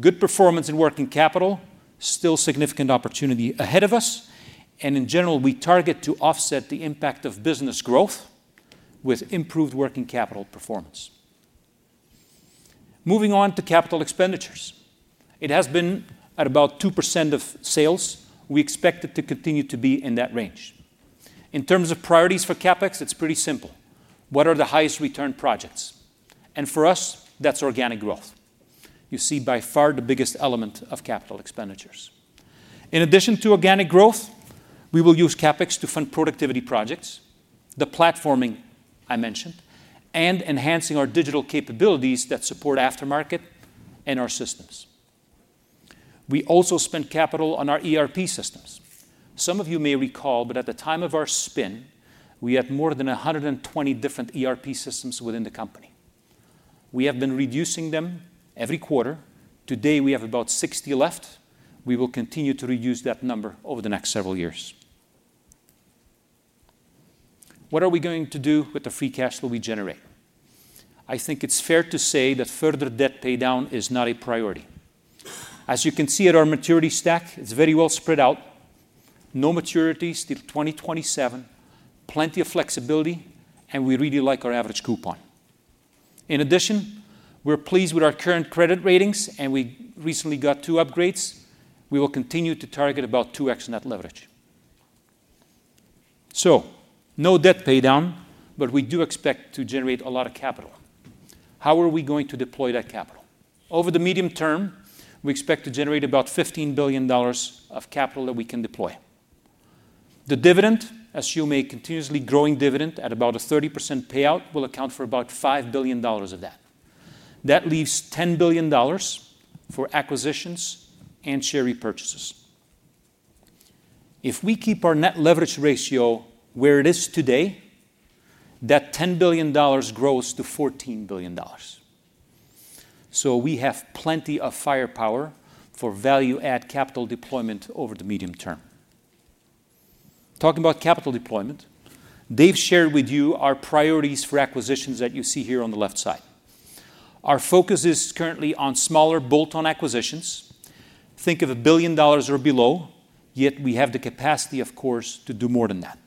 Good performance in working capital, still significant opportunity ahead of us. In general, we target to offset the impact of business growth with improved working capital performance. Moving on to capital expenditures. It has been at about 2% of sales. We expect it to continue to be in that range. In terms of priorities for CapEx, it is pretty simple. What are the highest return projects? For us, that is organic growth. You see by far the biggest element of capital expenditures. In addition to organic growth, we will use CapEx to fund productivity projects, the platforming I mentioned, and enhancing our digital capabilities that support aftermarket and our systems. We also spend capital on our ERP systems. Some of you may recall, but at the time of our spin, we had more than 120 different ERP systems within the company. We have been reducing them every quarter. Today, we have about 60 left. We will continue to reduce that number over the next several years. What are we going to do with the free cash flow we generate? I think it's fair to say that further debt paydown is not a priority. As you can see at our maturity stack, it's very well spread out. No maturity until 2027, plenty of flexibility, and we really like our average coupon. In addition, we're pleased with our current credit ratings, and we recently got two upgrades. We will continue to target about 2x net leverage. So no debt paydown, but we do expect to generate a lot of capital. How are we going to deploy that capital? Over the medium term, we expect to generate about $15 billion of capital that we can deploy. The dividend, assuming a continuously growing dividend at about a 30% payout, will account for about $5 billion of that. That leaves $10 billion for acquisitions and share repurchases. If we keep our net leverage ratio where it is today, that $10 billion grows to $14 billion. We have plenty of firepower for value-add capital deployment over the medium term. Talking about capital deployment, Dave shared with you our priorities for acquisitions that you see here on the left side. Our focus is currently on smaller bolt-on acquisitions. Think of a billion dollars or below, yet we have the capacity, of course, to do more than that.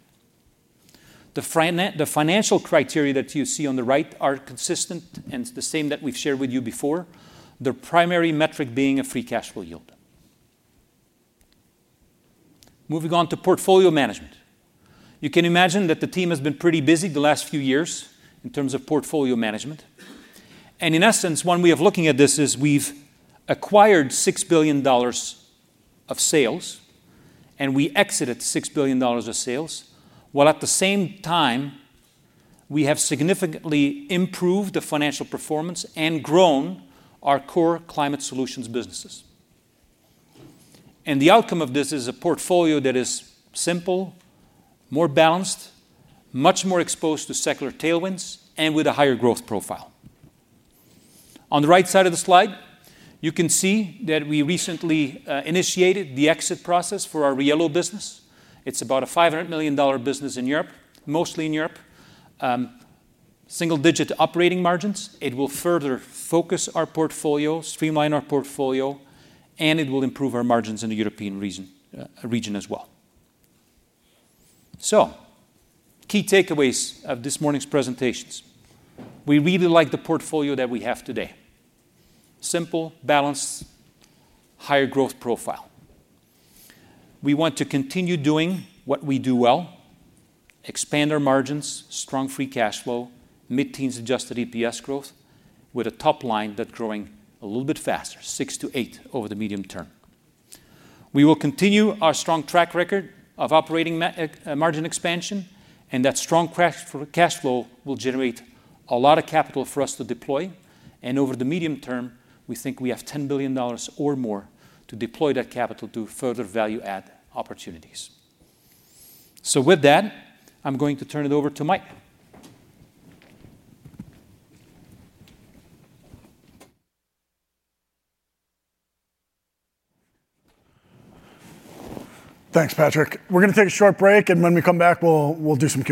The financial criteria that you see on the right are consistent and the same that we've shared with you before, the primary metric being a free cash flow yield. Moving on to portfolio management. You can imagine that the team has been pretty busy the last few years in terms of portfolio management. In essence, when we are looking at this, we've acquired $6 billion of sales, and we exited $6 billion of sales, while at the same time, we have significantly improved the financial performance and grown our core climate solutions businesses. The outcome of this is a portfolio that is simple, more balanced, much more exposed to secular tailwinds, and with a higher growth profile. On the right side of the slide, you can see that we recently initiated the exit process for our Yellow business. It's about a $500 million business in Europe, mostly in Europe. Single-digit operating margins. It will further focus our portfolio, streamline our portfolio, and it will improve our margins in the European region as well. Key takeaways of this morning's presentations. We really like the portfolio that we have today. Simple, balanced, higher growth profile. We want to continue doing what we do well, expand our margins, strong free cash flow, mid-teens adjusted EPS growth, with a top line that's growing a little bit faster, 6-8% over the medium term. We will continue our strong track record of operating margin expansion, and that strong cash flow will generate a lot of capital for us to deploy. Over the medium term, we think we have $10 billion or more to deploy that capital to further value-add opportunities. With that, I'm going to turn it over to Mike. Thanks, Patrick. We're going to take a short break, and when we come back, we'll do some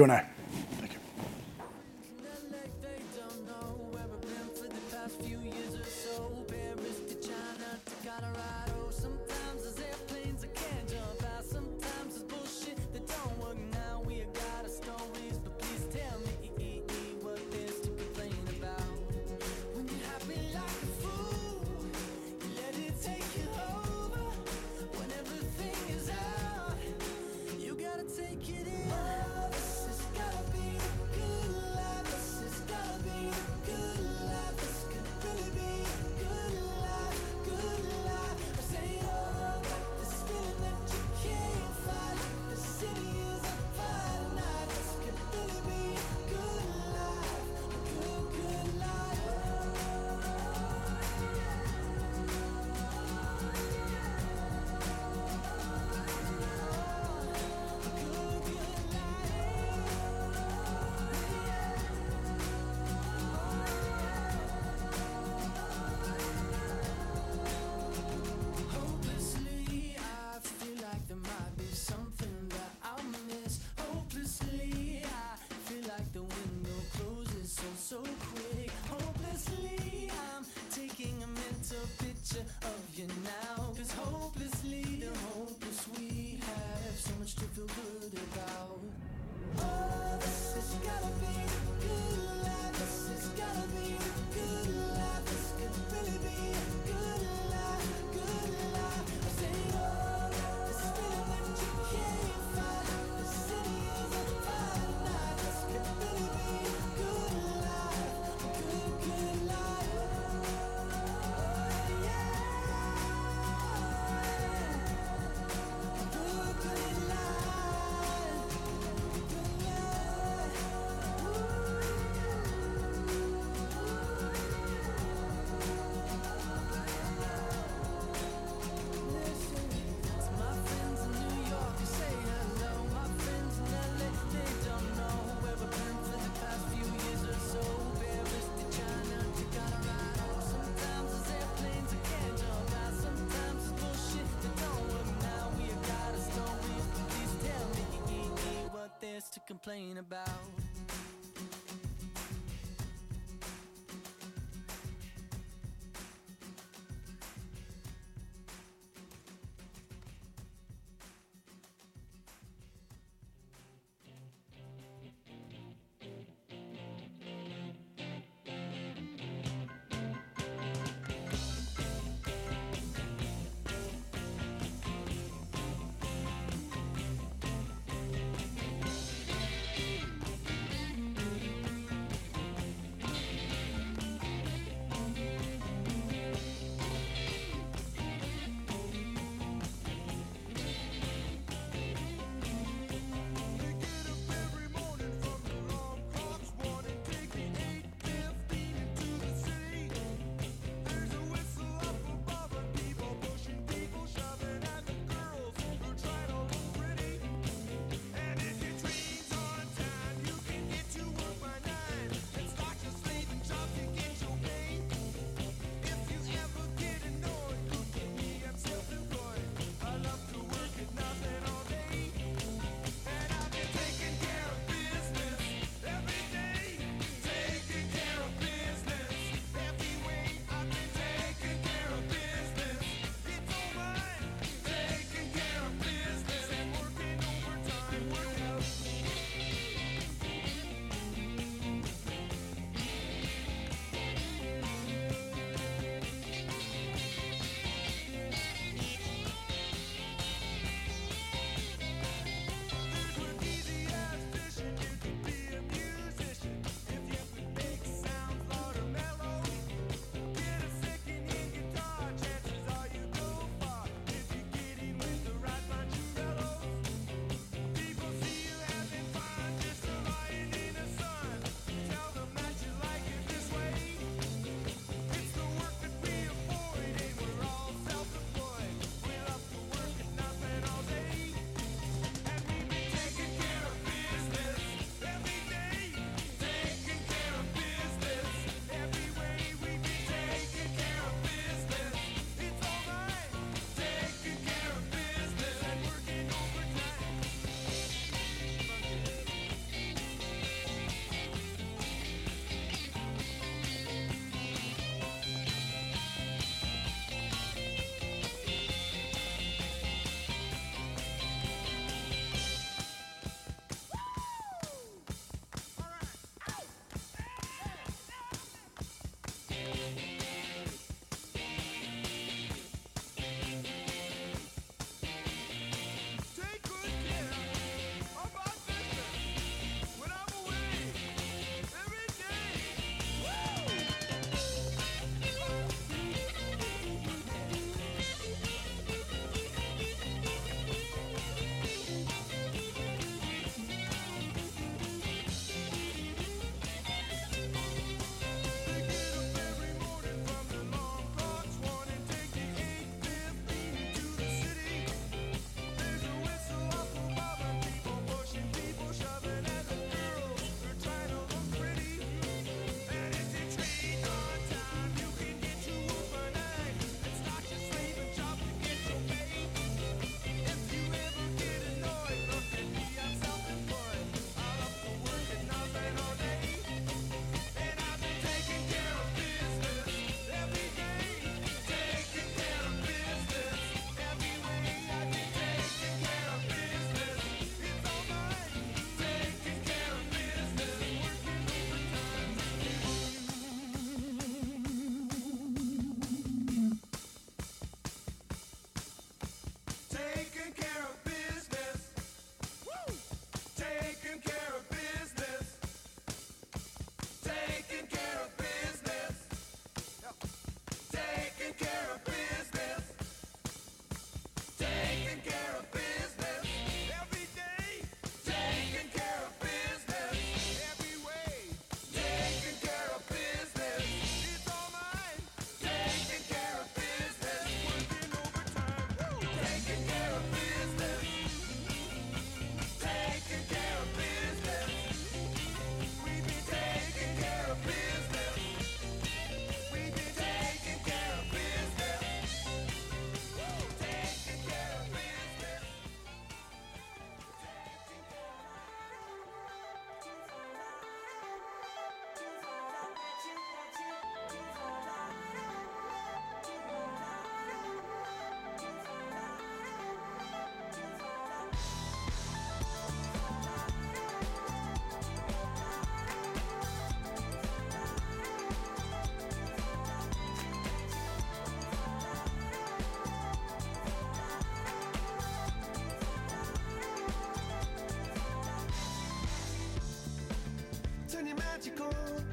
Q&A.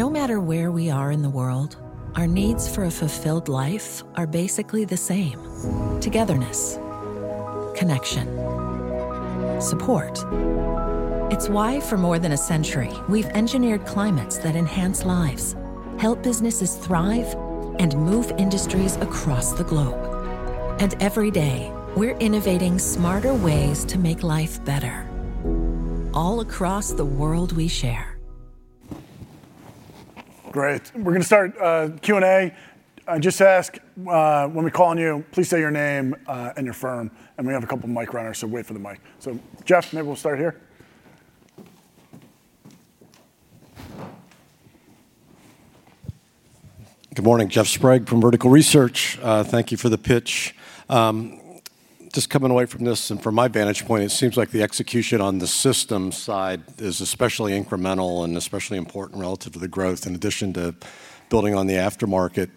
No matter where we are in the world, our needs for a fulfilled life are basically the same: togetherness, connection, support. It's why for more than a century we've engineered climates that enhance lives, help businesses thrive, and move industries across the globe. Every day we're innovating smarter ways to make life better, all across the world we share. Great. We're going to start Q&A. I just ask when we call on you, please say your name and your firm. We have a couple of mic runners, so wait for the mic. Jeff, maybe we'll start here. Good morning. Jeff Sprague from Vertical Research. Thank you for the pitch. Just coming away from this and from my vantage point, it seems like the execution on the systems side is especially incremental and especially important relative to the growth, in addition to building on the aftermarket.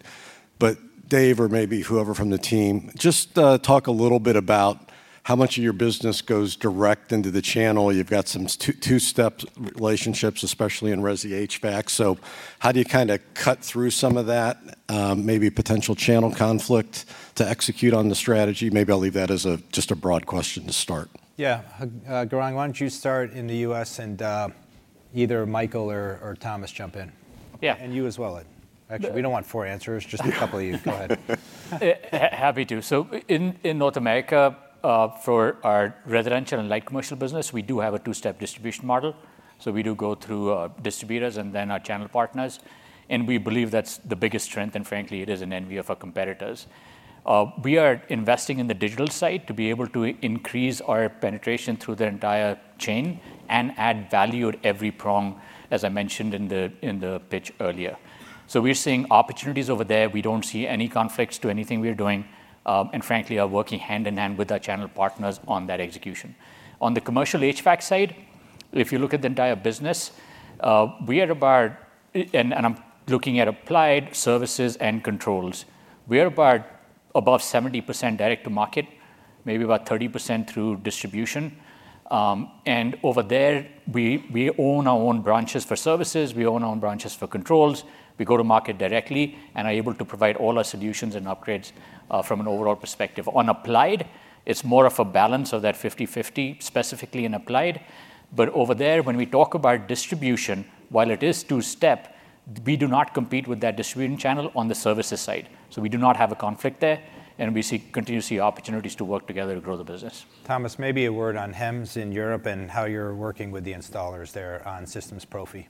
Dave, or maybe whoever from the team, just talk a little bit about how much of your business goes direct into the channel. You've got some two-step relationships, especially in Resi HVAC. How do you kind of cut through some of that, maybe potential channel conflict to execute on the strategy? Maybe I'll leave that as just a broad question to start. Yeah. Gaurang, why don't you start in the U.S., and either Michael or Thomas jump in. Yeah. You as well. Actually, we do not want four answers. Just a couple of you. Go ahead. Happy to. In North America, for our residential and light commercial business, we do have a two-step distribution model. We do go through distributors and then our channel partners. We believe that is the biggest strength. Frankly, it is an envy of our competitors. We are investing in the digital side to be able to increase our penetration through the entire chain and add value at every prong, as I mentioned in the pitch earlier. We are seeing opportunities over there. We do not see any conflicts to anything we are doing. Frankly, we are working hand in hand with our channel partners on that execution. On the commercial HVAC side, if you look at the entire business, we are about, and I'm looking at applied services and controls, we are about above 70% direct to market, maybe about 30% through distribution. Over there, we own our own branches for services. We own our own branches for controls. We go to market directly and are able to provide all our solutions and upgrades from an overall perspective. On applied, it's more of a balance of that 50/50, specifically in applied. Over there, when we talk about distribution, while it is two-step, we do not compete with that distribution channel on the services side. We do not have a conflict there. We continue to see opportunities to work together to grow the business. Thomas, maybe a word on HEMS in Europe and how you're working with the installers there on Systems Profi?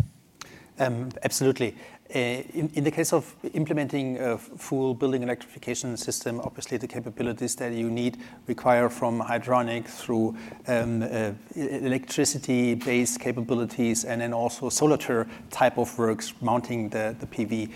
Absolutely.In the case of implementing a full building electrification system, obviously the capabilities that you need require from hydronics through electricity-based capabilities and then also solitary type of works mounting the PV.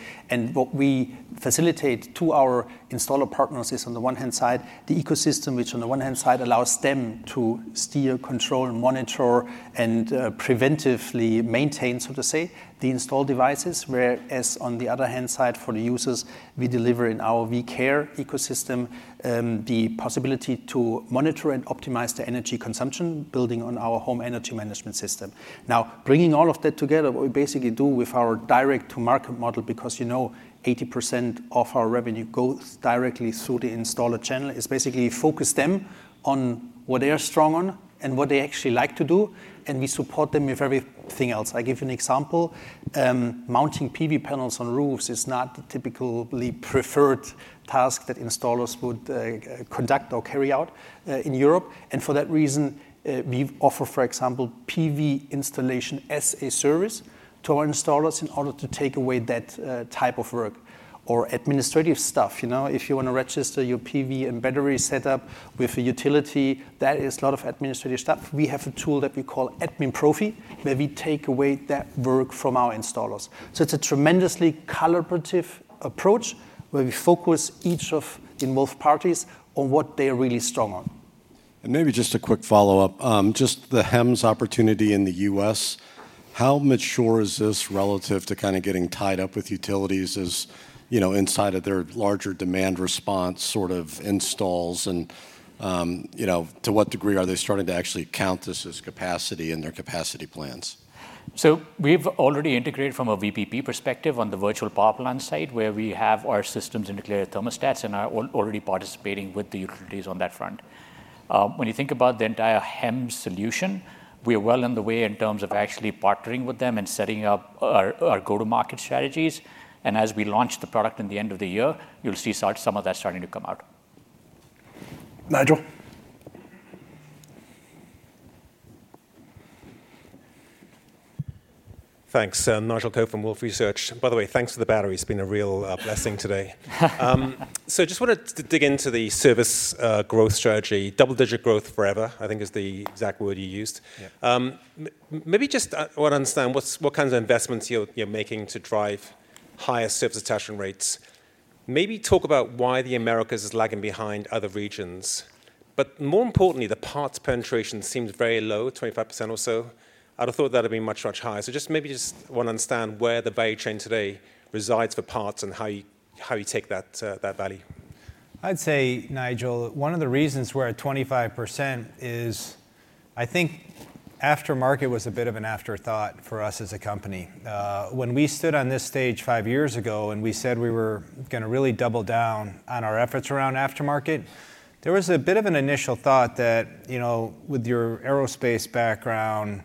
What we facilitate to our installer partners is, on the one hand side, the ecosystem, which on the one hand side allows them to steer, control, monitor, and preventively maintain, so to say, the installed devices. Whereas on the other hand side, for the users, we deliver in our VCare ecosystem the possibility to monitor and optimize the energy consumption building on our home energy management system. Now, bringing all of that together, what we basically do with our direct-to-market model, because 80% of our revenue goes directly through the installer channel, is basically focus them on what they are strong on and what they actually like to do. We support them with everything else. I give you an example. Mounting PV panels on roofs is not the typically preferred task that installers would conduct or carry out in Europe. For that reason, we offer, for example, PV installation as a service to our installers in order to take away that type of work or administrative stuff. If you want to register your PV and battery setup with a utility, that is a lot of administrative stuff. We have a tool that we call [Admin Profi], where we take away that work from our installers. It is a tremendously collaborative approach where we focus each of the involved parties on what they are really strong on. Maybe just a quick follow-up. Just the HEMS opportunity in the U.S., how mature is this relative to kind of getting tied up with utilities inside of their larger demand response sort of installs? To what degree are they starting to actually count this as capacity in their capacity plans? We have already integrated from a VPP perspective on the virtual power plant side, where we have our systems and declared thermostats, and are already participating with the utilities on that front. When you think about the entire HEMS solution, we are well on the way in terms of actually partnering with them and setting up our go-to-market strategies. As we launch the product at the end of the year, you will see some of that starting to come out. Nigel. Thanks. Nigel Coe from Wolfe Research. By the way, thanks for the battery. It has been a real blessing today. I just wanted to dig into the service growth strategy. Double-digit growth forever, I think, is the exact word you used. Maybe just I want to understand what kinds of investments you're making to drive higher service attachment rates. Maybe talk about why America is lagging behind other regions. More importantly, the parts penetration seems very low, 25% or so. I'd have thought that would be much, much higher. Just maybe just want to understand where the value chain today resides for parts and how you take that value. I'd say, Nigel, one of the reasons we're at 25% is, I think, aftermarket was a bit of an afterthought for us as a company. When we stood on this stage five years ago and we said we were going to really double down on our efforts around aftermarket, there was a bit of an initial thought that with your aerospace background,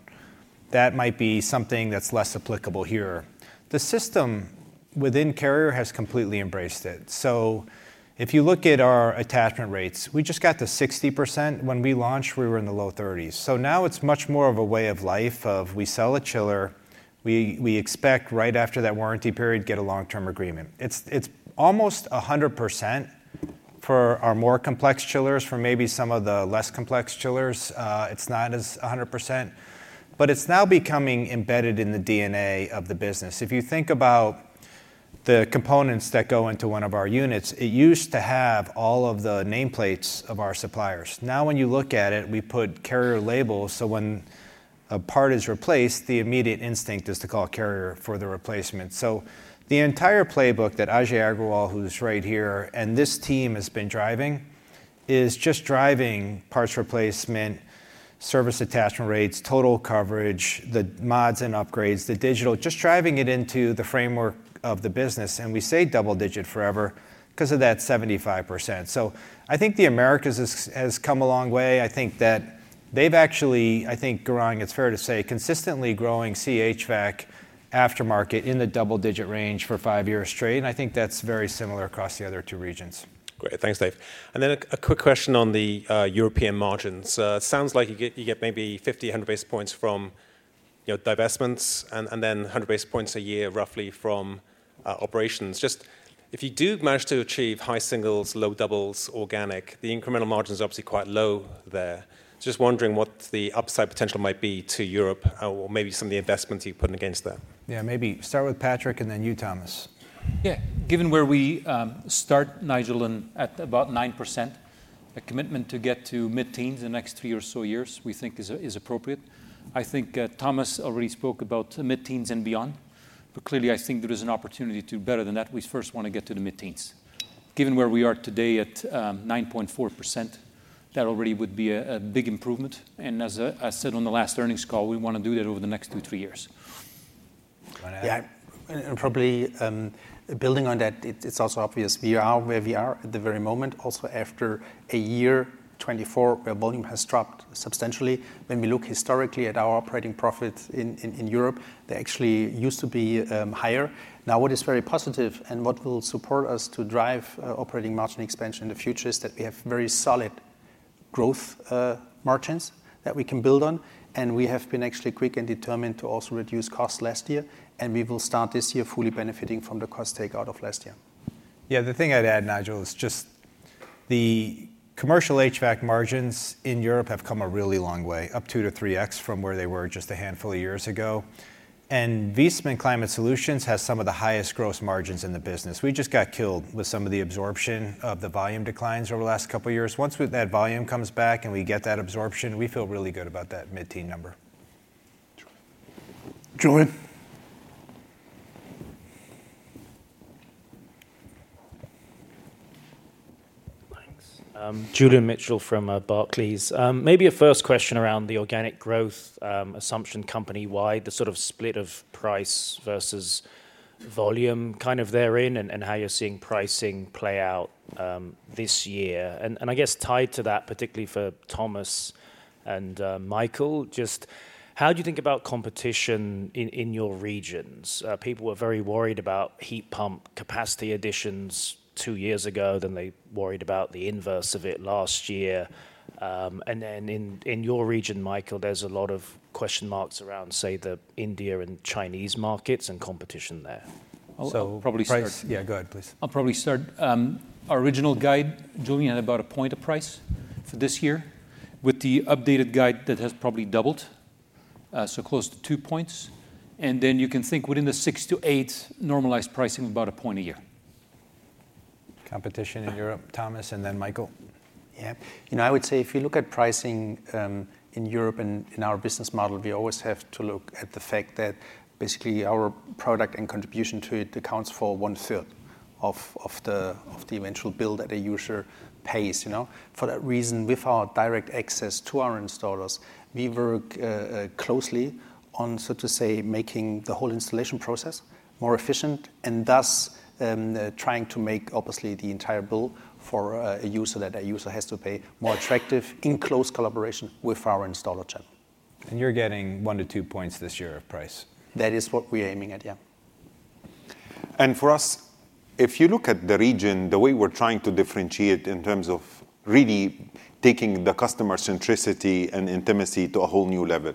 that might be something that's less applicable here. The system within Carrier has completely embraced it. If you look at our attachment rates, we just got to 60%. When we launched, we were in the low 30s. Now it's much more of a way of life of we sell a chiller. We expect right after that warranty period, get a long-term agreement. It's almost 100% for our more complex chillers. For maybe some of the less complex chillers, it's not as 100%. It's now becoming embedded in the DNA of the business. If you think about the components that go into one of our units, it used to have all of the nameplates of our suppliers. Now when you look at it, we put Carrier labels. When a part is replaced, the immediate instinct is to call Carrier for the replacement. The entire playbook that Ajay Agrawal, who's right here, and this team has been driving, is just driving parts replacement, service attachment rates, total coverage, the mods and upgrades, the digital, just driving it into the framework of the business. We say double-digit forever because of that 75%. I think America has come a long way. I think that they've actually, I think, Gaurang, it's fair to say, consistently growing CHVAC aftermarket in the double-digit range for five years straight. I think that's very similar across the other two regions. Great. Thanks, Dave. A quick question on the European margins. It sounds like you get maybe 50, 100 basis points from divestments and then 100 basis points a year roughly from operations. Just if you do manage to achieve high singles, low doubles, organic, the incremental margin is obviously quite low there. Just wondering what the upside potential might be to Europe or maybe some of the investments you've put against that. Yeah, maybe start with Patrick and then you, Thomas. Yeah. Given where we start, Nigel, and at about 9%, a commitment to get to mid-teens in the next three or so years, we think, is appropriate. I think Thomas already spoke about mid-teens and beyond. Clearly, I think there is an opportunity to do better than that. We first want to get to the mid-teens. Given where we are today at 9.4%, that already would be a big improvement. As I said on the last earnings call, we want to do that over the next two, three years. Yeah. Probably building on that, it's also obvious we are where we are at the very moment. Also, after a year, 2024, where volume has dropped substantially, when we look historically at our operating profits in Europe, they actually used to be higher. Now what is very positive and what will support us to drive operating margin expansion in the future is that we have very solid gross margins that we can build on. And we have been actually quick and determined to also reduce costs last year. We will start this year fully benefiting from the cost takeout of last year. Yeah. The thing I'd add, Nigel, is just the commercial HVAC margins in Europe have come a really long way, up two- to three-times from where they were just a handful of years ago. And Viessmann Climate Solutions has some of the highest gross margins in the business. We just got killed with some of the absorption of the volume declines over the last couple of years. Once that volume comes back and we get that absorption, we feel really good about that mid-teen number. Julien. Thanks. Julien Mitchell from Barclays. Maybe a first question around the organic growth assumption company-wide, the sort of split of price versus volume kind of therein and how you're seeing pricing play out this year. And I guess tied to that, particularly for Thomas and Michael, just how do you think about competition in your regions? People were very worried about heat pump capacity additions two years ago. Then they worried about the inverse of it last year. In your region, Michael, there's a lot of question marks around, say, the India and Chinese markets and competition there. So price. Yeah, go ahead, please. I'll probably start. Our original guide, Jordan, had about a point of price for this year, with the updated guide that has probably doubled, so close to two points. You can think within the six to eight normalized pricing, about a point a year. Competition in Europe, Thomas, and then Michael. Yeah. I would say if you look at pricing in Europe and in our business model, we always have to look at the fact that basically our product and contribution to it accounts for 1/3 of the eventual bill that a user pays. For that reason, with our direct access to our installers, we work closely on, so to say, making the whole installation process more efficient and thus trying to make, obviously, the entire bill for a user that a user has to pay more attractive in close collaboration with our installer channel. You're getting one to two percentage points this year of price. That is what we're aiming at, yeah. For us, if you look at the region, the way we're trying to differentiate in terms of really taking the customer centricity and intimacy to a whole new level,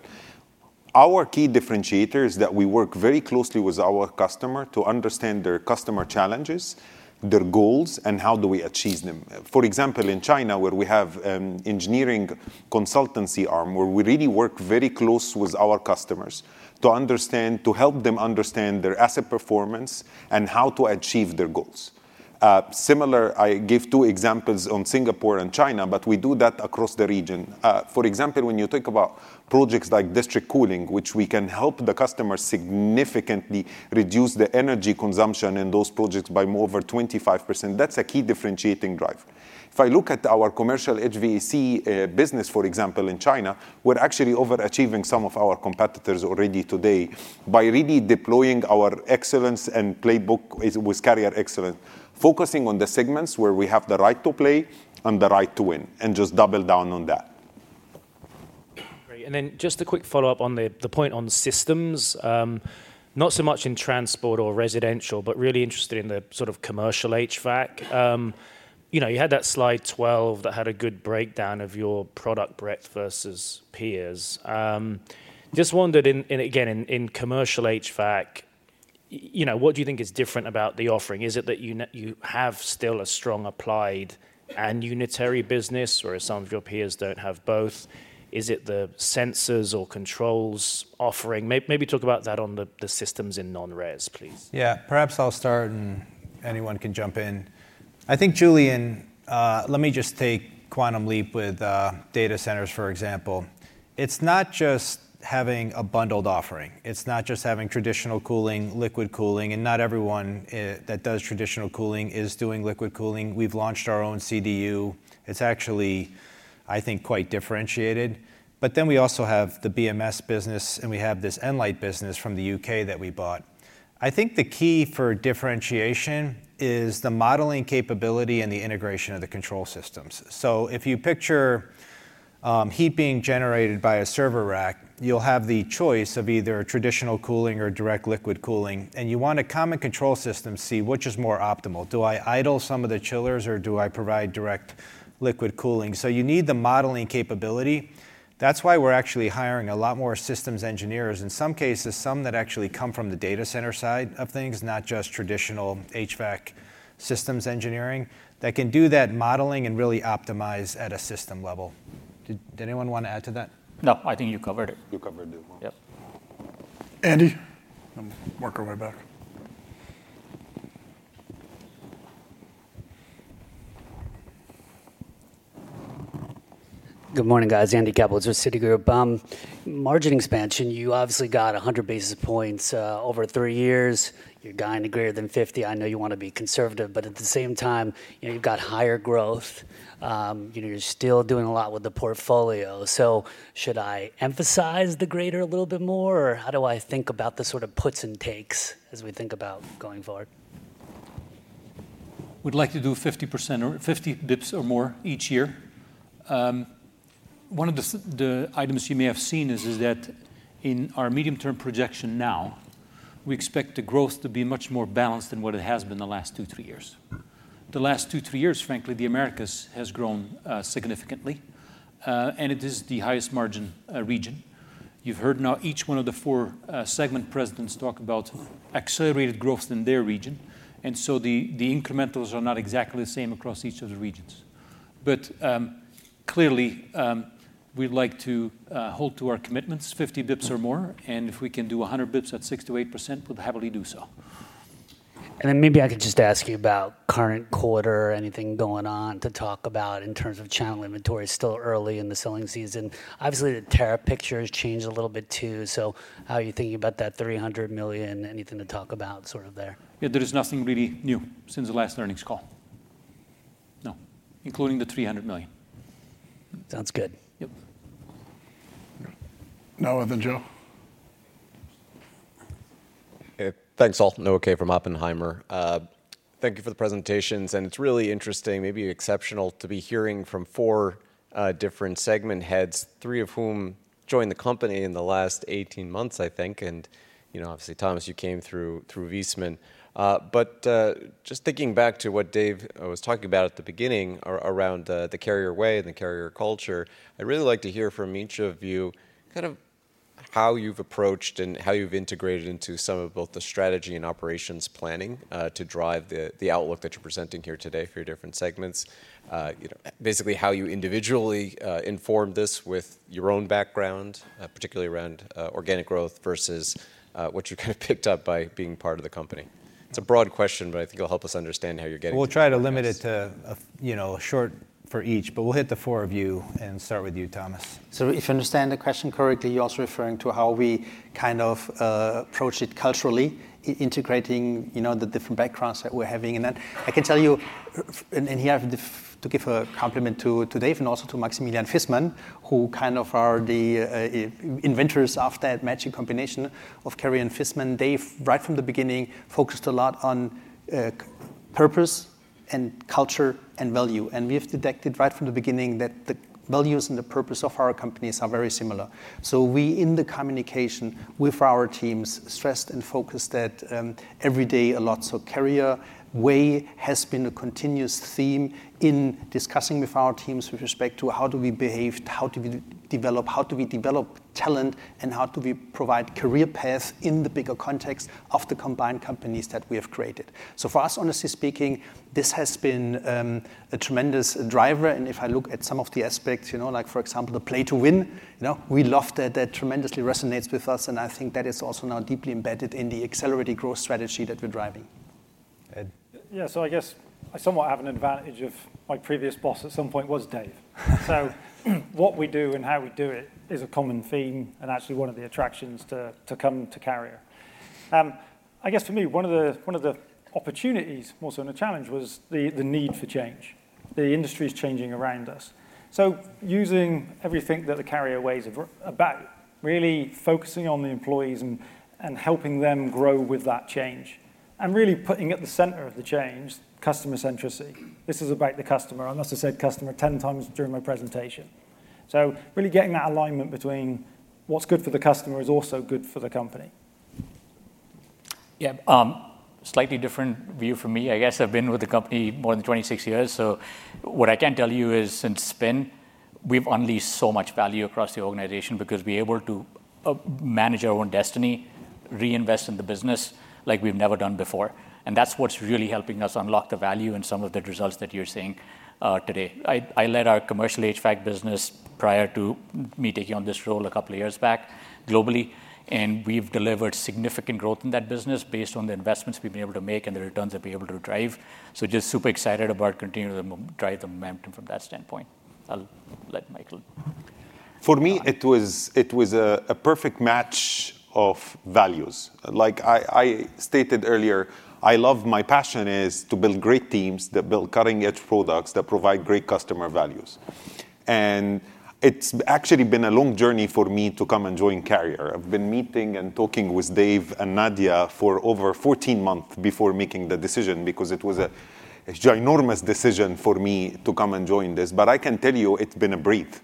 our key differentiator is that we work very closely with our customer to understand their customer challenges, their goals, and how do we achieve them. For example, in China, where we have an engineering consultancy arm, we really work very close with our customers to help them understand their asset performance and how to achieve their goals. Similar, I give two examples on Singapore and China, but we do that across the region. For example, when you think about projects like district cooling, which we can help the customer significantly reduce the energy consumption in those projects by more than 25%, that's a key differentiating driver. If I look at our commercial HVAC business, for example, in China, we're actually overachieving some of our competitors already today by really deploying our excellence and playbook with Carrier excellence, focusing on the segments where we have the right to play and the right to win and just double down on that. Great. Just a quick follow-up on the point on systems, not so much in transport or residential, but really interested in the sort of commercial HVAC. You had that slide 12 that had a good breakdown of your product breadth versus peers. Just wondered, again, in commercial HVAC, what do you think is different about the offering? Is it that you have still a strong applied and unitary business, or some of your peers do not have both? Is it the sensors or controls offering? Maybe talk about that on the systems in non-RES, please. Yeah. Perhaps I will start, and anyone can jump in. I think, Julian, let me just take Quantum Leap with data centers, for example. It is not just having a bundled offering. It is not just having traditional cooling, liquid cooling. And not everyone that does traditional cooling is doing liquid cooling. We have launched our own CDU. It is actually, I think, quite differentiated. Then we also have the BMS business, and we have this Enlight business from the U.K. that we bought. I think the key for differentiation is the modeling capability and the integration of the control systems. If you picture heat being generated by a server rack, you'll have the choice of either traditional cooling or direct liquid cooling. You want to come and control systems, see which is more optimal. Do I idle some of the chillers, or do I provide direct liquid cooling? You need the modeling capability. That's why we're actually hiring a lot more systems engineers, in some cases, some that actually come from the data center side of things, not just traditional HVAC systems engineering, that can do that modeling and really optimize at a system level. Did anyone want to add to that? No. I think you covered it. You covered it. Yep. Andy, work our way back. Good morning, guys. Andy Kaplowitz, Citigroup. Margin expansion, you obviously got 100 basis points over three years. You're guiding to greater than 50. I know you want to be conservative. At the same time, you've got higher growth. You're still doing a lot with the portfolio. Should I emphasize the greater a little bit more, or how do I think about the sort of puts and takes as we think about going forward? We'd like to do 50 basis points or more each year. One of the items you may have seen is that in our medium-term projection now, we expect the growth to be much more balanced than what it has been the last two, three years. The last two, three years, frankly, the Americas has grown significantly. It is the highest margin region. You've heard now each one of the four segment presidents talk about accelerated growth in their region. The incrementals are not exactly the same across each of the regions. Clearly, we'd like to hold to our commitments, 50 basis points or more. If we can do 100 basis points at 6%-8%, we'll happily do so. Maybe I could just ask you about current quarter, anything going on to talk about in terms of channel inventory. Still early in the selling season. Obviously, the tariff picture has changed a little bit too. How are you thinking about that $300 million? Anything to talk about sort of there? Yeah. There is nothing really new since the last earnings call. No, including the $300 million. Sounds good. Yep. Now, [Evangelo]. Thanks, [Alton Oke] from Oppenheimer. Thank you for the presentations. It's really interesting, maybe exceptional, to be hearing from four different segment heads, three of whom joined the company in the last 18 months, I think. Obviously, Thomas, you came through Viessmann. But just thinking back to what Dave was talking about at the beginning around the Carrier way and the Carrier culture, I'd really like to hear from each of you kind of how you've approached and how you've integrated into some of both the strategy and operations planning to drive the outlook that you're presenting here today for your different segments, basically how you individually informed this with your own background, particularly around organic growth versus what you kind of picked up by being part of the company. It's a broad question, but I think it'll help us understand how you're getting there. We'll try to limit it to a short for each. We'll hit the four of you and start with you, Thomas. If you understand the question correctly, you're also referring to how we kind of approach it culturally, integrating the different backgrounds that we're having. I can tell you, and here to give a compliment to Dave and also to Maximilian Viessmann, who kind of are the inventors of that magic combination of Carrier and Viessmann. Dave, right from the beginning, focused a lot on purpose and culture and value. We have detected right from the beginning that the values and the purpose of our companies are very similar. We, in the communication with our teams, stressed and focused that every day a lot. Carrier way has been a continuous theme in discussing with our teams with respect to how do we behave, how do we develop, how do we develop talent, and how do we provide career paths in the bigger context of the combined companies that we have created. For us, honestly speaking, this has been a tremendous driver. If I look at some of the aspects, like for example, the play to win, we love that. That tremendously resonates with us. I think that is also now deeply embedded in the accelerated growth strategy that we're driving. Yeah. I guess I somewhat have an advantage of my previous boss at some point was Dave. What we do and how we do it is a common theme and actually one of the attractions to come to Carrier. I guess for me, one of the opportunities, more so than a challenge, was the need for change. The industry is changing around us. Using everything that the Carrier way is about, really focusing on the employees and helping them grow with that change, and really putting at the center of the change customer centricity. This is about the customer. I must have said customer 10 times during my presentation. Really getting that alignment between what's good for the customer is also good for the company. Yeah. Slightly different view from me. I guess I've been with the company more than 26 years. What I can tell you is since Spin, we've unleashed so much value across the organization because we're able to manage our own destiny, reinvest in the business like we've never done before. That's what's really helping us unlock the value and some of the results that you're seeing today. I led our commercial HVAC business prior to me taking on this role a couple of years back globally. We've delivered significant growth in that business based on the investments we've been able to make and the returns that we're able to drive. Just super excited about continuing to drive the momentum from that standpoint. I'll let Michael. For me, it was a perfect match of values. Like I stated earlier, my passion is to build great teams that build cutting-edge products that provide great customer values. It's actually been a long journey for me to come and join Carrier. I've been meeting and talking with Dave and Nadia for over 14 months before making the decision because it was a ginormous decision for me to come and join this. I can tell you it's been a breath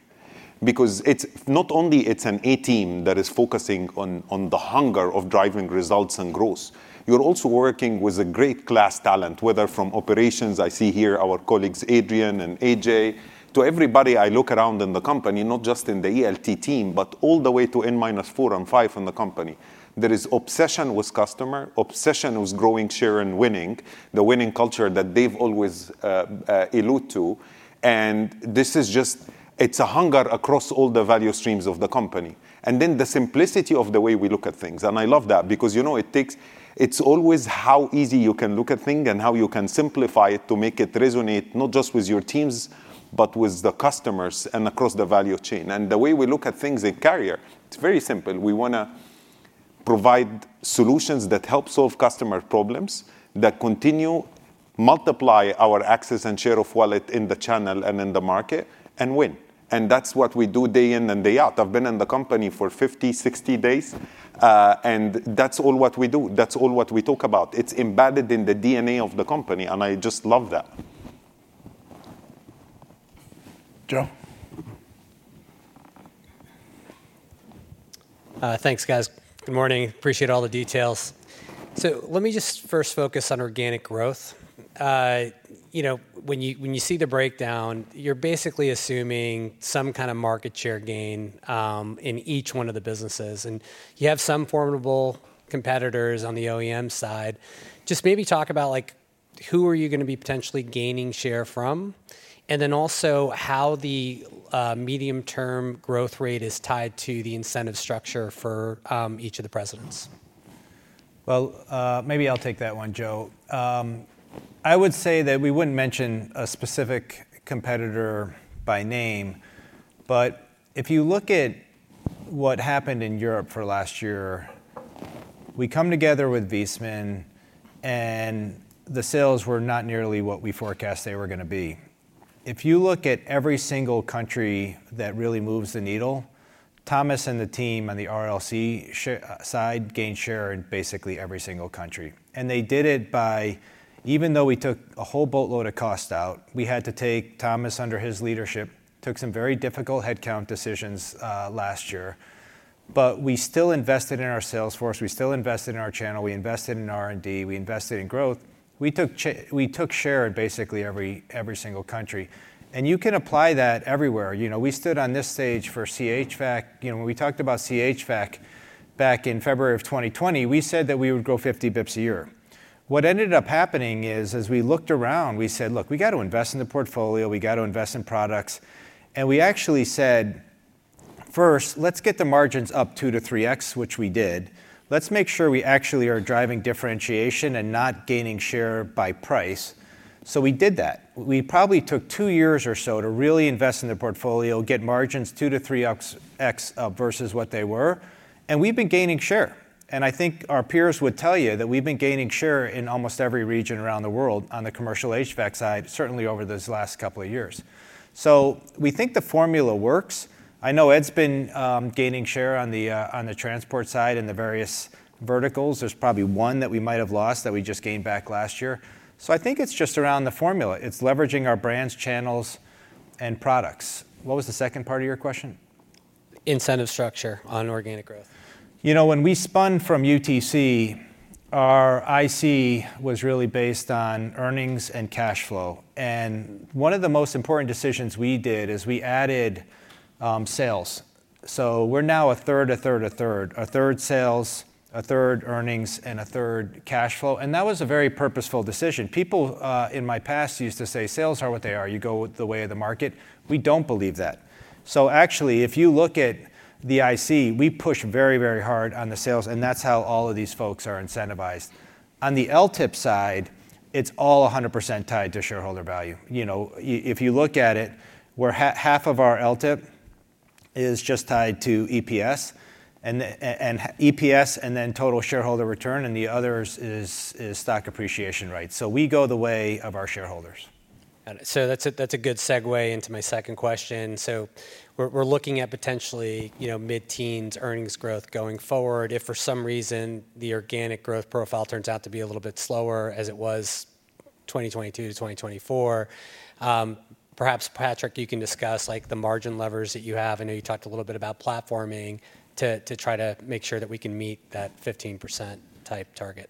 because not only is it an A team that is focusing on the hunger of driving results and growth, you're also working with a great class talent, whether from operations. I see here our colleagues, Adrian and AJ, to everybody I look around in the company, not just in the ELT team, but all the way to N-4 and 5 in the company. There is obsession with customer, obsession with growing share and winning, the winning culture that Dave always alluded to. This is just, it's a hunger across all the value streams of the company. The simplicity of the way we look at things. I love that because it's always how easy you can look at things and how you can simplify it to make it resonate not just with your teams, but with the customers and across the value chain. The way we look at things at Carrier, it's very simple. We want to provide solutions that help solve customer problems, that continue, multiply our access and share of wallet in the channel and in the market, and win. That is what we do day in and day out. I have been in the company for 50, 60 days. That is all what we do. That is all what we talk about. It is embedded in the DNA of the company. I just love that. Joe. Thanks, guys. Good morning. Appreciate all the details. Let me just first focus on organic growth. When you see the breakdown, you are basically assuming some kind of market share gain in each one of the businesses. You have some formidable competitors on the OEM side. Just maybe talk about who are you going to be potentially gaining share from, and then also how the medium-term growth rate is tied to the incentive structure for each of the presidents. I'll take that one, Joe. I would say that we would not mention a specific competitor by name. If you look at what happened in Europe for last year, we come together with Viessmann, and the sales were not nearly what we forecast they were going to be. If you look at every single country that really moves the needle, Thomas and the team on the ALC side gained share in basically every single country. They did it by, even though we took a whole boatload of cost out, we had to take, Thomas under his leadership, took some very difficult headcount decisions last year. We still invested in our sales force. We still invested in our channel. We invested in R&D. We invested in growth. We took share in basically every single country. You can apply that everywhere. We stood on this stage for CHVAC. When we talked about CHVAC back in February of 2020, we said that we would grow 50 basis points a year. What ended up happening is, as we looked around, we said, look, we have got to invest in the portfolio. We have got to invest in products. We actually said, first, let's get the margins up 2x-3x, which we did. Let's make sure we actually are driving differentiation and not gaining share by price. We did that. We probably took two years or so to really invest in the portfolio, get margins 2x-3x up versus what they were. We have been gaining share. I think our peers would tell you that we've been gaining share in almost every region around the world on the commercial HVAC side, certainly over this last couple of years. We think the formula works. I know Ed's been gaining share on the transport side and the various verticals. There's probably one that we might have lost that we just gained back last year. I think it's just around the formula. It's leveraging our brands, channels, and products. What was the second part of your question? Incentive structure on organic growth. When we spun from UTC, our IC was really based on earnings and cash flow. One of the most important decisions we did is we added sales. We're now 1/3, 1/3, 1/3. A third sales, a third earnings, and a third cash flow. That was a very purposeful decision. People in my past used to say, sales are what they are. You go the way of the market. We do not believe that. Actually, if you look at the IC, we push very, very hard on the sales. That is how all of these folks are incentivized. On the LTIP side, it is all 100% tied to shareholder value. If you look at it, half of our LTIP is just tied to EPS and then total shareholder return. The others is stock appreciation rate. We go the way of our shareholders. That is a good segue into my second question. We are looking at potentially mid-teens earnings growth going forward. If for some reason the organic growth profile turns out to be a little bit slower as it was 2022 to 2024, perhaps Patrick, you can discuss the margin levers that you have. I know you talked a little bit about platforming to try to make sure that we can meet that 15% type target.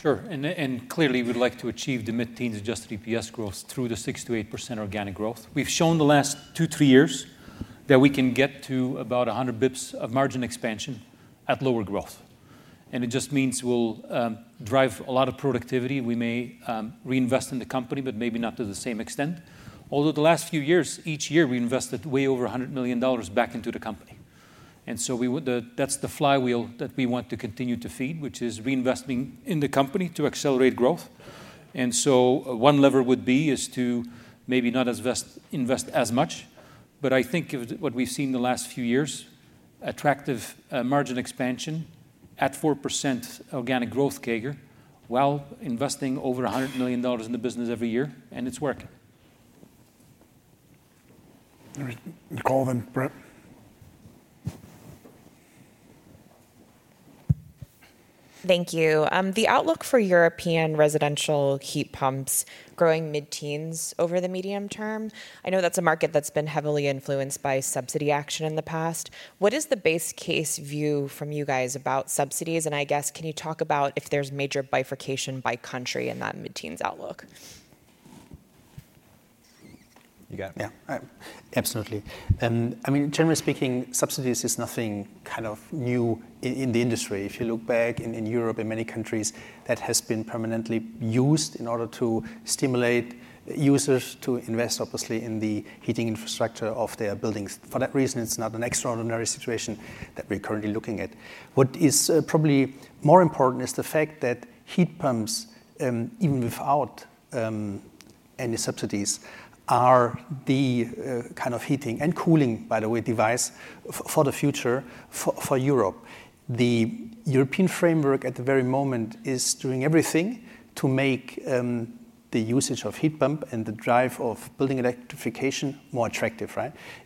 Sure. And clearly, we'd like to achieve the mid-teens adjusted EPS growth through the 6%-8% organic growth. We've shown the last two, three years that we can get to about 100 basis points of margin expansion at lower growth. It just means we'll drive a lot of productivity. We may reinvest in the company, but maybe not to the same extent. Although the last few years, each year, we invested way over $100 million back into the company. That is the flywheel that we want to continue to feed, which is reinvesting in the company to accelerate growth. One lever would be to maybe not invest as much. I think what we've seen the last few years, attractive margin expansion at 4% organic growth CAGR while investing over $100 million in the business every year. It's working. Nicole then Brett. Thank you. The outlook for European residential heat pumps growing mid-teens over the medium term, I know that's a market that's been heavily influenced by subsidy action in the past. What is the base case view from you guys about subsidies? I guess, can you talk about if there's major bifurcation by country in that mid-teens outlook? You got it. Yeah. Absolutely. I mean, generally speaking, subsidies is nothing kind of new in the industry. If you look back in Europe and many countries, that has been permanently used in order to stimulate users to invest, obviously, in the heating infrastructure of their buildings. For that reason, it's not an extraordinary situation that we're currently looking at. What is probably more important is the fact that heat pumps, even without any subsidies, are the kind of heating and cooling, by the way, device for the future for Europe. The European framework at the very moment is doing everything to make the usage of heat pump and the drive of building electrification more attractive.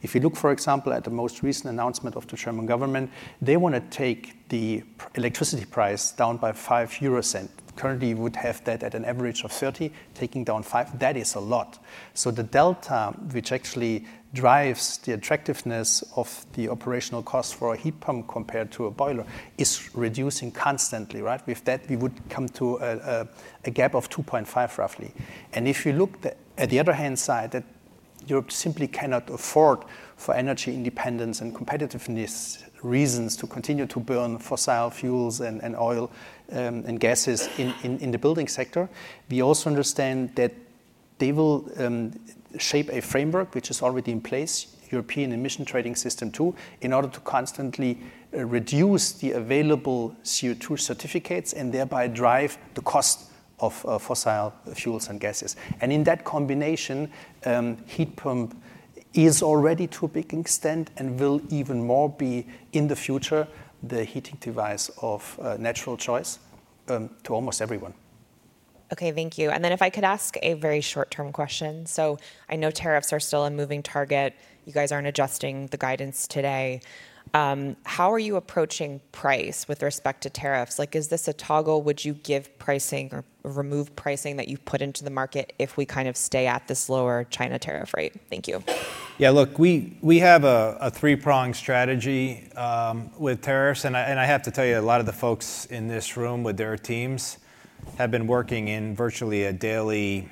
If you look, for example, at the most recent announcement of the German government, they want to take the electricity price down by 0.05. Currently, you would have that at an average of 0.30, taking down 0.05. That is a lot. The delta, which actually drives the attractiveness of the operational cost for a heat pump compared to a boiler, is reducing constantly. With that, we would come to a gap of 0.025 roughly. If you look at the other hand side, Europe simply cannot afford, for energy independence and competitiveness reasons, to continue to burn fossil fuels and oil and gases in the building sector. We also understand that they will shape a framework which is already in place, European Emission Trading System 2, in order to constantly reduce the available CO2 certificates and thereby drive the cost of fossil fuels and gases. In that combination, heat pump is already to a big extent and will even more be in the future the heating device of natural choice to almost everyone. Okay. Thank you. If I could ask a very short-term question. I know tariffs are still a moving target. You guys are not adjusting the guidance today. How are you approaching price with respect to tariffs? Is this a toggle? Would you give pricing or remove pricing that you've put into the market if we kind of stay at this lower China tariff rate? Thank you. Yeah. Look, we have a three-pronged strategy with tariffs. I have to tell you, a lot of the folks in this room with their teams have been working in virtually a daily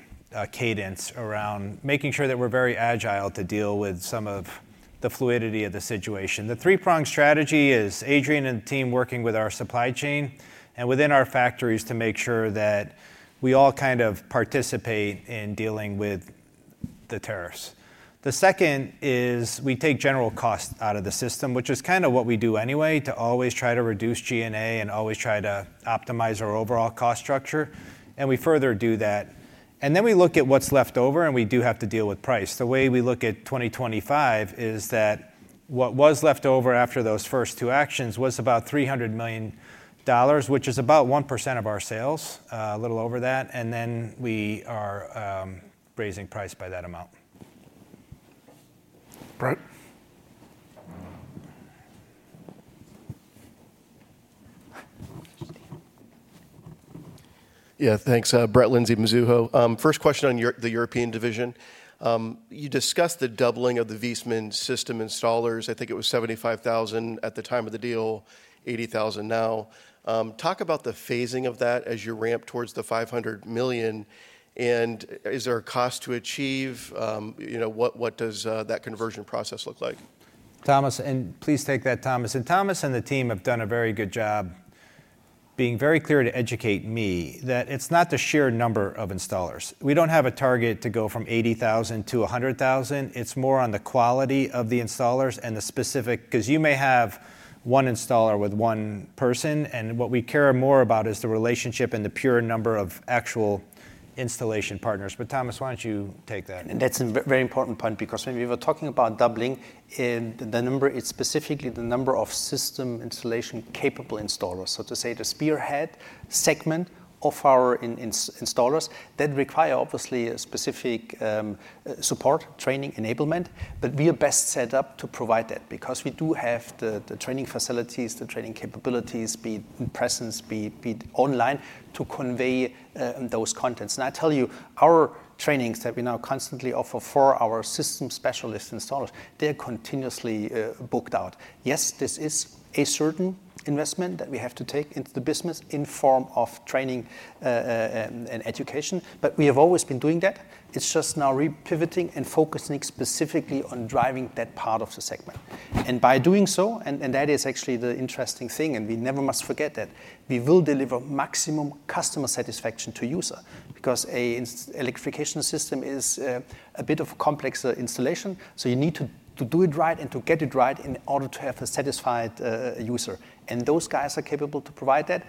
cadence around making sure that we're very agile to deal with some of the fluidity of the situation. The three-pronged strategy is Adrian and the team working with our supply chain and within our factories to make sure that we all kind of participate in dealing with the tariffs. The second is we take general cost out of the system, which is kind of what we do anyway, to always try to reduce G&A and always try to optimize our overall cost structure. We further do that. Then we look at what is left over. We do have to deal with price. The way we look at 2025 is that what was left over after those first two actions was about $300 million, which is about 1% of our sales, a little over that. We are raising price by that amount. Brett. Yeah. Thanks. Brett Linzey, Mizuho. First question on the European division. You discussed the doubling of the Viessmann system installers. I think it was 75,000 at the time of the deal, 80,000 now. Talk about the phasing of that as you ramp towards the $500 million. Is there a cost to achieve? What does that conversion process look like? Thomas, please take that, Thomas. Thomas and the team have done a very good job being very clear to educate me that it is not the sheer number of installers. We do not have a target to go from 80,000 to 100,000. It is more on the quality of the installers and the specific because you may have one installer with one person. What we care more about is the relationship and the pure number of actual installation partners. Thomas, why do you not take that? That is a very important point because when we were talking about doubling, the number is specifically the number of system installation capable installers, so to say, the spearhead segment of our installers that require, obviously, specific support, training, enablement. We are best set up to provide that because we do have the training facilities, the training capabilities, be it in presence, be it online, to convey those contents. I tell you, our trainings that we now constantly offer for our system specialist installers, they are continuously booked out. Yes, this is a certain investment that we have to take into the business in form of training and education. We have always been doing that. It's just now repivoting and focusing specifically on driving that part of the segment. By doing so, and that is actually the interesting thing, and we never must forget that, we will deliver maximum customer satisfaction to user because an electrification system is a bit of a complex installation. You need to do it right and to get it right in order to have a satisfied user. Those guys are capable to provide that.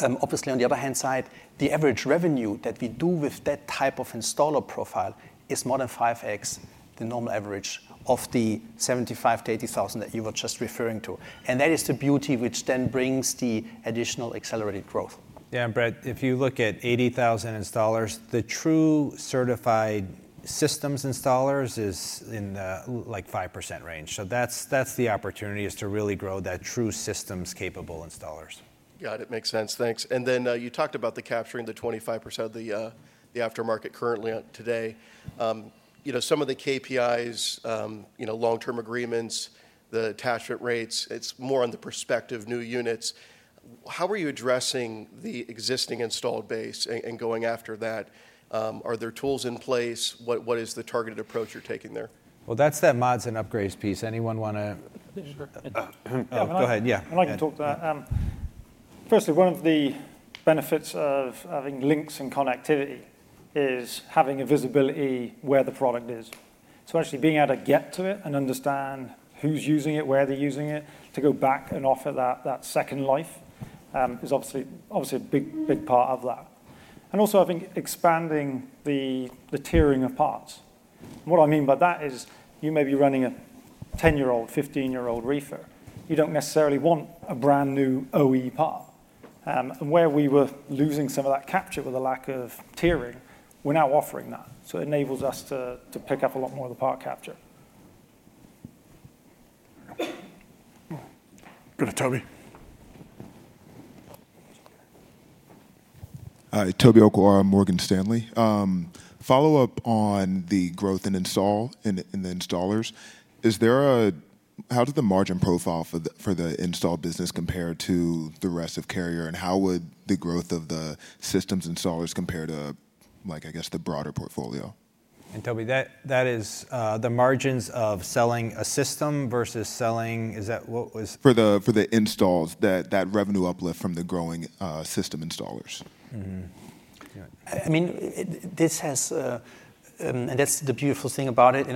Obviously, on the other hand side, the average revenue that we do with that type of installer profile is more than 5x the normal average of the 75,000-80,000 that you were just referring to. That is the beauty, which then brings the additional accelerated growth. Yeah. Brett, if you look at 80,000 installers, the true certified systems installers is in the 5% range. That is the opportunity, to really grow that true systems capable installers. Got it. Makes sense. Thanks. You talked about capturing the 25% of the aftermarket currently today. Some of the KPIs, long-term agreements, the attachment rates, it is more on the prospective new units. How are you addressing the existing installed base and going after that? Are there tools in place? What is the targeted approach you are taking there? That is that mods and upgrades piece. Anyone want to? Sure. Yeah. Go ahead. Yeah. I would like to talk to that. Firstly, one of the benefits of having Lynx and connectivity is having a visibility where the product is. Actually being able to get to it and understand who's using it, where they're using it, to go back and offer that second life is obviously a big part of that. I think expanding the tiering of parts, what I mean by that is you may be running a 10-year-old, 15-year-old reefer. You don't necessarily want a brand new OE part. Where we were losing some of that capture with a lack of tiering, we're now offering that. It enables us to pick up a lot more of the part capture. Go to Toby. Hi. Toby Okwara, Morgan Stanley. Follow-up on the growth in install and the installers. How does the margin profile for the install business compare to the rest of Carrier? How would the growth of the systems installers compare to, I guess, the broader portfolio? Toby, that is the margins of selling a system versus selling—is that what was? For the installs, that revenue uplift from the growing system installers. I mean, this has, and that's the beautiful thing about it,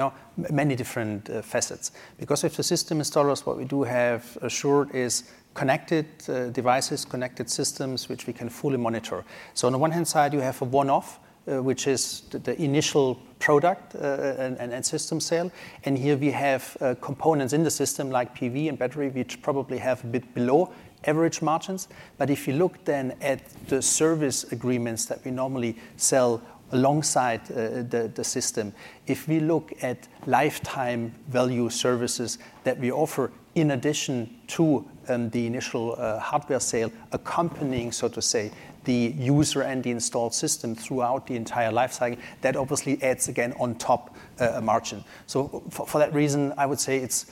many different facets. Because with the system installers, what we do have assured is connected devices, connected systems, which we can fully monitor. On the one hand side, you have a one-off, which is the initial product and system sale. Here we have components in the system like PV and battery, which probably have a bit below average margins. If you look then at the service agreements that we normally sell alongside the system, if we look at lifetime value services that we offer in addition to the initial hardware sale, accompanying, so to say, the user and the installed system throughout the entire lifecycle, that obviously adds again on top a margin. For that reason, I would say it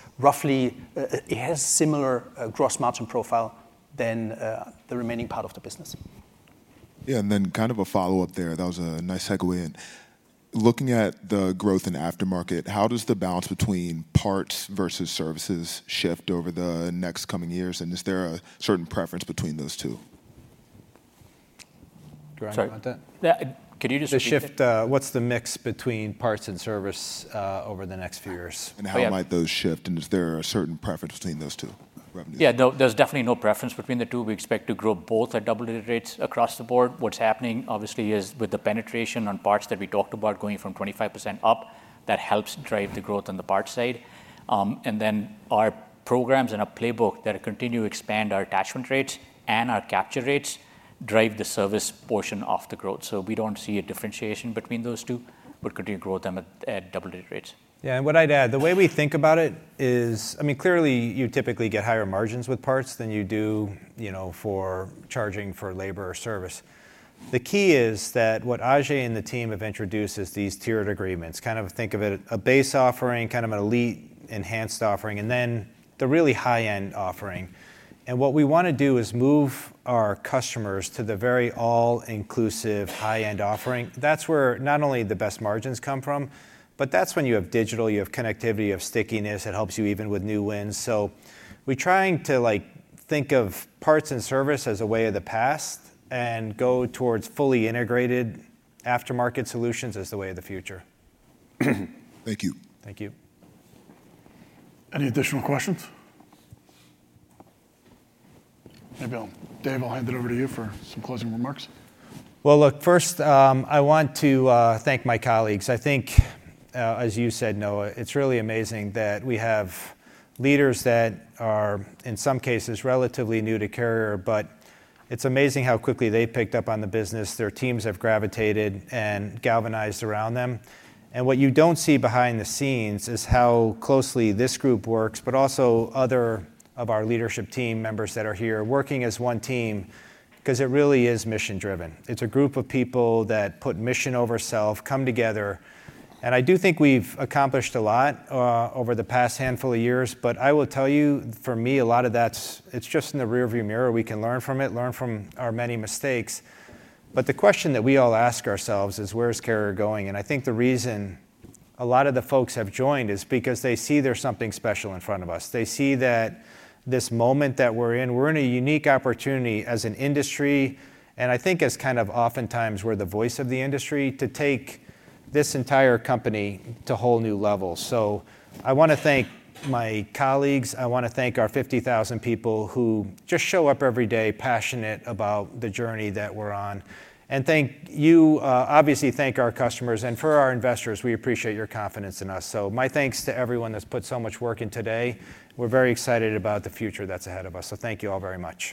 has a similar gross margin profile than the remaining part of the business. Yeah. Kind of a follow-up there. That was a nice segue in. Looking at the growth in aftermarket, how does the balance between parts versus services shift over the next coming years? Is there a certain preference between those two? Do I have to comment on that? Could you just—the shift, what's the mix between parts and service over the next few years? How might those shift? Is there a certain preference between those two revenues? Yeah. There's definitely no preference between the two. We expect to grow both at double-digit rates across the board. What's happening, obviously, is with the penetration on parts that we talked about going from 25% up, that helps drive the growth on the parts side. Then our programs and our playbook that continue to expand our attachment rates and our capture rates drive the service portion of the growth. We don't see a differentiation between those two. We'll continue to grow them at double-digit rates. Yeah. What I'd add, the way we think about it is, I mean, clearly, you typically get higher margins with parts than you do for charging for labor or service. The key is that what Ajay and the team have introduced is these tiered agreements. Kind of think of it as a base offering, kind of an elite enhanced offering, and then the really high-end offering. What we want to do is move our customers to the very all-inclusive high-end offering. That is where not only the best margins come from, but that is when you have digital, you have connectivity, you have stickiness. It helps you even with new wins. We are trying to think of parts and service as a way of the past and go towards fully integrated aftermarket solutions as the way of the future. Thank you. Thank you. Any additional questions? Maybe I will, Dave, I will hand it over to you for some closing remarks. First, I want to thank my colleagues. I think, as you said, Noah, it is really amazing that we have leaders that are, in some cases, relatively new to Carrier. It's amazing how quickly they picked up on the business. Their teams have gravitated and galvanized around them. What you do not see behind the scenes is how closely this group works, but also other of our leadership team members that are here working as one team because it really is mission-driven. It's a group of people that put mission over self, come together. I do think we've accomplished a lot over the past handful of years. I will tell you, for me, a lot of that, it's just in the rearview mirror. We can learn from it, learn from our many mistakes. The question that we all ask ourselves is, where is Carrier going? I think the reason a lot of the folks have joined is because they see there's something special in front of us. They see that this moment that we're in, we're in a unique opportunity as an industry and I think as kind of oftentimes we're the voice of the industry to take this entire company to whole new levels. I want to thank my colleagues. I want to thank our 50,000 people who just show up every day passionate about the journey that we're on. And you, obviously, thank our customers. For our investors, we appreciate your confidence in us. My thanks to everyone that's put so much work in today. We're very excited about the future that's ahead of us. Thank you all very much.